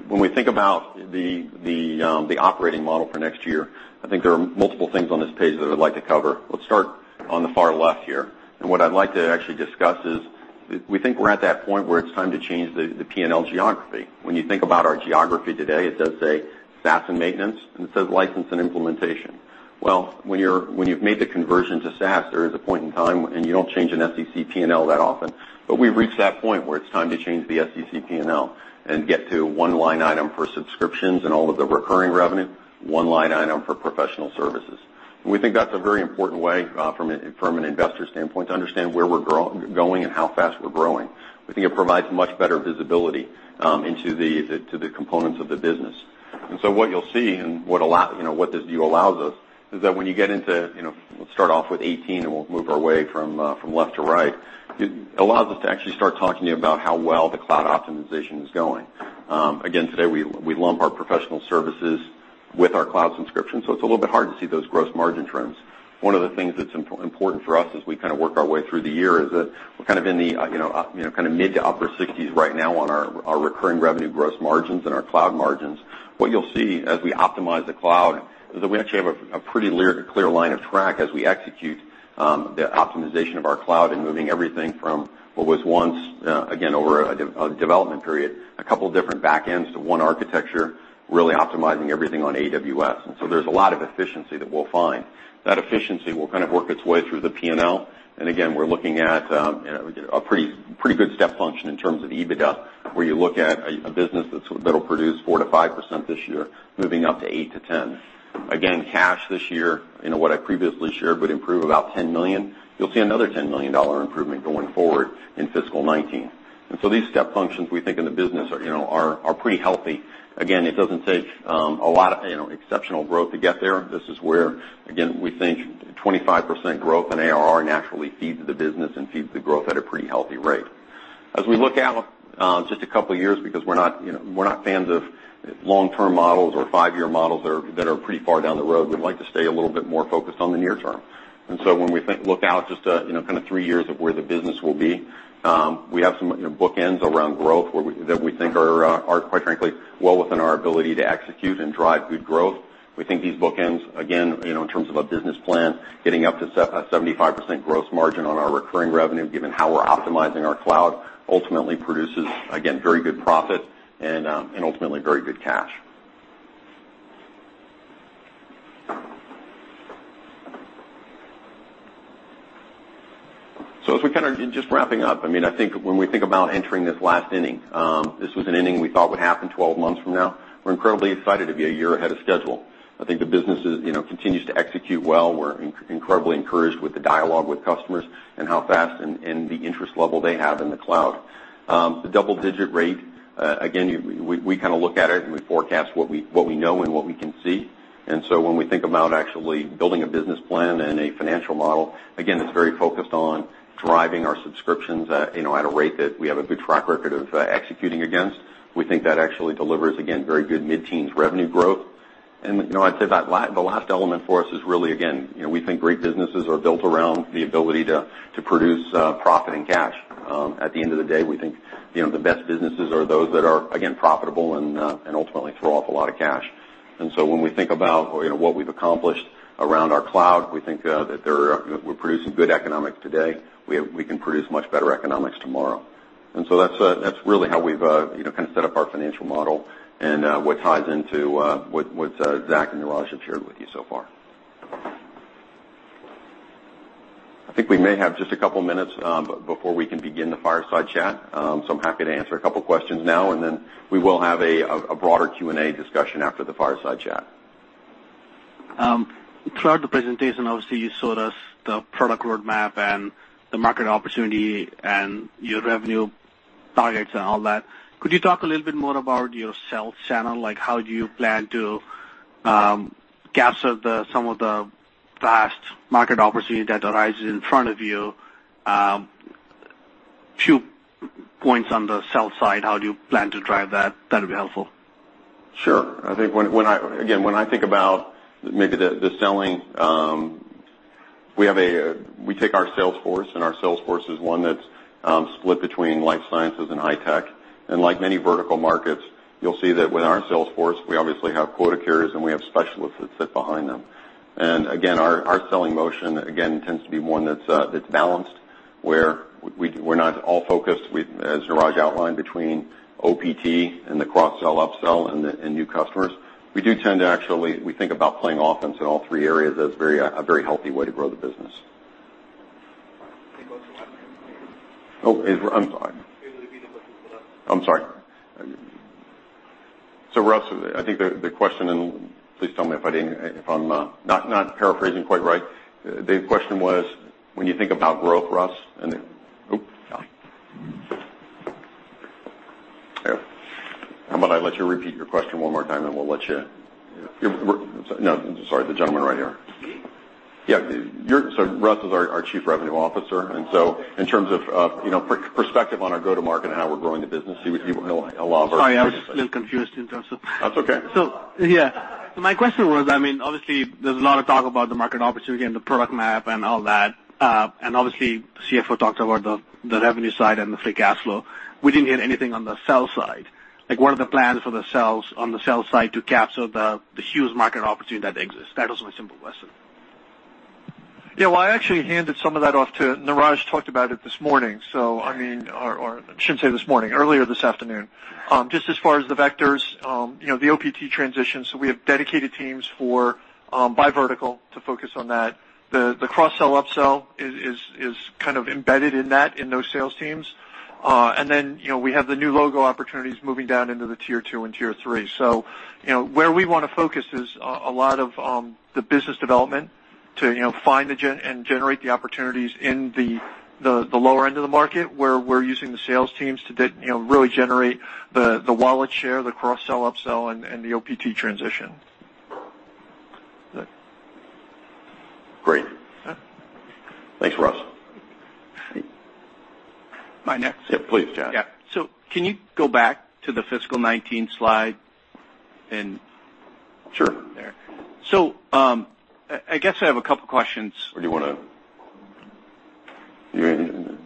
When we think about the operating model for next year, I think there are multiple things on this page that I would like to cover. Let's start on the far left here. What I'd like to actually discuss is we think we're at that point where it's time to change the P&L geography. When you think about our geography today, it does say SaaS and maintenance, and it says license and implementation. Well, when you've made the conversion to SaaS, there is a point in time, and you don't change an SEC P&L that often, but we've reached that point where it's time to change the SEC P&L and get to one line item for subscriptions and all of the recurring revenue, one line item for professional services. We think that's a very important way from an investor standpoint to understand where we're going and how fast we're growing. We think it provides much better visibility into the components of the business. So what you'll see and what this view allows us is that when you get into, let's start off with 2018, and we'll move our way from left to right. It allows us to actually start talking about how well the cloud optimization is going. Again, today, we lump our professional services with our cloud subscription, so it's a little bit hard to see those gross margin trends. One of the things that's important for us as we work our way through the year is that we're in the mid to upper 60s right now on our recurring revenue gross margins and our cloud margins. What you'll see as we optimize the cloud is that we actually have a pretty clear line of track as we execute the optimization of our cloud and moving everything from what was once, again, over a development period, a couple of different backends to one architecture, really optimizing everything on AWS. So there's a lot of efficiency that we'll find. That efficiency will work its way through the P&L. Again, we're looking at a pretty good step function in terms of EBITDA, where you look at a business that'll produce 4%-5% this year, moving up to 8%-10%. Again, cash this year, what I previously shared, would improve about $10 million. You'll see another $10 million improvement going forward in fiscal 2019. These step functions, we think in the business are pretty healthy. Again, it doesn't take a lot of exceptional growth to get there. This is where, again, we think 25% growth in ARR naturally feeds the business and feeds the growth at a pretty healthy rate. As we look out just a couple of years, because we're not fans of long-term models or five-year models that are pretty far down the road. We'd like to stay a little bit more focused on the near term. When we look out just three years of where the business will be, we have some bookends around growth that we think are, quite frankly, well within our ability to execute and drive good growth. We think these bookends, again, in terms of a business plan, getting up to 75% gross margin on our recurring revenue, given how we're optimizing our cloud, ultimately produces, again, very good profit and ultimately very good cash. As we're just wrapping up, when we think about entering this last inning, this was an inning we thought would happen 12 months from now. We're incredibly excited to be a year ahead of schedule. I think the business continues to execute well. We're incredibly encouraged with the dialogue with customers and how fast and the interest level they have in the cloud. The double-digit rate, again, we look at it, and we forecast what we know and what we can see. When we think about actually building a business plan and a financial model, again, it's very focused on driving our subscriptions at a rate that we have a good track record of executing against. We think that actually delivers, again, very good mid-teens revenue growth. I'd say the last element for us is really, again, we think great businesses are built around the ability to produce profit and cash. At the end of the day, we think the best businesses are those that are, again, profitable and ultimately throw off a lot of cash. When we think about what we've accomplished around our cloud, we think that we're producing good economics today. We can produce much better economics tomorrow. That's really how we've set up our financial model and what ties into what Zack and Neeraj have shared with you so far. I think we may have just a couple of minutes before we can begin the fireside chat. I'm happy to answer a couple of questions now, and then we will have a broader Q&A discussion after the fireside chat. Throughout the presentation, obviously, you showed us the product roadmap and the market opportunity and your revenue targets and all that. Could you talk a little bit more about your sales channel? Like how do you plan to capture some of the vast market opportunity that arises in front of you? A few points on the sales side, how do you plan to drive that? That'd be helpful. Sure. Again, when I think about maybe the selling, we take our sales force, and our sales force is one that's split between life sciences and high tech. Like many vertical markets, you'll see that with our sales force, we obviously have quota carriers, and we have specialists that sit behind them. Again, our selling motion tends to be one that's balanced, where we're not all focused, as Neeraj outlined, between OPT and the cross-sell, up-sell and new customers. We do tend to actually think about playing offense in all three areas as a very healthy way to grow the business. Oh, I'm sorry. I'm sorry. Russ, I think the question, and please tell me if I'm not paraphrasing quite right. The question was, when you think about growth, Russ. How about I let you repeat your question one more time, and we'll let you. No, sorry, the gentleman right here. Me? Yeah. Russ is our Chief Revenue Officer, in terms of perspective on our go-to-market and how we're growing the business, he will allow for. Sorry, I was a little confused in terms of. That's okay. Yeah. My question was, obviously, there's a lot of talk about the market opportunity and the product map and all that. Obviously, the CFO talked about the revenue side and the free cash flow. We didn't hear anything on the sales side. Like, what are the plans for the sales on the sales side to capture the huge market opportunity that exists? That was my simple question. Yeah. Well, I actually handed some of that off to Neeraj, who talked about it this morning. I shouldn't say this morning, earlier this afternoon. Just as far as the vectors, the OPT transition, we have dedicated teams by vertical to focus on that. The cross-sell, up-sell is kind of embedded in that, in those sales teams. Then, we have the new logo opportunities moving down into the tier 2 and tier 3. Where we want to focus is a lot of the business development to find and generate the opportunities in the lower end of the market, where we're using the sales teams to really generate the wallet share, the cross-sell, up-sell, and the OPT transition. Great. Thanks, Russ. Am I next? Yeah, please, John. Yeah. Can you go back to the fiscal 2019 slide. Sure. I guess I have a couple questions. Do you want to? You're thinking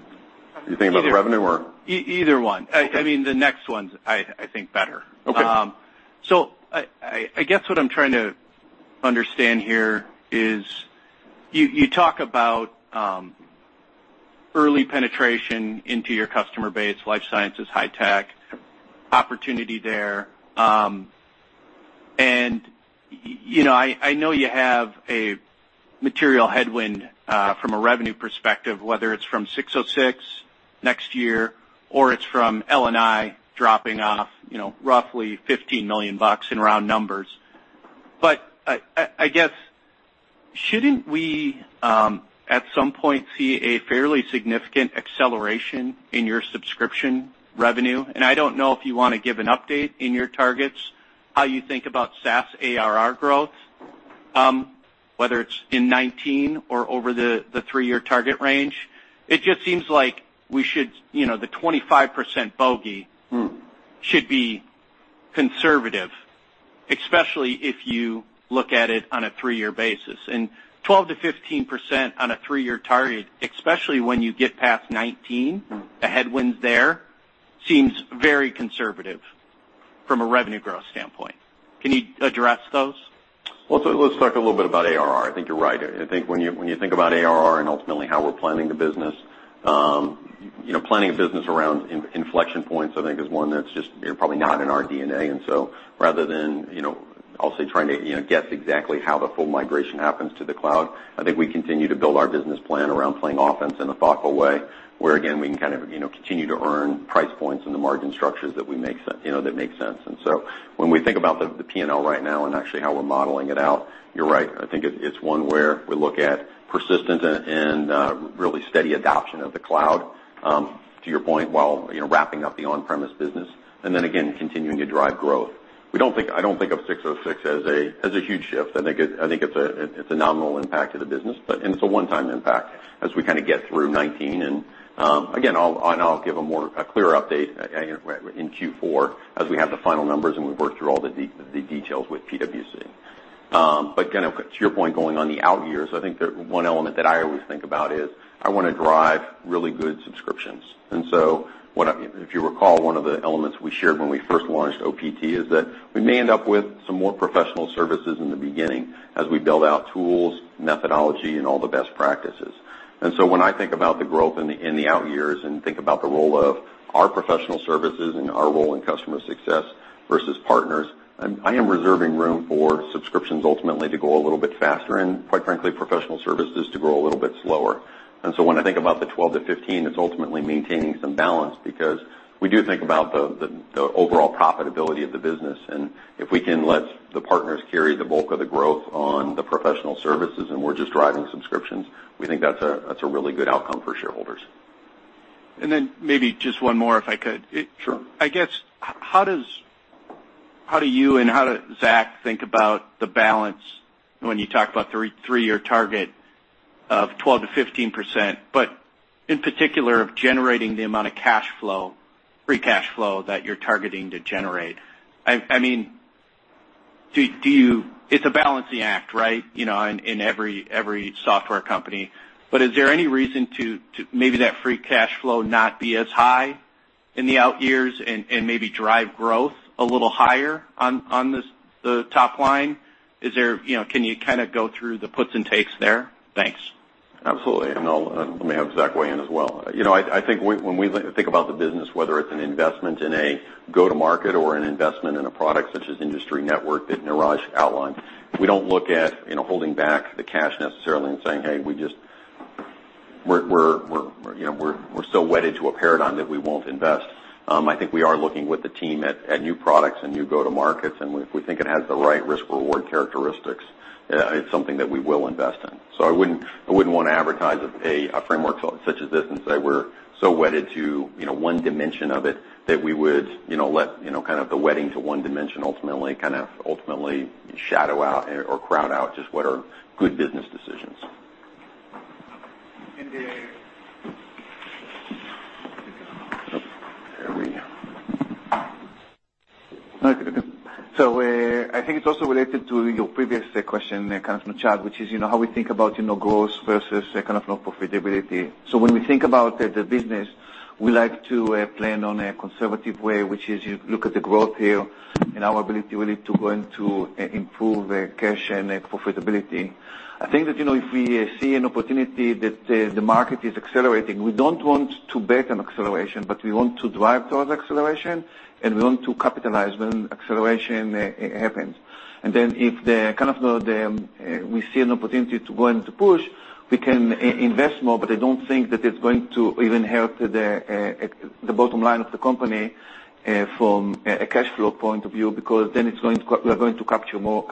about the revenue, or? Either one. Okay. The next one's, I think, better. Okay. I guess what I'm trying to understand here is you talk about early penetration into your customer base, life sciences, high tech, opportunity there. I know you have a material headwind from a revenue perspective, whether it's from ASC 606 next year or it's from L&I dropping off roughly $15 million in round numbers. I guess, shouldn't we, at some point, see a fairly significant acceleration in your subscription revenue? I don't know if you want to give an update in your targets, how you think about SaaS ARR growth, whether it's in 2019 or over the three-year target range. It just seems like the 25% bogey should be conservative, especially if you look at it on a three-year basis. 12%-15% on a three-year target, especially when you get past 2019, the headwinds there seems very conservative from a revenue growth standpoint. Can you address those? Let's talk a little bit about ARR. I think you're right. I think when you think about ARR and ultimately how we're planning the business, planning a business around inflection points, I think is one that's just probably not in our DNA. Rather than also trying to guess exactly how the full migration happens to the cloud, I think we continue to build our business plan around playing offense in a thoughtful way, where again, we can kind of continue to earn price points in the margin structures that make sense. When we think about the P&L right now and actually how we're modeling it out, you're right. I think it's one where we look at persistent and really steady adoption of the cloud, to your point, while wrapping up the on-premise business, and then again, continuing to drive growth. I don't think of 606 as a huge shift. I think it's a nominal impact to the business, and it's a one-time impact as we kind of get through 2019. Again, I'll give a more clear update in Q4 as we have the final numbers and we work through all the details with PwC. To your point, going on the out years, I think that one element that I always think about is I want to drive really good subscriptions. If you recall, one of the elements we shared when we first launched OPT is that we may end up with some more professional services in the beginning as we build out tools, methodology, and all the best practices. When I think about the growth in the out years and think about the role of our professional services and our role in customer success versus partners, I am reserving room for subscriptions ultimately to grow a little bit faster, and quite frankly, professional services to grow a little bit slower. When I think about the 12%-15%, it's ultimately maintaining some balance because we do think about the overall profitability of the business, and if we can let the partners carry the bulk of the growth on the professional services, and we're just driving subscriptions, we think that's a really good outcome for shareholders. Then maybe just one more, if I could. Sure. How do you and how does Zack think about the balance when you talk about three-year target of 12%-15%, but in particular of generating the amount of free cash flow that you're targeting to generate? It's a balancing act, right? In every software company. Is there any reason to maybe that free cash flow not be as high in the out years and maybe drive growth a little higher on the top line? Can you go through the puts and takes there? Thanks. Absolutely. Let me have Zack weigh in as well. I think when we think about the business, whether it's an investment in a go-to-market or an investment in a product such as industry network that Neeraj outlined, we don't look at holding back the cash necessarily and saying, "Hey, we're so wedded to a paradigm that we won't invest." I think we are looking with the team at new products and new go-to markets, and if we think it has the right risk-reward characteristics, it's something that we will invest in. I wouldn't want to advertise a framework such as this and say we're so wedded to one dimension of it that we would let the wedding to one dimension ultimately shadow out or crowd out just what are good business decisions. Dave. There we go. I think it's also related to your previous question, coming from Chad, which is how we think about growth versus profitability. When we think about the business, we like to plan on a conservative way, which is you look at the growth here and our ability, really, to go and to improve cash and profitability. I think that if we see an opportunity that the market is accelerating, we don't want to bet on acceleration, but we want to drive towards acceleration, and we want to capitalize when acceleration happens. If we see an opportunity to go and to push, we can invest more, but I don't think that it's going to even help the bottom line of the company from a cash flow point of view, because then we are going to capture more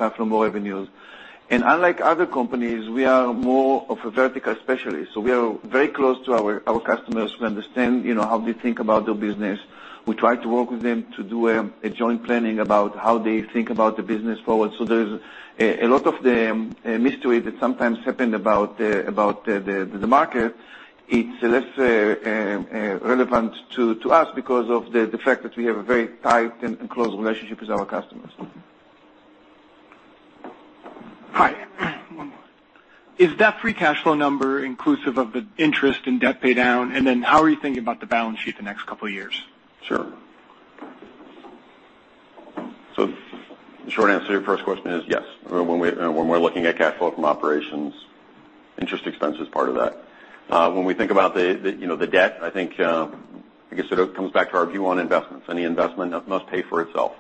revenues. Unlike other companies, we are more of a vertical specialist. We are very close to our customers. We understand how they think about their business. We try to work with them to do a joint planning about how they think about the business forward. There's a lot of the mystery that sometimes happen about the market. It's less relevant to us because of the fact that we have a very tight and close relationship with our customers. Hi. One more. Is that free cash flow number inclusive of the interest and debt paydown? How are you thinking about the balance sheet the next couple of years? Sure. The short answer to your first question is yes. When we're looking at cash flow from operations, interest expense is part of that. When we think about the debt, I think it comes back to our view on investments. Any investment must pay for itself.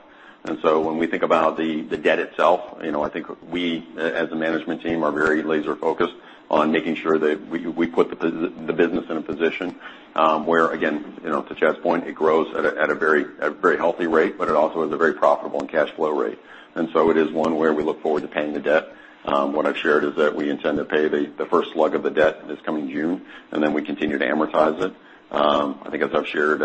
When we think about the debt itself, I think we, as a management team, are very laser-focused on making sure that we put the business in a position where, again, to Chad's point, it grows at a very healthy rate, but it also has a very profitable and cash flow rate. It is one where we look forward to paying the debt. What I've shared is that we intend to pay the first slug of the debt this coming June, and then we continue to amortize it. I think as I've shared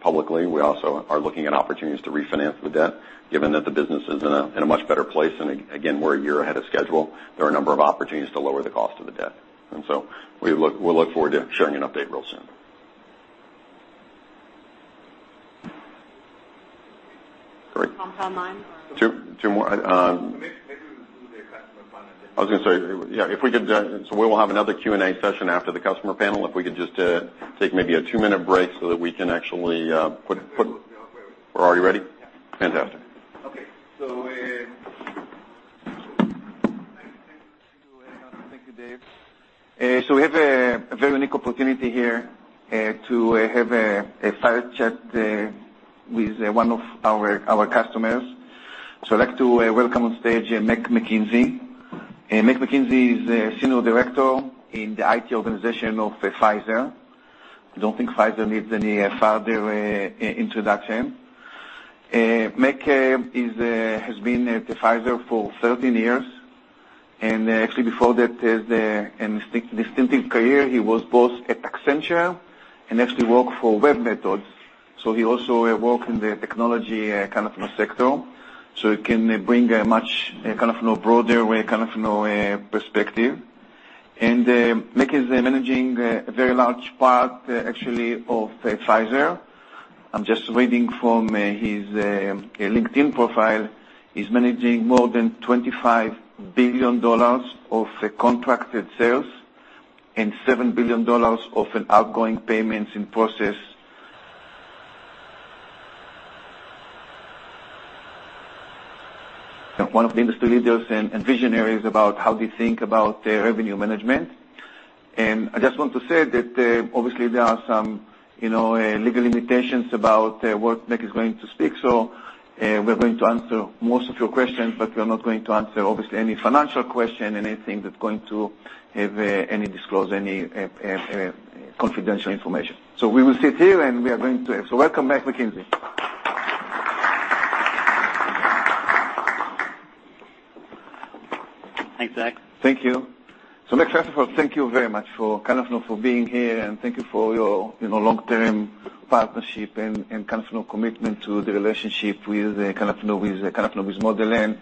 publicly, we also are looking at opportunities to refinance the debt, given that the business is in a much better place and again, we're a year ahead of schedule. There are a number of opportunities to lower the cost of the debt. We'll look forward to sharing an update real soon. Great. Model N. Two more. Maybe we conclude the customer panel. I was going to say, yeah. We will have another Q&A session after the customer panel. If we could just take maybe a two-minute break so that we can actually. They're very ready. Are you ready? Yeah. Fantastic. Okay. Thank you, Dave. We have a very unique opportunity here to have a fireside chat with one of our customers. I'd like to welcome on stage, Nick McKinley. Nick McKinley is a senior director in the IT organization of Pfizer. I don't think Pfizer needs any further introduction. Nick has been at Pfizer for 13 years, and actually before that, in a distinctive career, he was both at Accenture and actually worked for webMethods. He also worked in the technology kind of sector, so he can bring a much broader perspective. McKinley is managing a very large part, actually, of Pfizer. I'm just reading from his LinkedIn profile. He's managing more than $25 billion of contracted sales and $7 billion of outgoing payments in process. One of the industry leaders and visionaries about how they think about their revenue management. I just want to say that obviously there are some legal limitations about what Nick is going to speak. We're going to answer most of your questions, but we're not going to answer, obviously, any financial question, anything that's going to disclose any confidential information. We will sit here, and we are going to welcome, Nick McKinley. Thanks, Zack. Thank you. Nick, first of all, thank you very much for being here, and thank you for your long-term partnership and commitment to the relationship with Model N.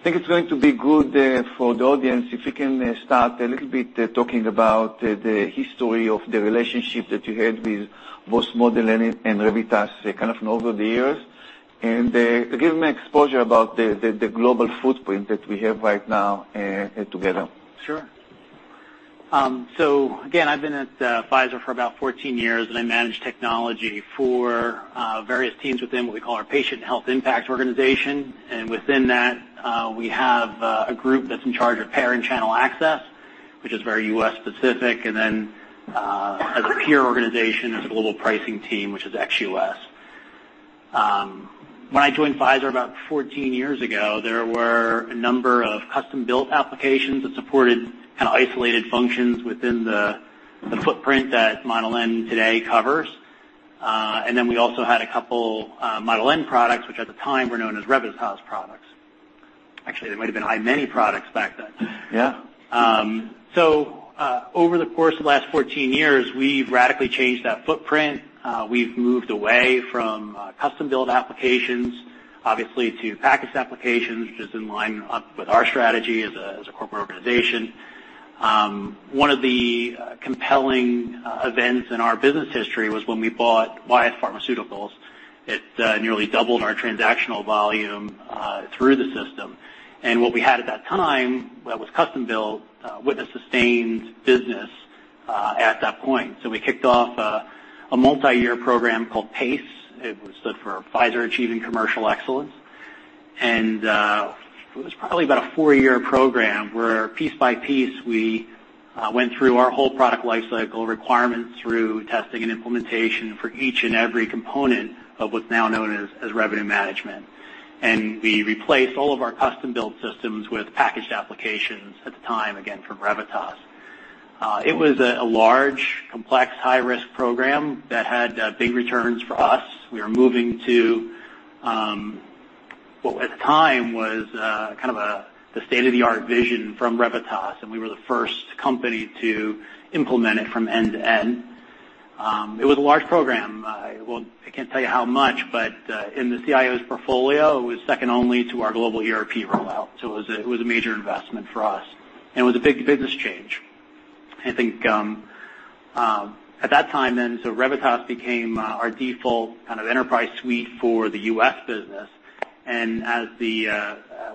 I think it's going to be good for the audience if we can start a little bit talking about the history of the relationship that you had with both Model N and Revitas kind of over the years, and give them exposure about the global footprint that we have right now together. Sure. I've been at Pfizer for about 14 years, and I manage technology for various teams within what we call our Patient Health Impact Organization. Within that, we have a group that's in charge of payer and channel access, which is very U.S.-specific, and then as a peer organization, there's a global pricing team, which is ex-U.S. When I joined Pfizer about 14 years ago, there were a number of custom-built applications that supported kind of isolated functions within the footprint that Model N today covers. Then we also had a couple Model N products, which at the time were known as Revitas products. Actually, they might've been iMany products back then. Yeah. Over the course of the last 14 years, we've radically changed that footprint. We've moved away from custom-built applications, obviously, to packaged applications, which is in line with our strategy as a corporate organization. One of the compelling events in our business history was when we bought Wyeth Pharmaceuticals. It nearly doubled our transactional volume through the system. What we had at that time was custom-built with a sustained business at that point. We kicked off a multi-year program called PACE. It stood for Pfizer Achieving Commercial Excellence. It was probably about a four-year program where piece by piece, we went through our whole product life cycle requirements through testing and implementation for each and every component of what's now known as revenue management. We replaced all of our custom-built systems with packaged applications at the time, again, from Revitas. It was a large, complex, high-risk program that had big returns for us. We were moving to what, at the time, was kind of the state-of-the-art vision from Revitas, and we were the first company to implement it from end to end. It was a large program. Well, I can't tell you how much, but in the CIO's portfolio, it was second only to our global ERP rollout. It was a major investment for us, and it was a big business change. I think at that time, then, Revitas became our default kind of enterprise suite for the U.S. business.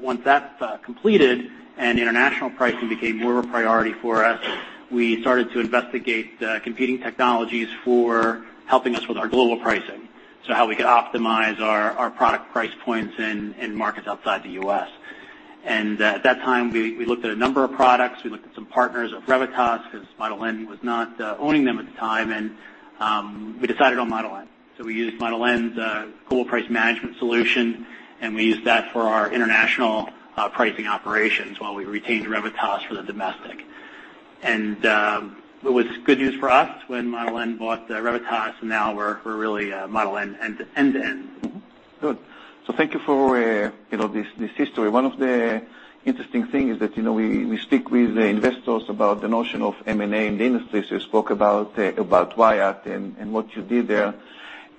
Once that completed and international pricing became more of a priority for us, we started to investigate competing technologies for helping us with our global pricing. How we could optimize our product price points in markets outside the U.S. At that time, we looked at a number of products. We looked at some partners of Revitas because Model N was not owning them at the time, and we decided on Model N. We used Model N's Global Price Management solution, and we used that for our international pricing operations while we retained Revitas for the domestic. It was good news for us when Model N bought Revitas, and now we're really Model N end to end. Good. Thank you for this history. One of the interesting things is that we speak with the investors about the notion of M&A in the industry. You spoke about Wyeth and what you did there.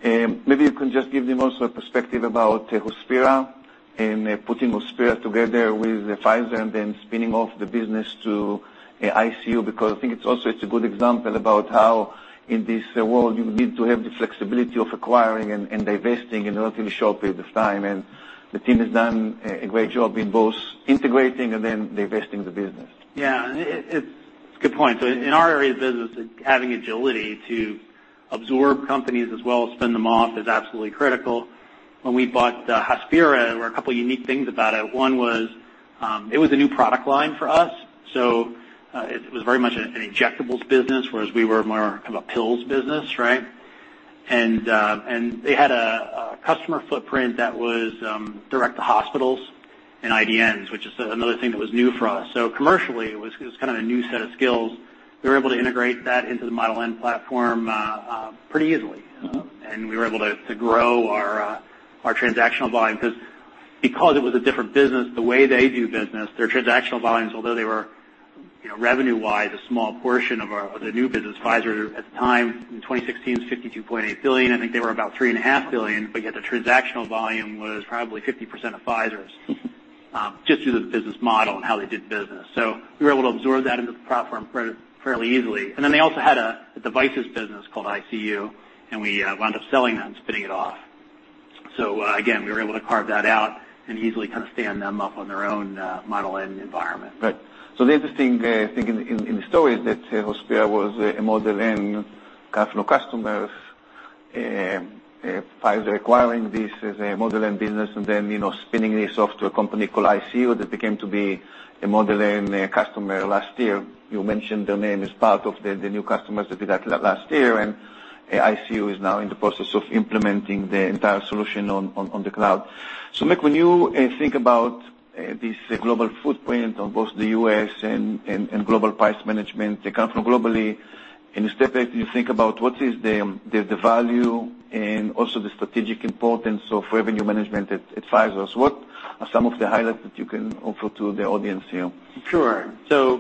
Maybe you can just give them also a perspective about Hospira and putting Hospira together with Pfizer and then spinning off the business to ICU, because I think it is also a good example about how in this world you need to have the flexibility of acquiring and divesting in a relatively short period of time. The team has done a great job in both integrating and then divesting the business. Yeah. It is a good point. In our area of business, having agility to absorb companies as well as spin them off is absolutely critical. When we bought Hospira, there were a couple unique things about it. One was, it was a new product line for us, it was very much an injectables business, whereas we were more of a pills business, right? They had a customer footprint that was direct to hospitals and IDNs, which is another thing that was new for us. Commercially, it was kind of a new set of skills. We were able to integrate that into the Model N platform pretty easily. We were able to grow our transactional volume because it was a different business, the way they do business, their transactional volumes, although they were revenue-wise, a small portion of the new business, Pfizer at the time in 2016 was $52.8 billion. I think they were about $3.5 billion, but yet the transactional volume was probably 50% of Pfizer's. Just through the business model and how they did business. We were able to absorb that into the platform fairly easily. Then they also had a devices business called ICU, and we wound up selling that and spinning it off. Again, we were able to carve that out and easily kind of stand them up on their own Model N environment. Right. The interesting thing in the story is that Hospira was a Model N kind of customer. Pfizer acquiring this as a Model N business and then spinning this off to a company called ICU that became to be a Model N customer last year. You mentioned their name as part of the new customers that we got last year, and ICU is now in the process of implementing the entire solution on the cloud. Mick, when you think about this global footprint of both the U.S. and Global Price Management, they come from globally, in a step back, you think about what is the value and also the strategic importance of revenue management at Pfizer. What are some of the highlights that you can offer to the audience here?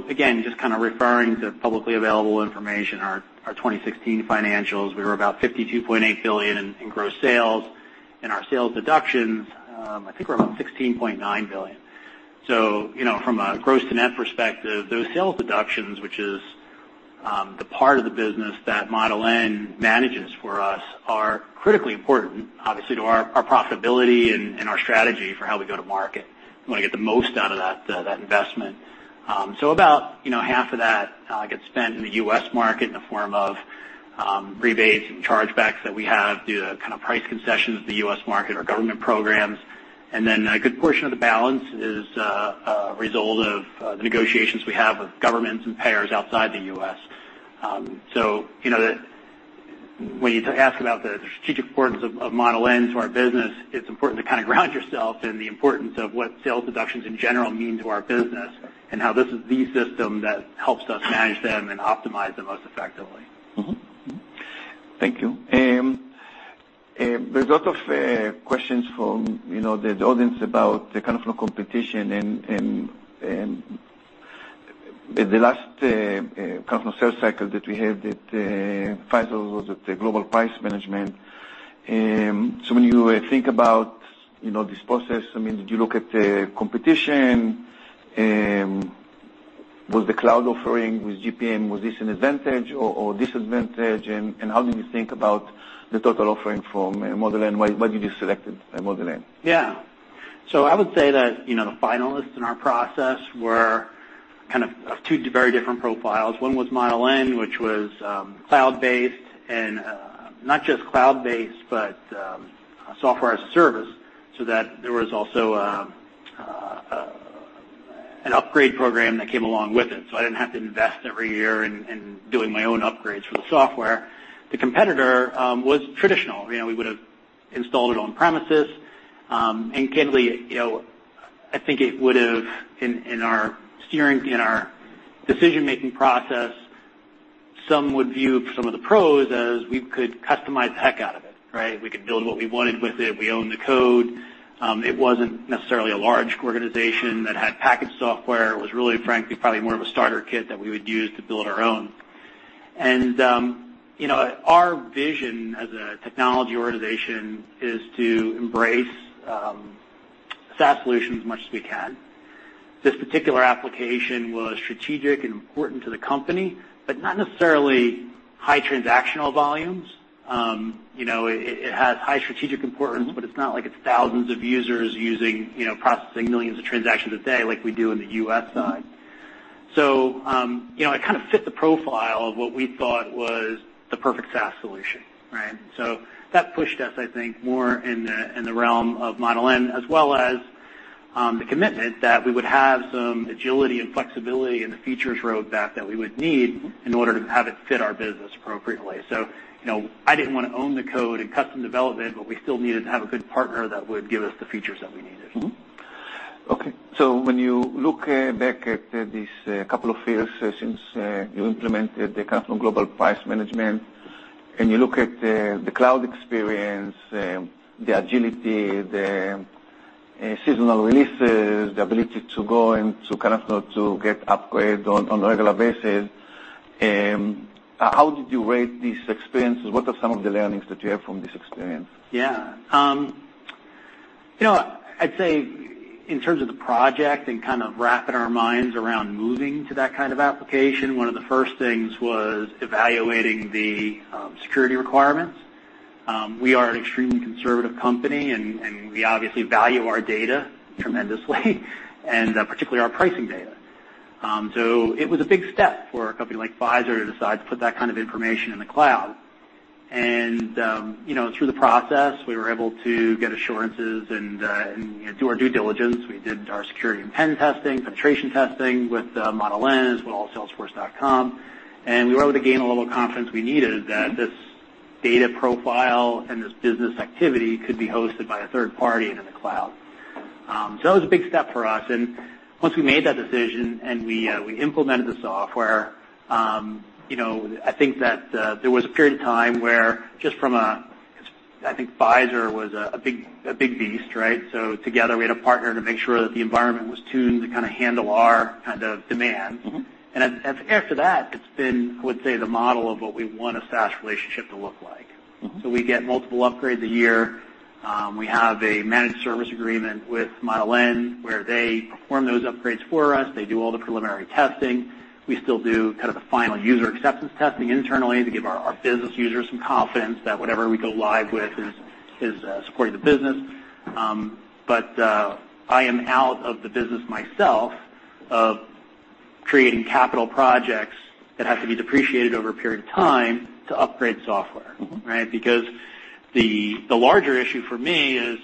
Again, just referring to publicly available information, our 2016 financials, we were about $52.8 billion in gross sales. In our sales deductions, we are about $16.9 billion. From a gross to net perspective, those sales deductions, which is the part of the business that Model N manages for us, are critically important, obviously, to our profitability and our strategy for how we go to market. We want to get the most out of that investment. About half of that gets spent in the U.S. market in the form of rebates and chargebacks that we have due to price concessions in the U.S. market or government programs. A good portion of the balance is a result of the negotiations we have with governments and payers outside the U.S. When you ask about the strategic importance of Model N to our business, it's important to ground yourself in the importance of what sales deductions in general mean to our business, and how this is the system that helps us manage them and optimize the most effectively. Thank you. There's a lot of questions from the audience about the competition in the last sales cycle that we had, that Pfizer was at the Global Price Management. When you think about this process, did you look at the competition? Was the cloud offering with GPM, was this an advantage or disadvantage? How did you think about the total offering from Model N? Why did you select Model N? I would say that, the finalists in our process were two very different profiles. One was Model N, which was cloud-based, and not just cloud-based, but a Software as a Service, there was also an upgrade program that came along with it. I didn't have to invest every year in doing my own upgrades for the software. The competitor was traditional. We would've installed it on premises. Candidly, in our decision-making process, some would view some of the pros as we could customize the heck out of it, right? We could build what we wanted with it. We own the code. It wasn't necessarily a large organization that had packaged software. It was really, frankly, probably more of a starter kit that we would use to build our own. Our vision as a technology organization is to embrace SaaS solutions as much as we can. This particular application was strategic and important to the company, but not necessarily high transactional volumes. It has high strategic importance, but it's not like it's thousands of users using, processing millions of transactions a day like we do in the U.S. side. It kind of fit the profile of what we thought was the perfect SaaS solution, right? That pushed us, I think, more in the realm of Model N, as well as the commitment that we would have some agility and flexibility in the features roadmap that we would need in order to have it fit our business appropriately. I didn't want to own the code in custom development, but we still needed to have a good partner that would give us the features that we needed. When you look back at this couple of years since you implemented the kind of Global Price Management, and you look at the cloud experience, the agility, the seasonal releases, the ability to go and to get upgrades on a regular basis, how did you rate these experiences? What are some of the learnings that you have from this experience? I'd say in terms of the project and kind of wrapping our minds around moving to that kind of application, one of the first things was evaluating the security requirements. We are an extremely conservative company, and we obviously value our data tremendously, and particularly our pricing data. It was a big step for a company like Pfizer to decide to put that kind of information in the cloud. Through the process, we were able to get assurances and do our due diligence. We did our security and pen testing, penetration testing with Model N, as with all salesforce.com. We were able to gain a little confidence we needed that this data profile and this business activity could be hosted by a third party and in the cloud. That was a big step for us. Once we made that decision and we implemented the software, there was a period of time where Pfizer was a big beast, right? Together, we had a partner to make sure that the environment was tuned to kind of handle our kind of demand. After that, it's been, I would say, the model of what we want a SaaS relationship to look like. We get multiple upgrades a year. We have a managed service agreement with Model N, where they perform those upgrades for us. They do all the preliminary testing. We still do the final user acceptance testing internally to give our business users some confidence that whatever we go live with is supporting the business. I am out of the business myself of creating capital projects that have to be depreciated over a period of time to upgrade software. The larger issue for me is,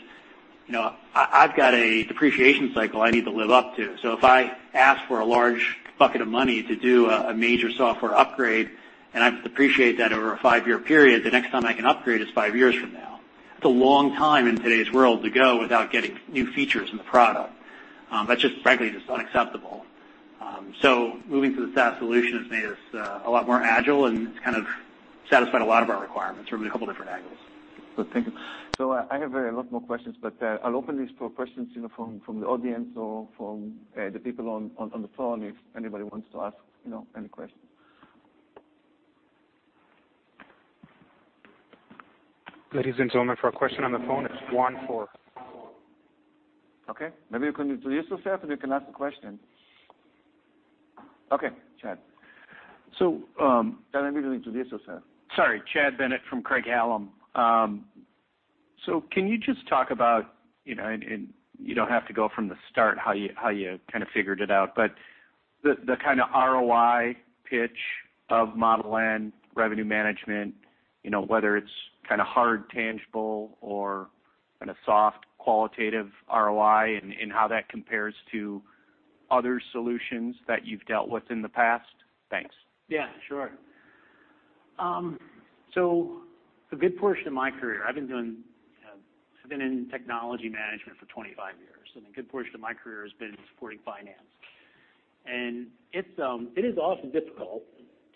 I've got a depreciation cycle I need to live up to. If I ask for a large bucket of money to do a major software upgrade, and I have to depreciate that over a five-year period, the next time I can upgrade is five years from now. That's a long time in today's world to go without getting new features in the product. That's frankly just unacceptable. Moving to the SaaS solution has made us a lot more agile, and it's satisfied a lot of our requirements from a couple different angles. Thank you. I have a lot more questions, but I'll open this for questions from the audience or from the people on the phone if anybody wants to ask any questions. Ladies and gentlemen, for a question on the phone, it's one four. Okay. Maybe you can introduce yourself, and you can ask the question. Okay, Chad. Let me introduce yourself. Sorry, Chad Bennett from Craig-Hallum. Can you just talk about, and you don't have to go from the start how you figured it out, but the kind of ROI pitch of Model N revenue management, whether it's kind of hard, tangible, or kind of soft, qualitative ROI and how that compares to other solutions that you've dealt with in the past? Thanks. Yeah, sure. A good portion of my career, I've been in technology management for 25 years. A good portion of my career has been supporting finance. It is often difficult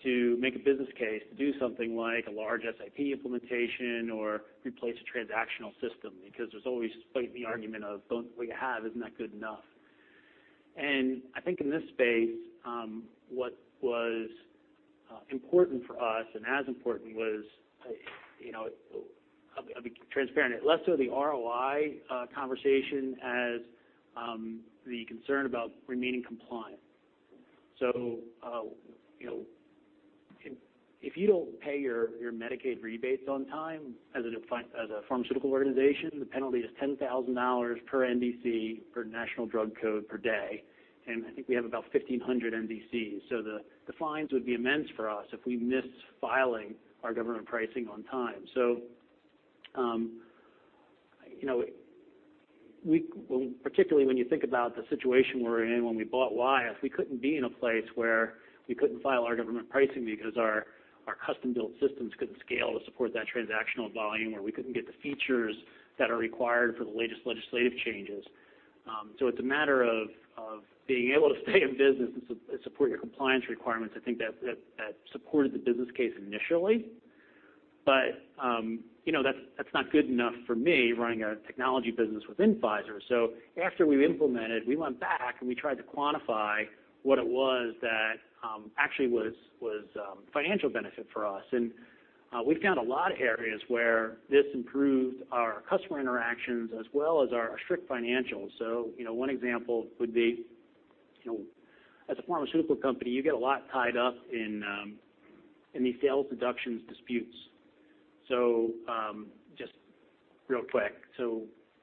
to make a business case to do something like a large SAP implementation or replace a transactional system, because there's always the argument of, "Don't we have? Isn't that good enough?" I think in this space, what was important for us and as important was, I'll be transparent, less of the ROI conversation as the concern about remaining compliant. If you don't pay your Medicaid rebates on time as a pharmaceutical organization, the penalty is $10,000 per NDC, per National Drug Code, per day. I think we have about 1,500 NDCs. The fines would be immense for us if we missed filing our government pricing on time. Particularly when you think about the situation we were in when we bought Wyeth, we couldn't be in a place where we couldn't file our government pricing because our custom-built systems couldn't scale to support that transactional volume, or we couldn't get the features that are required for the latest legislative changes. It's a matter of being able to stay in business and support your compliance requirements. I think that supported the business case initially. That's not good enough for me running a technology business within Pfizer. After we implemented, we went back, and we tried to quantify what it was that actually was a financial benefit for us. We found a lot of areas where this improved our customer interactions as well as our strict financials. One example would be, as a pharmaceutical company, you get a lot tied up in these sales deductions disputes. Just real quick.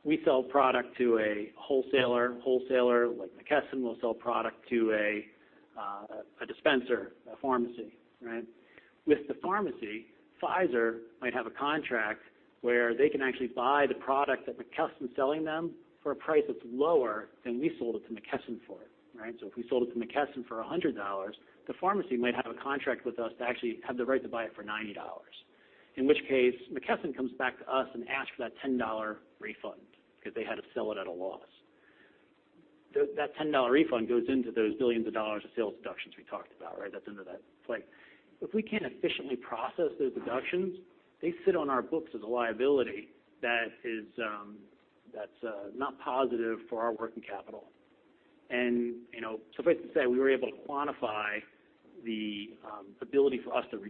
We sell product to a wholesaler. Wholesaler, like McKesson, will sell product to a dispenser, a pharmacy. With the pharmacy, Pfizer might have a contract where they can actually buy the product that McKesson's selling them for a price that's lower than we sold it to McKesson for. If we sold it to McKesson for $100, the pharmacy might have a contract with us to actually have the right to buy it for $90. In which case, McKesson comes back to us and asks for that $10 refund because they had to sell it at a loss. That $10 refund goes into those billions of dollars of sales deductions we talked about. That's into that plate. If we can't efficiently process those deductions, they sit on our books as a liability that's not positive for our working capital. Suffice to say, we were able to quantify the ability for us to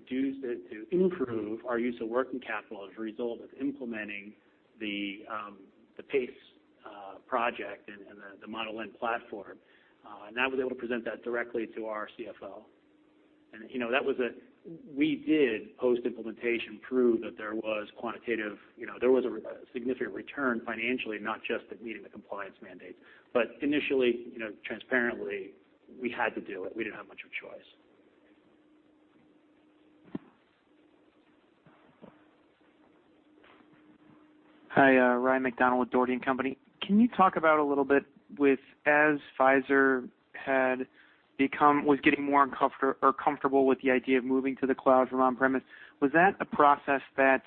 improve our use of working capital as a result of implementing the PACE project and the Model N platform. I was able to present that directly to our CFO. We did, post-implementation, prove that there was a significant return financially, not just at meeting the compliance mandate. Initially, transparently, we had to do it. We didn't have much of a choice. Hi, Ryan MacDonald with Dougherty & Company. Can you talk about a little bit with, as Pfizer was getting more comfortable with the idea of moving to the cloud from on-premise, was that a process that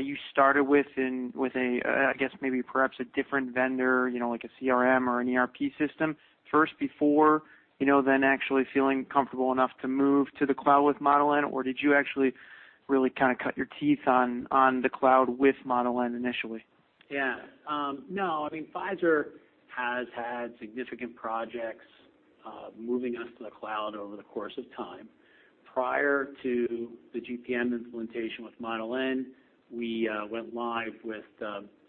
you started with, I guess maybe perhaps a different vendor, like a CRM or an ERP system first before then actually feeling comfortable enough to move to the cloud with Model N? Or did you actually really cut your teeth on the cloud with Model N initially? No. Pfizer has had significant projects moving us to the cloud over the course of time. Prior to the GPM implementation with Model N, we went live with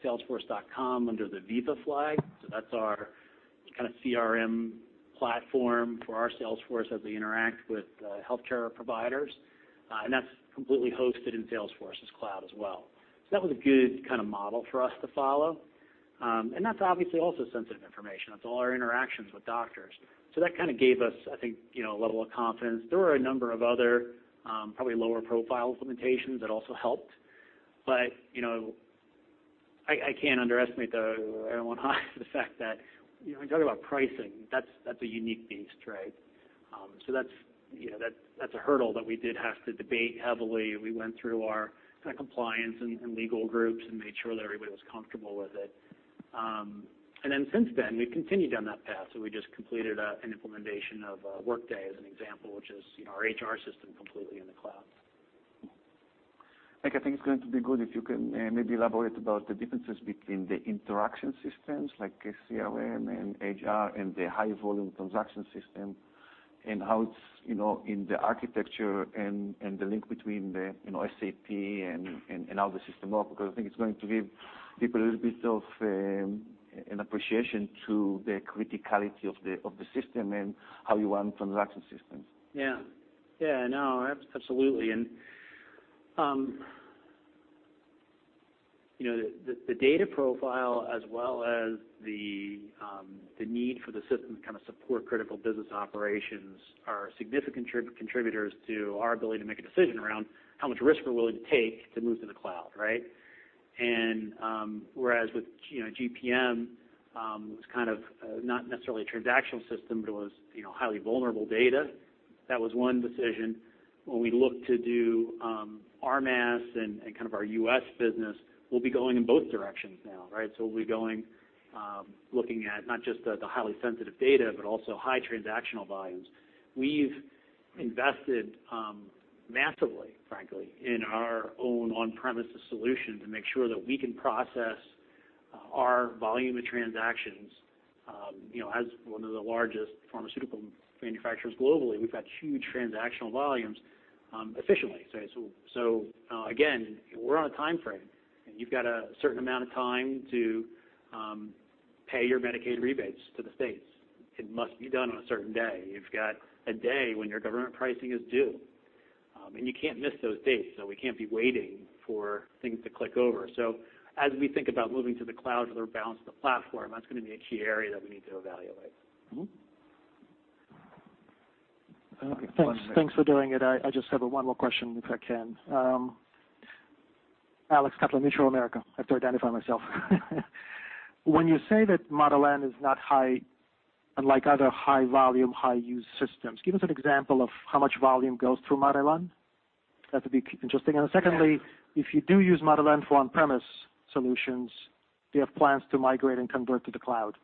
salesforce.com under the Veeva flag. That's our CRM platform for our sales force as they interact with healthcare providers. That's completely hosted in Salesforce's cloud as well. That was a good model for us to follow. That's obviously also sensitive information. That's all our interactions with doctors. That gave us, I think, a level of confidence. There were a number of other, probably lower profile implementations that also helped. I can't underestimate the fact that, when you talk about pricing, that's a unique beast, right? That's a hurdle that we did have to debate heavily. We went through our compliance and legal groups and made sure that everybody was comfortable with it. Since then, we've continued down that path. We just completed an implementation of Workday as an example, which is our HR system completely in the cloud. Nick, I think it's going to be good if you can maybe elaborate about the differences between the interaction systems like CRM and HR and the high volume transaction system and how it's in the architecture and the link between the SAP and how the system works, because I think it's going to give people a little bit of an appreciation to the criticality of the system and how you run transaction systems. Yeah. No, absolutely. The data profile as well as the need for the system to support critical business operations are significant contributors to our ability to make a decision around how much risk we're willing to take to move to the cloud, right? Whereas with GPM, it was not necessarily a transactional system, but it was highly vulnerable data. That was one decision. When we look to do RMS and our U.S. business, we'll be going in both directions now, right? We'll be looking at not just the highly sensitive data, but also high transactional volumes. We've invested massively, frankly, in our own on-premises solution to make sure that we can process our volume of transactions. As one of the largest pharmaceutical manufacturers globally, we've got huge transactional volumes, efficiently. Again, we're on a timeframe, and you've got a certain amount of time to pay your Medicaid rebates to the states. It must be done on a certain day. You've got a day when your government pricing is due. You can't miss those dates, we can't be waiting for things to click over. As we think about moving to the cloud or the balance of the platform, that's going to be a key area that we need to evaluate. Thanks for doing it. I just have one more question, if I can. Alex Cutler, Mutual America. I have to identify myself. When you say that Model N is not high, unlike other high volume, high use systems, give us an example of how much volume goes through Model N. That'd be interesting. Secondly, if you do use Model N for on-premise solutions, do you have plans to migrate and convert to the cloud?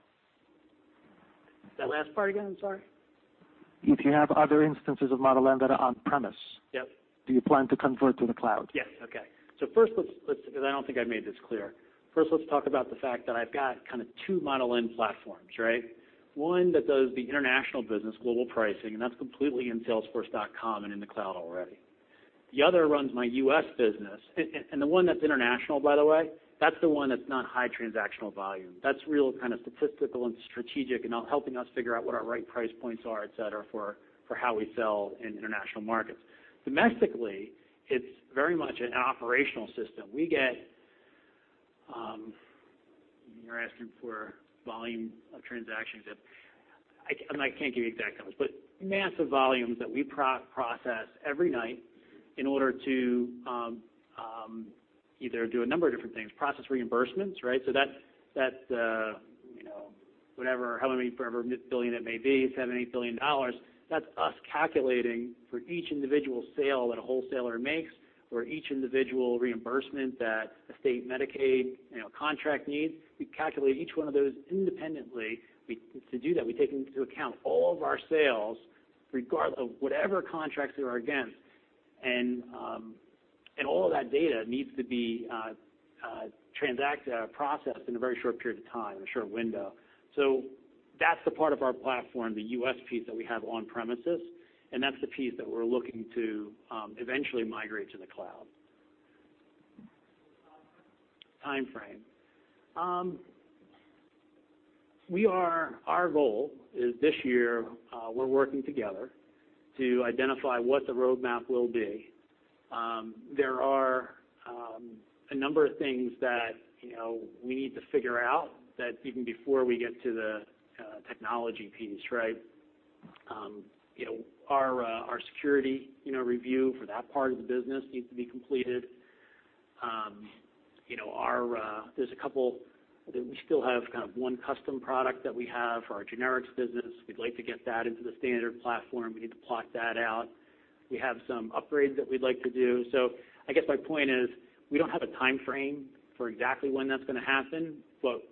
That last part again? I'm sorry. If you have other instances of Model N that are on-premise, Yep. do you plan to convert to the cloud? Yes. Okay. First, because I don't think I've made this clear. First, let's talk about the fact that I've got two Model N platforms, right? One that does the international business global pricing, and that's completely in salesforce.com and in the cloud already. The other runs my U.S. business. The one that's international, by the way, that's the one that's not high transactional volume. That's real statistical and strategic and helping us figure out what our right price points are, et cetera, for how we sell in international markets. Domestically, it's very much an operational system. You're asking for volume of transactions. I can't give you exact numbers, but massive volumes that we process every night in order to either do a number of different things, process reimbursements, right? That, however billion it may be, $7 billion or $8 billion, that's us calculating for each individual sale that a wholesaler makes or each individual reimbursement that a state Medicaid contract needs. We calculate each one of those independently. To do that, we take into account all of our sales, regardless of whatever contracts they are against. All of that data needs to be processed in a very short period of time, in a short window. That's the part of our platform, the U.S. piece that we have on premises, and that's the piece that we're looking to eventually migrate to the cloud. Timeframe? Timeframe. Our goal is this year, we're working together to identify what the roadmap will be. There are a number of things that we need to figure out that even before we get to the technology piece, right? Our security review for that part of the business needs to be completed. We still have one custom product that we have for our generics business. We'd like to get that into the standard platform. We need to plot that out. We have some upgrades that we'd like to do. I guess my point is, we don't have a timeframe for exactly when that's going to happen.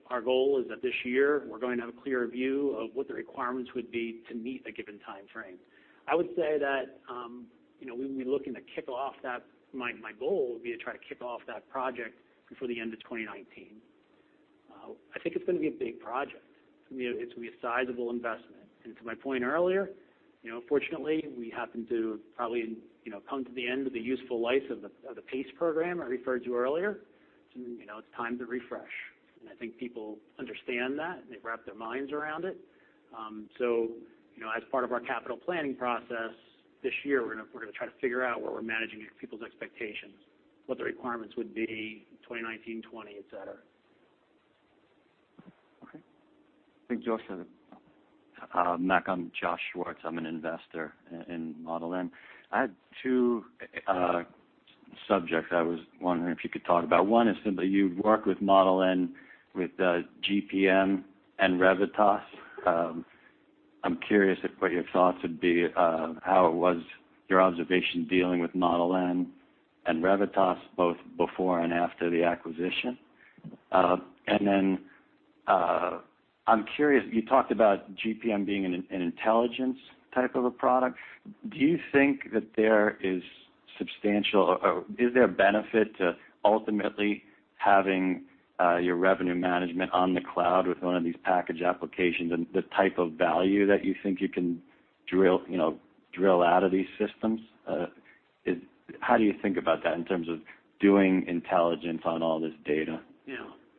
Our goal is that this year, we're going to have a clearer view of what the requirements would be to meet a given timeframe. I would say that, my goal would be to try to kick off that project before the end of 2019. I think it's going to be a big project. It's going to be a sizable investment. To my point earlier, fortunately, we happen to probably come to the end of the useful life of the PACE program I referred to earlier. It's time to refresh. I think people understand that, and they've wrapped their minds around it. As part of our capital planning process this year, we're going to try to figure out where we're managing people's expectations, what the requirements would be in 2019, 2020, et cetera. Okay. I think Josh had a Mac. I'm Josh Schwartz. I'm an investor in Model N. I had two subjects I was wondering if you could talk about. One is simply, you've worked with Model N, with GPM and Revitas. I'm curious what your thoughts would be of how it was, your observation dealing with Model N and Revitas, both before and after the acquisition. Then I'm curious, you talked about GPM being an intelligence type of a product. Do you think that there is a benefit to ultimately having your revenue management on the cloud with one of these package applications, and the type of value that you think you can drill out of these systems? How do you think about that in terms of doing intelligence on all this data? Yeah.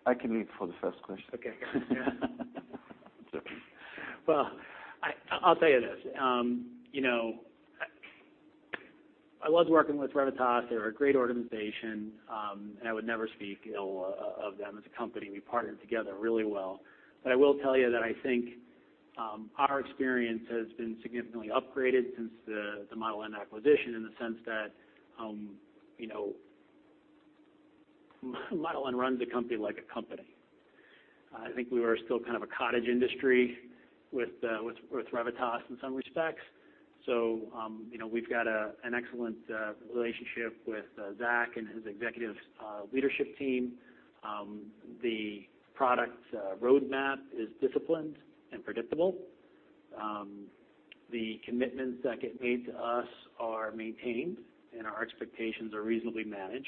I can lead for the first question. Okay. It's okay. Well, I'll tell you this. I loved working with Revitas. They're a great organization. I would never speak ill of them as a company. We partnered together really well. I will tell you that I think our experience has been significantly upgraded since the Model N acquisition in the sense that, Model N runs a company like a company. I think we were still kind of a cottage industry with Revitas in some respects. We've got an excellent relationship with Zack and his executive leadership team. The product roadmap is disciplined and predictable. The commitments that get made to us are maintained. Our expectations are reasonably managed.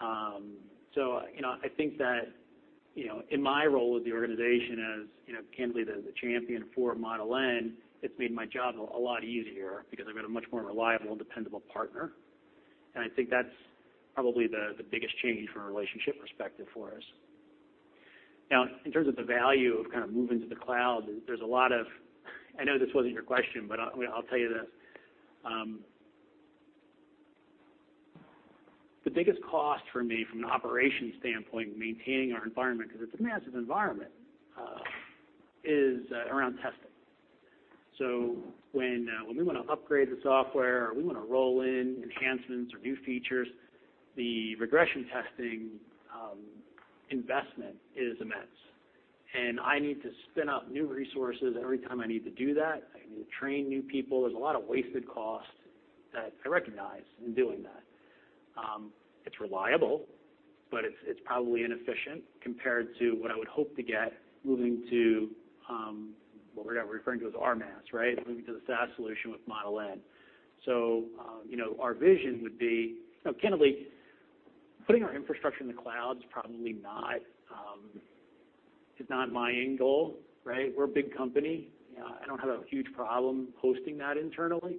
I think that, in my role with the organization as candidly the champion for Model N, it's made my job a lot easier because I've got a much more reliable and dependable partner, and I think that's probably the biggest change from a relationship perspective for us. In terms of the value of kind of moving to the cloud, I know this wasn't your question, but I'll tell you this. The biggest cost for me from an operations standpoint, maintaining our environment, because it's a massive environment, is around testing. When we want to upgrade the software or we want to roll in enhancements or new features, the regression testing investment is immense. I need to spin up new resources every time I need to do that. I need to train new people. There's a lot of wasted cost that I recognize in doing that. It's reliable, but it's probably inefficient compared to what I would hope to get moving to what we're now referring to as RMAS, right? Moving to the SaaS solution with Model N. Our vision would be, candidly, putting our infrastructure in the cloud is probably not my end goal, right? We're a big company. I don't have a huge problem hosting that internally.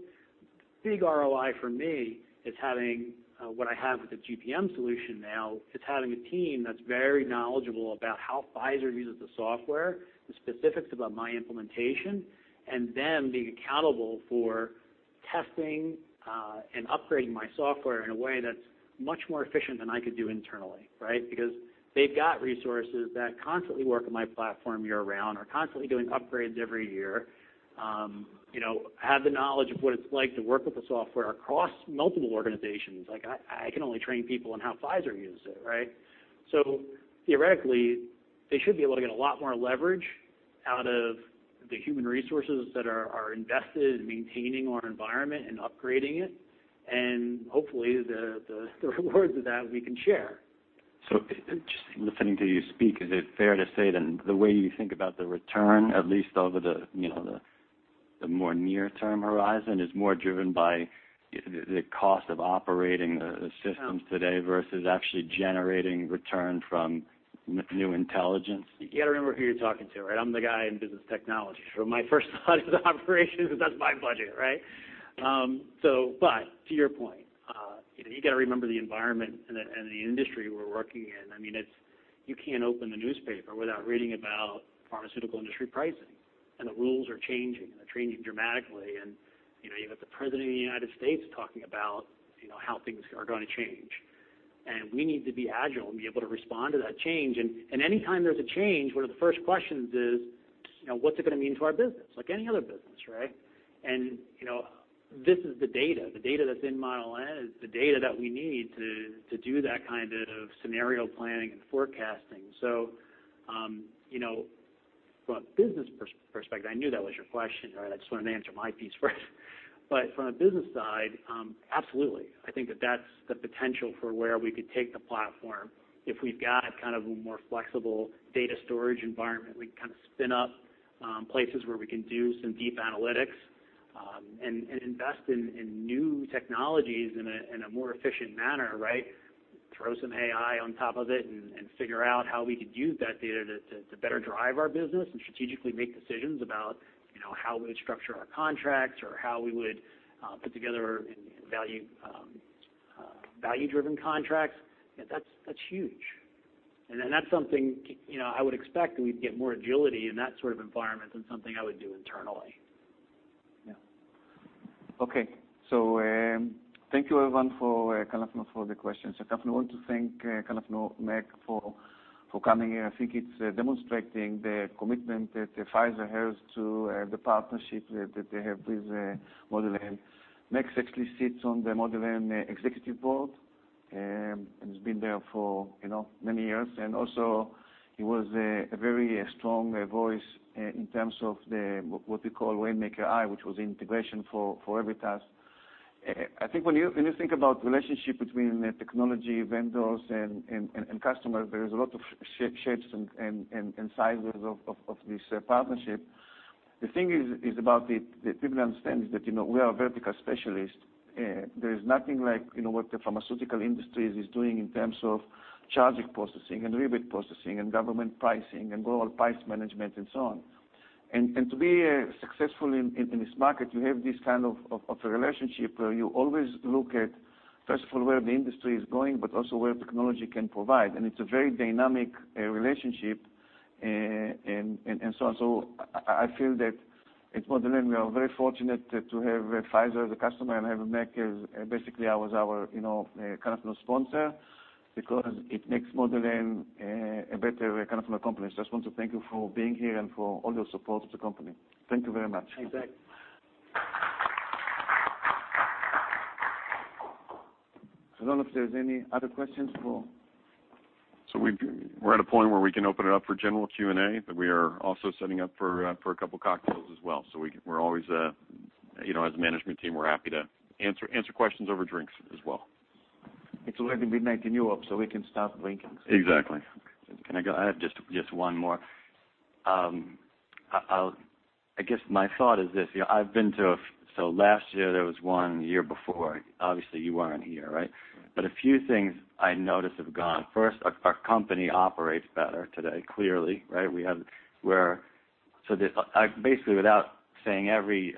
Big ROI for me is having what I have with the GPM solution now, is having a team that's very knowledgeable about how Pfizer uses the software, the specifics about my implementation, and them being accountable for testing, and upgrading my software in a way that's much more efficient than I could do internally, right? They've got resources that constantly work on my platform year-round or constantly doing upgrades every year, have the knowledge of what it's like to work with the software across multiple organizations. I can only train people on how Pfizer uses it, right? Theoretically, they should be able to get a lot more leverage out of the human resources that are invested in maintaining our environment and upgrading it. Hopefully the rewards of that we can share. Just listening to you speak, is it fair to say then, the way you think about the return, at least over the more near-term horizon, is more driven by the cost of operating the systems today versus actually generating return from new intelligence? You got to remember who you're talking to, right? I'm the guy in business technology, my first thought is operations because that's my budget, right? To your point, you got to remember the environment and the industry we're working in. You can't open the newspaper without reading about pharmaceutical industry pricing. The rules are changing, and they're changing dramatically. You got the President of the United States talking about how things are going to change. We need to be agile and be able to respond to that change. Any time there's a change, one of the first questions is, what's it going to mean to our business? Like any other business, right? This is the data. The data that's in Model N is the data that we need to do that kind of scenario planning and forecasting. From a business perspective, I knew that was your question, right? I just wanted to answer my piece first. From a business side, absolutely. I think that that's the potential for where we could take the platform. If we've got kind of a more flexible data storage environment, we can kind of spin up places where we can do some deep analytics. Invest in new technologies in a more efficient manner. Throw some AI on top of it and figure out how we could use that data to better drive our business and strategically make decisions about how we would structure our contracts or how we would put together value-driven contracts. That's huge. That's something I would expect that we'd get more agility in that sort of environment than something I would do internally. Yeah. Okay. Thank you everyone for the questions. I definitely want to thank Nick for coming here. I think it's demonstrating the commitment that Pfizer has to the partnership that they have with Model N. Nick actually sits on the Model N executive board, and has been there for many years. Also, he was a very strong voice in terms of the, what we call Rainmaker I, which was integration for Revitas. I think when you think about relationship between technology vendors and customers, there is a lot of shapes and sizes of this partnership. The thing is about the people understand is that, we are a vertical specialist. There is nothing like what the pharmaceutical industry is doing in terms of chargeback processing and rebate processing, and government pricing, and Global Price Management, and so on. To be successful in this market, you have this kind of a relationship where you always look at, first of all, where the industry is going, but also where technology can provide. It's a very dynamic relationship and so on. I feel that at Model N, we are very fortunate to have Pfizer as a customer and have Nick as basically as our sponsor, because it makes Model N a better kind of a company. I just want to thank you for being here and for all your support to the company. Thank you very much. Exactly. I don't know if there's any other questions for? We're at a point where we can open it up for general Q&A. We are also setting up for a couple cocktails as well. We're always, as a management team, we're happy to answer questions over drinks as well. It's already midnight in Europe. We can start drinking. Exactly. Can I go? I have just one more. I guess my thought is this. Last year there was one, the year before, obviously you weren't here, right? A few things I noticed have gone. First, our company operates better today, clearly, right? Basically without saying every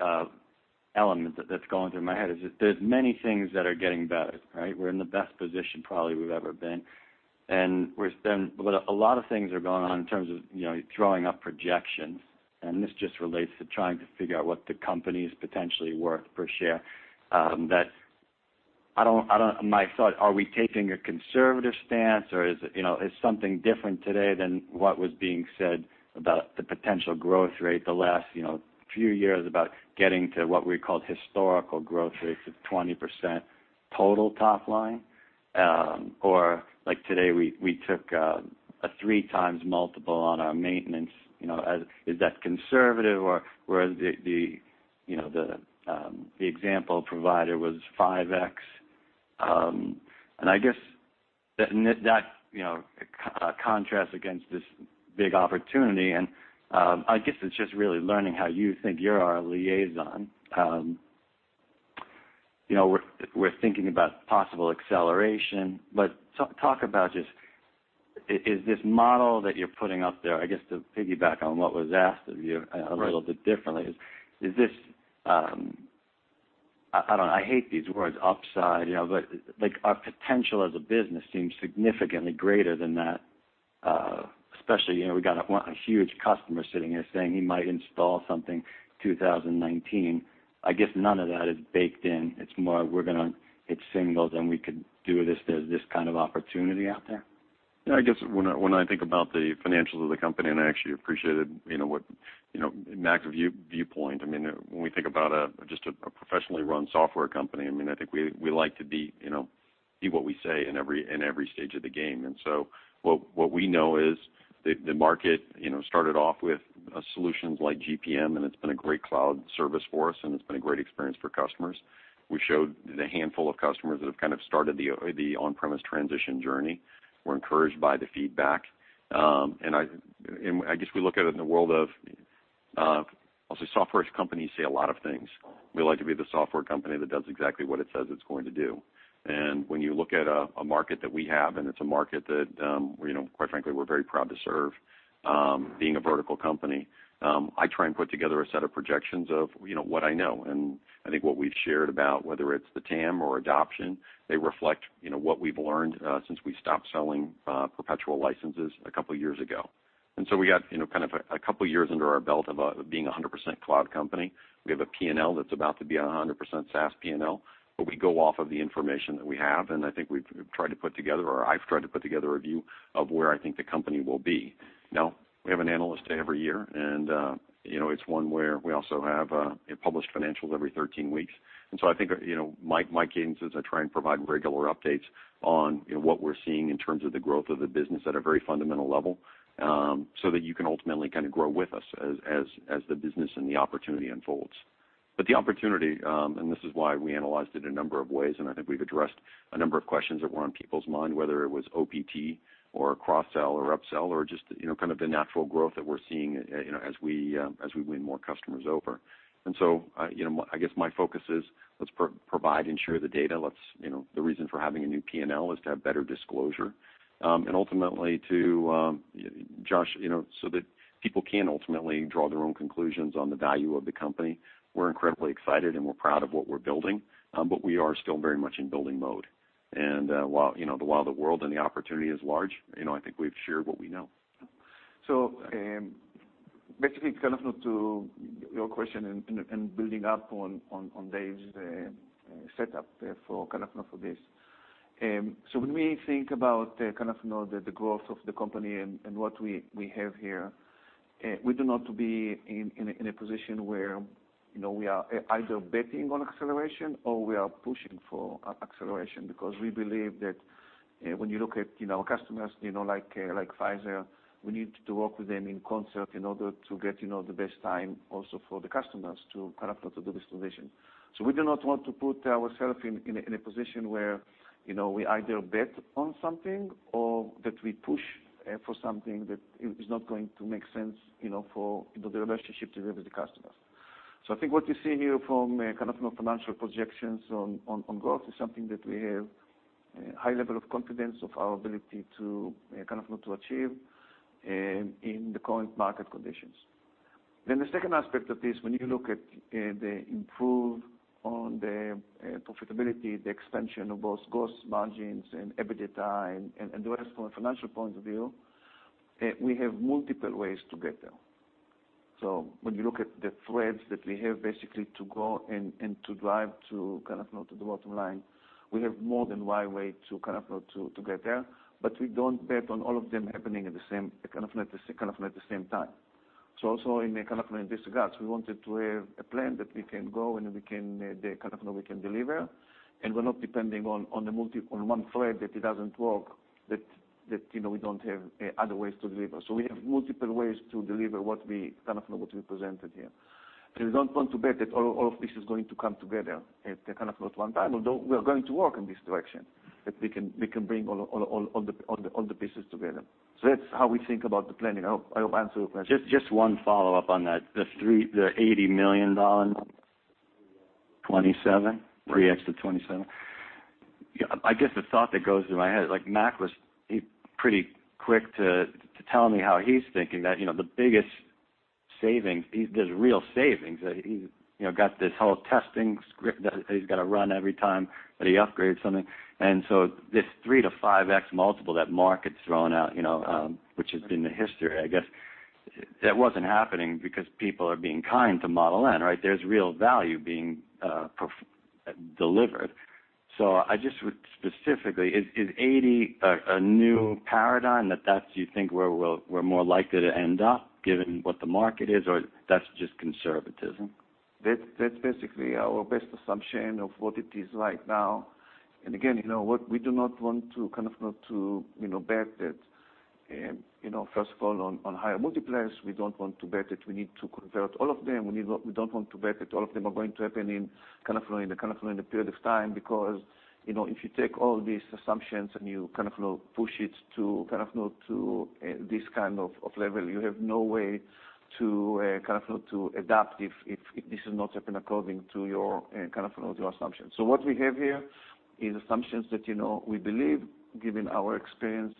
element that's going through my head, is just there's many things that are getting better. We're in the best position probably we've ever been. A lot of things are going on in terms of throwing up projections. This just relates to trying to figure out what the company's potentially worth per share. My thought, are we taking a conservative stance or is it something different today than what was being said about the potential growth rate the last few years about getting to what we called historical growth rates of 20% total top line? Like today, we took a 3x multiple on our maintenance. Is that conservative or whereas the example provided was 5x. That contrasts against this big opportunity, I guess it's just really learning how you think. You're our liaison. We're thinking about possible acceleration, talk about just, is this model that you're putting up there, I guess to piggyback on what was asked of you a little bit differently, is this, I hate these words, upside, but our potential as a business seems significantly greater than that. Especially, we got a huge customer sitting here saying he might install something 2019. I guess none of that is baked in. It's more we're going to hit singles and we could do this. There's this kind of opportunity out there. I guess when I think about the financials of the company, I actually appreciated Nick's viewpoint. When we think about just a professionally run software company, I think we like to be what we say in every stage of the game. What we know is the market started off with solutions like GPM, it's been a great cloud service for us, it's been a great experience for customers. We showed the handful of customers that have kind of started the on-premise transition journey. We're encouraged by the feedback. I guess we look at it in the world of, I'll say software companies say a lot of things. We like to be the software company that does exactly what it says it's going to do. When you look at a market that we have, it's a market that, quite frankly, we're very proud to serve, being a vertical company. I try and put together a set of projections of what I know. I think what we've shared about, whether it's the TAM or adoption, they reflect what we've learned since we stopped selling perpetual licenses a 2 years ago. We got kind of a 2 years under our belt of being 100% cloud company. We have a P&L that's about to be 100% SaaS P&L, we go off of the information that we have, I think we've tried to put together, or I've tried to put together a view of where I think the company will be. We have an Analyst Day every year, it's one where we also have published financials every 13 weeks. I think my cadence is I try and provide regular updates on what we're seeing in terms of the growth of the business at a very fundamental level, so that you can ultimately kind of grow with us as the business and the opportunity unfolds. The opportunity, this is why we analyzed it a number of ways, I think we've addressed a number of questions that were on people's mind, whether it was OPT, cross-sell, up-sell, or just kind of the natural growth that we're seeing as we win more customers over. I guess my focus is let's provide and share the data. The reason for having a new P&L is to have better disclosure. Ultimately, Josh, so that people can ultimately draw their own conclusions on the value of the company. We're incredibly excited, and we're proud of what we're building. We are still very much in building mode. The wider world and the opportunity is large, I think we've shared what we know. Basically, kind of to your question and building up on Dave's setup there for this. When we think about the growth of the company and what we have here, we do not want to be in a position where we are either betting on acceleration, or we are pushing for acceleration. Because we believe that when you look at customers like Pfizer, we need to work with them in concert in order to get the best time also for the customers to kind of go through the visualization. We do not want to put ourself in a position where we either bet on something or that we push for something that is not going to make sense for the relationship delivery to customers. I think what you see here from a financial projections on growth is something that we have a high level of confidence of our ability to achieve in the current market conditions. The second aspect of this, when you look at the improve on the profitability, the expansion of both gross margins and EBITDA and the rest from a financial point of view, we have multiple ways to get there. When you look at the threads that we have basically to go and to drive to the bottom line, we have more than one way to get there. We don't bet on all of them happening at the same time. Also in this regard, we wanted to have a plan that we can go and we can deliver, and we're not depending on one thread that it doesn't work, that we don't have other ways to deliver. We have multiple ways to deliver what we presented here. We don't want to bet that all of this is going to come together at one time, although we are going to work in this direction, that we can bring all the pieces together. That's how we think about the planning. I hope I answered your question. Just one follow-up on that. The $80 million, 27, (3x to 27). I guess the thought that goes through my head, like Nick was pretty quick to tell me how he's thinking. The biggest savings, there's real savings. He's got this whole testing script that he's got to run every time that he upgrades something. This 3 to 5x multiple that Mark had thrown out, which has been the history, I guess, that wasn't happening because people are being kind to Model N, right? There's real value being delivered. I just would specifically, is 80 a new paradigm that that's you think where we're more likely to end up given what the market is, or that's just conservatism? That's basically our best assumption of what it is right now. Again, we do not want to bet that first of all, on higher multipliers, we don't want to bet that we need to convert all of them. We don't want to bet that all of them are going to happen in a period of time, because if you take all these assumptions and you push it to this kind of level, you have no way to adapt if this does not happen according to your assumptions. What we have here is assumptions that we believe, given our experience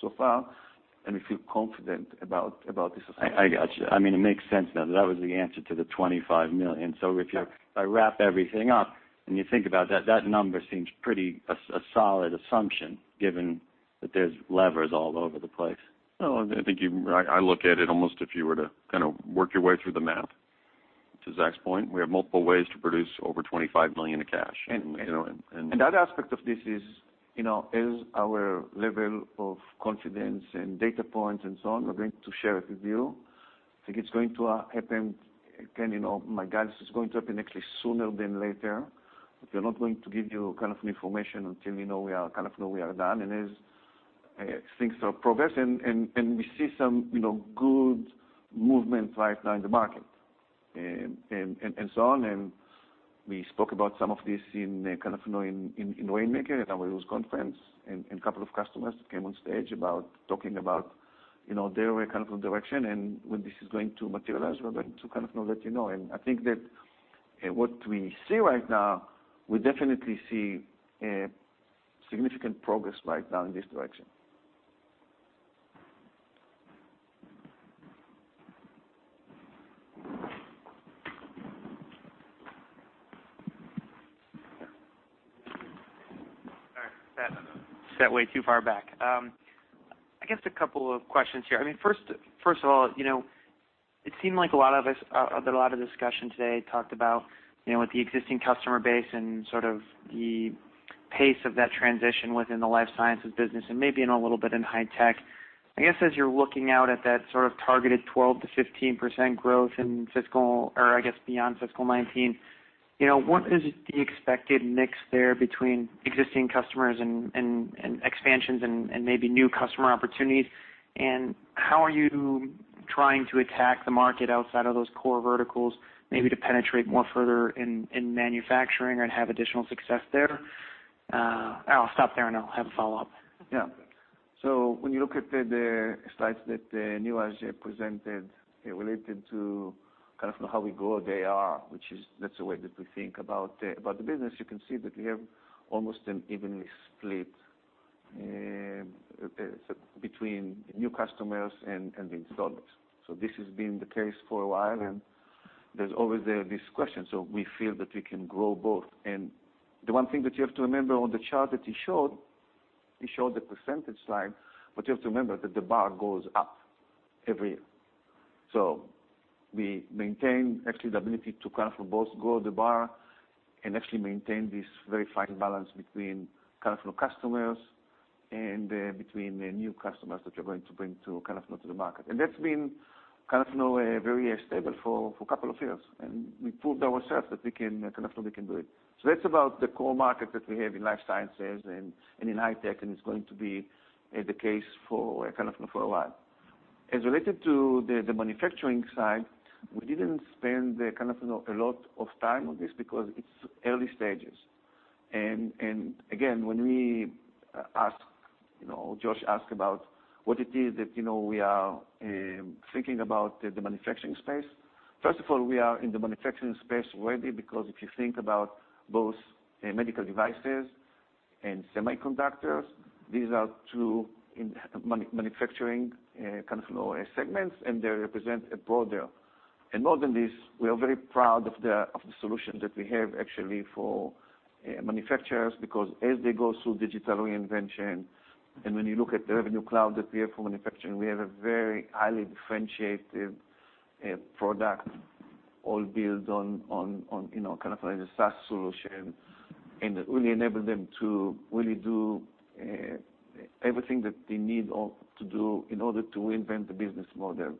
so far, and we feel confident about this assumption. I got you. It makes sense now that was the answer to the $25 million. If I wrap everything up and you think about that number seems pretty a solid assumption given that there's levers all over the place. I think I look at it almost if you were to kind of work your way through the math. To Zack's point, we have multiple ways to produce over $25 million of cash. The other aspect of this is our level of confidence and data points and so on, we're going to share it with you. I think it's going to happen, again, my guess is it's going to happen actually sooner than later. We're not going to give you information until we are done, and as things are progressing, and we see some good movement right now in the market and so on. We spoke about some of this in Rainmaker at our user conference, and a couple of customers came on stage talking about their direction, and when this is going to materialize, we're going to let you know. I think that what we see right now, we definitely see significant progress right now in this direction. All right. Sat way too far back. I guess a couple of questions here. First of all, it seemed like a lot of the discussion today talked about with the existing customer base and sort of the pace of that transition within the life sciences business and maybe in a little bit in high tech. I guess as you're looking out at that sort of targeted 12%-15% growth in fiscal, or I guess beyond fiscal 2019, what is the expected mix there between existing customers and expansions and maybe new customer opportunities? How are you trying to attack the market outside of those core verticals, maybe to penetrate more further in manufacturing or have additional success there? I'll stop there, and I'll have a follow-up. Yeah. When you look at the slides that Neeraj presented related to how we grow DAR, that's the way that we think about the business. You can see that we have almost an evenly split between new customers and the installed base. This has been the case for a while, and there's always this question. We feel that we can grow both. The one thing that you have to remember on the chart that he showed, he showed the percentage slide, but you have to remember that the bar goes up every year. We maintain, actually, the ability to both grow the bar and actually maintain this very fine balance between customers and between the new customers that we're going to bring to the market. That's been very stable for a couple of years, and we proved ourselves that we can do it. That's about the core market that we have in life sciences and in high tech, and it's going to be the case for a while. As related to the manufacturing side, we didn't spend a lot of time on this because it's early stages. Again, when Josh asked about what it is that we are thinking about the manufacturing space. First of all, we are in the manufacturing space already, because if you think about both medical devices and semiconductors, these are two manufacturing segments, and they represent a broader. More than this, we are very proud of the solution that we have actually for manufacturers, because as they go through digital reinvention, when you look at the Revenue Cloud that we have for manufacturing, we have a very highly differentiated product all built on a SaaS solution, and it really enable them to really do everything that they need to do in order to reinvent the business model,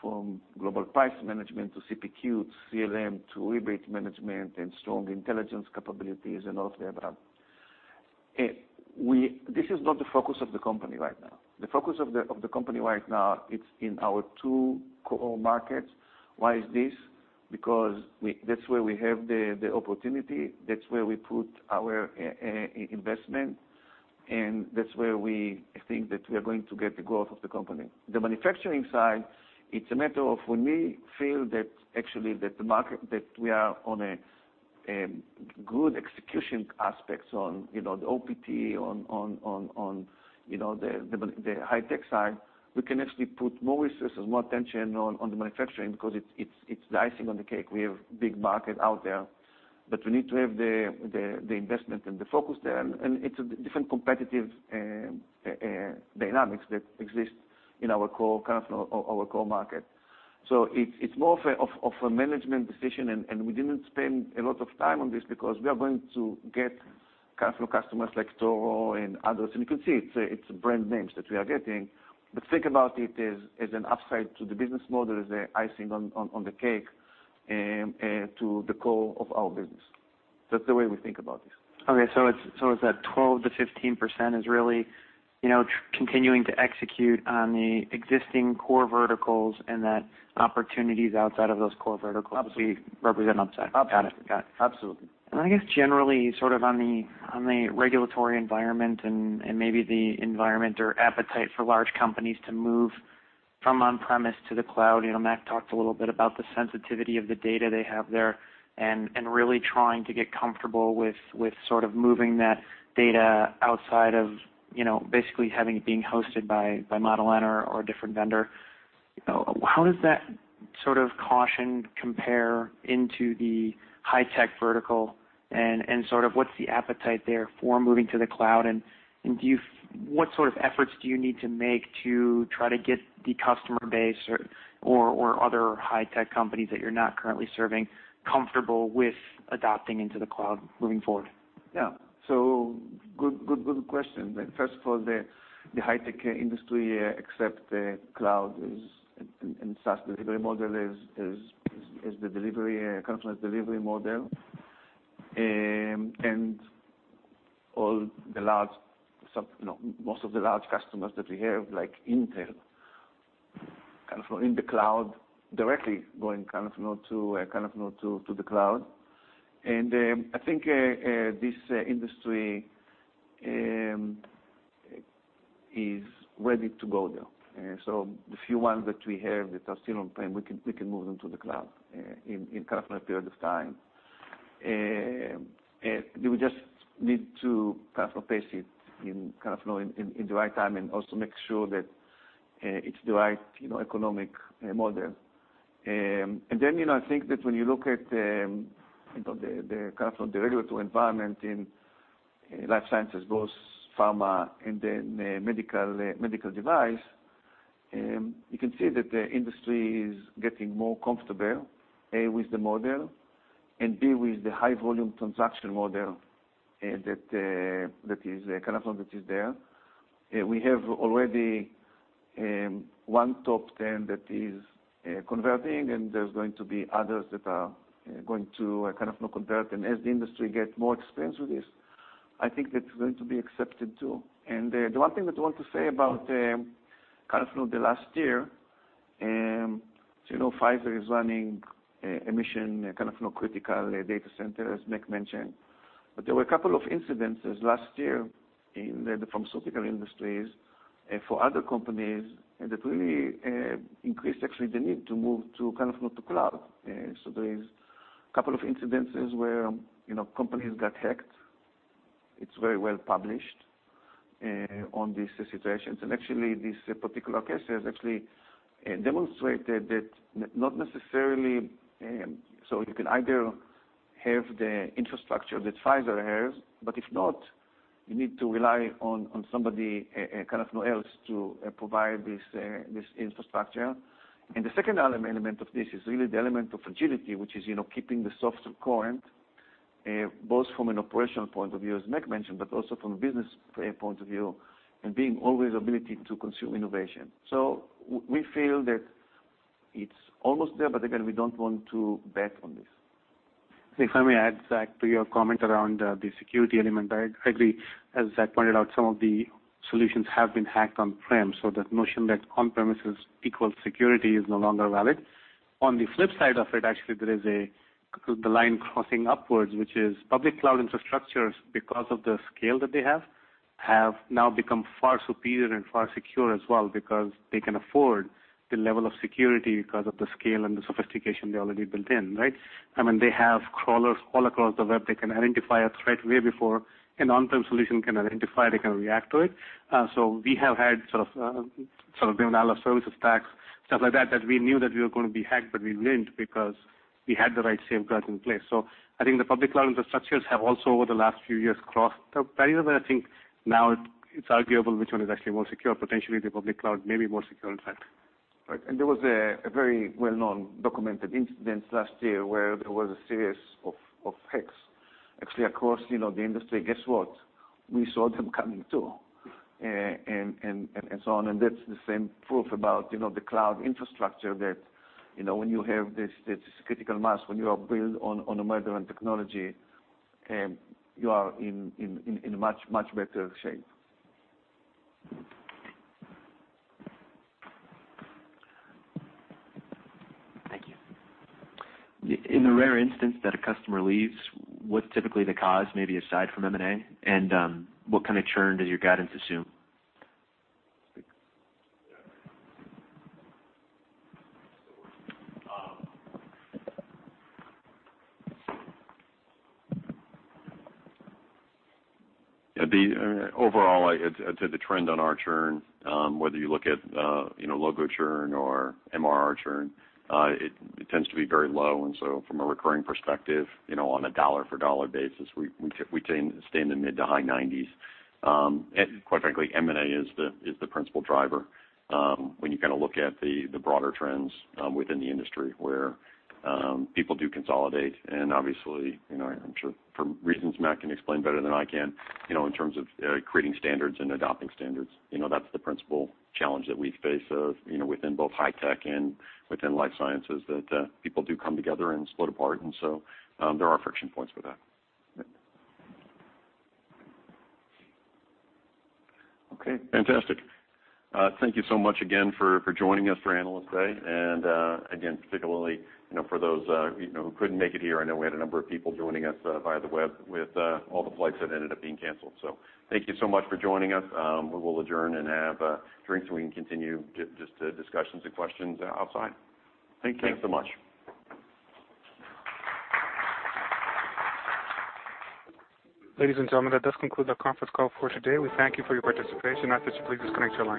from Global Price Management to CPQ, to CLM, to rebate management and strong intelligence capabilities and all of the above. This is not the focus of the company right now. The focus of the company right now, it's in our two core markets. Why is this? That's where we have the opportunity, that's where we put our investment, and that's where we think that we are going to get the growth of the company. The manufacturing side, it's a matter of when we feel that actually that we are on a good execution aspects on the OPT, on the high tech side. We can actually put more resources, more attention on the manufacturing because it's the icing on the cake. We have big market out there, but we need to have the investment and the focus there, and it's a different competitive dynamics that exist in our core market. It's more of a management decision, and we didn't spend a lot of time on this because we are going to get customers like Toro and others, and you can see it's brand names that we are getting. Think about it as an upside to the business model as a icing on the cake to the core of our business. That's the way we think about this. Okay. It's that 12%-15% is really continuing to execute on the existing core verticals and that opportunities outside of those core verticals. Absolutely. Would be represent upside. Absolutely. Got it. Absolutely. I guess generally, sort of on the regulatory environment and maybe the environment or appetite for large companies to move from on-premise to the cloud, Mac talked a little bit about the sensitivity of the data they have there and really trying to get comfortable with sort of moving that data outside of basically having it being hosted by Model N or a different vendor. How does that sort of caution compare into the high-tech vertical, and sort of what's the appetite there for moving to the cloud, and what sort of efforts do you need to make to try to get the customer base or other high-tech companies that you're not currently serving comfortable with adopting into the cloud moving forward? Yeah. Good question. First of all, the high-tech industry accept the cloud and SaaS delivery model as the delivery model. Most of the large customers that we have, like Intel, in the cloud, directly going to the cloud. I think this industry is ready to go there. The few ones that we have that are still on-prem, we can move them to the cloud in a period of time. We just need to pace it in the right time and also make sure that it's the right economic model. I think that when you look at the regulatory environment in life sciences, both pharma and then medical device, you can see that the industry is getting more comfortable, A, with the model, and B, with the high volume transaction model that is there. We have already one top 10 that is converting, and there's going to be others that are going to convert. As the industry get more experience with this, I think that's going to be accepted, too. The one thing that I want to say about the last year- Pfizer is running a mission, kind of non-critical data center, as Mac mentioned. There were a couple of incidences last year in the pharmaceutical industries for other companies that really increased, actually, the need to move to kind of move to cloud. There is a couple of incidences where companies got hacked. It's very well published on these situations. This particular case has actually demonstrated that not necessarily. You can either have the infrastructure that Pfizer has, but if not, you need to rely on somebody else to provide this infrastructure. The second element of this is really the element of agility, which is keeping the software current, both from an operational point of view, as Mac mentioned, but also from a business point of view, and being always ability to consume innovation. We feel that it's almost there, but again, we don't want to bet on this. If I may add, Zack, to your comment around the security element, I agree. As Zack pointed out, some of the solutions have been hacked on-prem, so that notion that on-premises equals security is no longer valid. On the flip side of it, actually, there is the line crossing upwards, which is public cloud infrastructures, because of the scale that they have now become far superior and far secure as well because they can afford the level of security because of the scale and the sophistication they already built in. Right? They have crawlers all across the web. They can identify a threat way before an on-prem solution can identify, they can react to it. We have had sort of service attacks, stuff like that we knew that we were going to be hacked, but we weren't because we had the right safeguards in place. I think the public cloud infrastructures have also, over the last few years, crossed the barrier where I think now it's arguable which one is actually more secure. Potentially, the public cloud may be more secure, in fact. Right. There was a very well-known documented incident last year where there was a series of hacks, actually, across the industry. Guess what? We saw them coming, too, and so on. That's the same proof about the cloud infrastructure, that when you have this critical mass, when you are built on a modern technology, you are in much better shape. Thank you. In the rare instance that a customer leaves, what's typically the cause, maybe aside from M&A? What kind of churn does your guidance assume? Overall, I'd say the trend on our churn, whether you look at logo churn or MRR churn, it tends to be very low. From a recurring perspective, on a dollar for dollar basis, we stay in the mid to high 90s. Quite frankly, M&A is the principal driver when you look at the broader trends within the industry where people do consolidate, and obviously, I'm sure for reasons Mac can explain better than I can, in terms of creating standards and adopting standards, that's the principal challenge that we face within both high tech and within life sciences, that people do come together and split apart, there are friction points for that. Okay. Fantastic. Thank you so much again for joining us for Analyst Day. Again, particularly for those who couldn't make it here, I know we had a number of people joining us via the web with all the flights that ended up being canceled. Thank you so much for joining us. We will adjourn and have drinks. We can continue just the discussions and questions outside. Thank you. Thanks so much. Ladies and gentlemen, that does conclude our conference call for today. We thank you for your participation. I suggest you please disconnect your lines.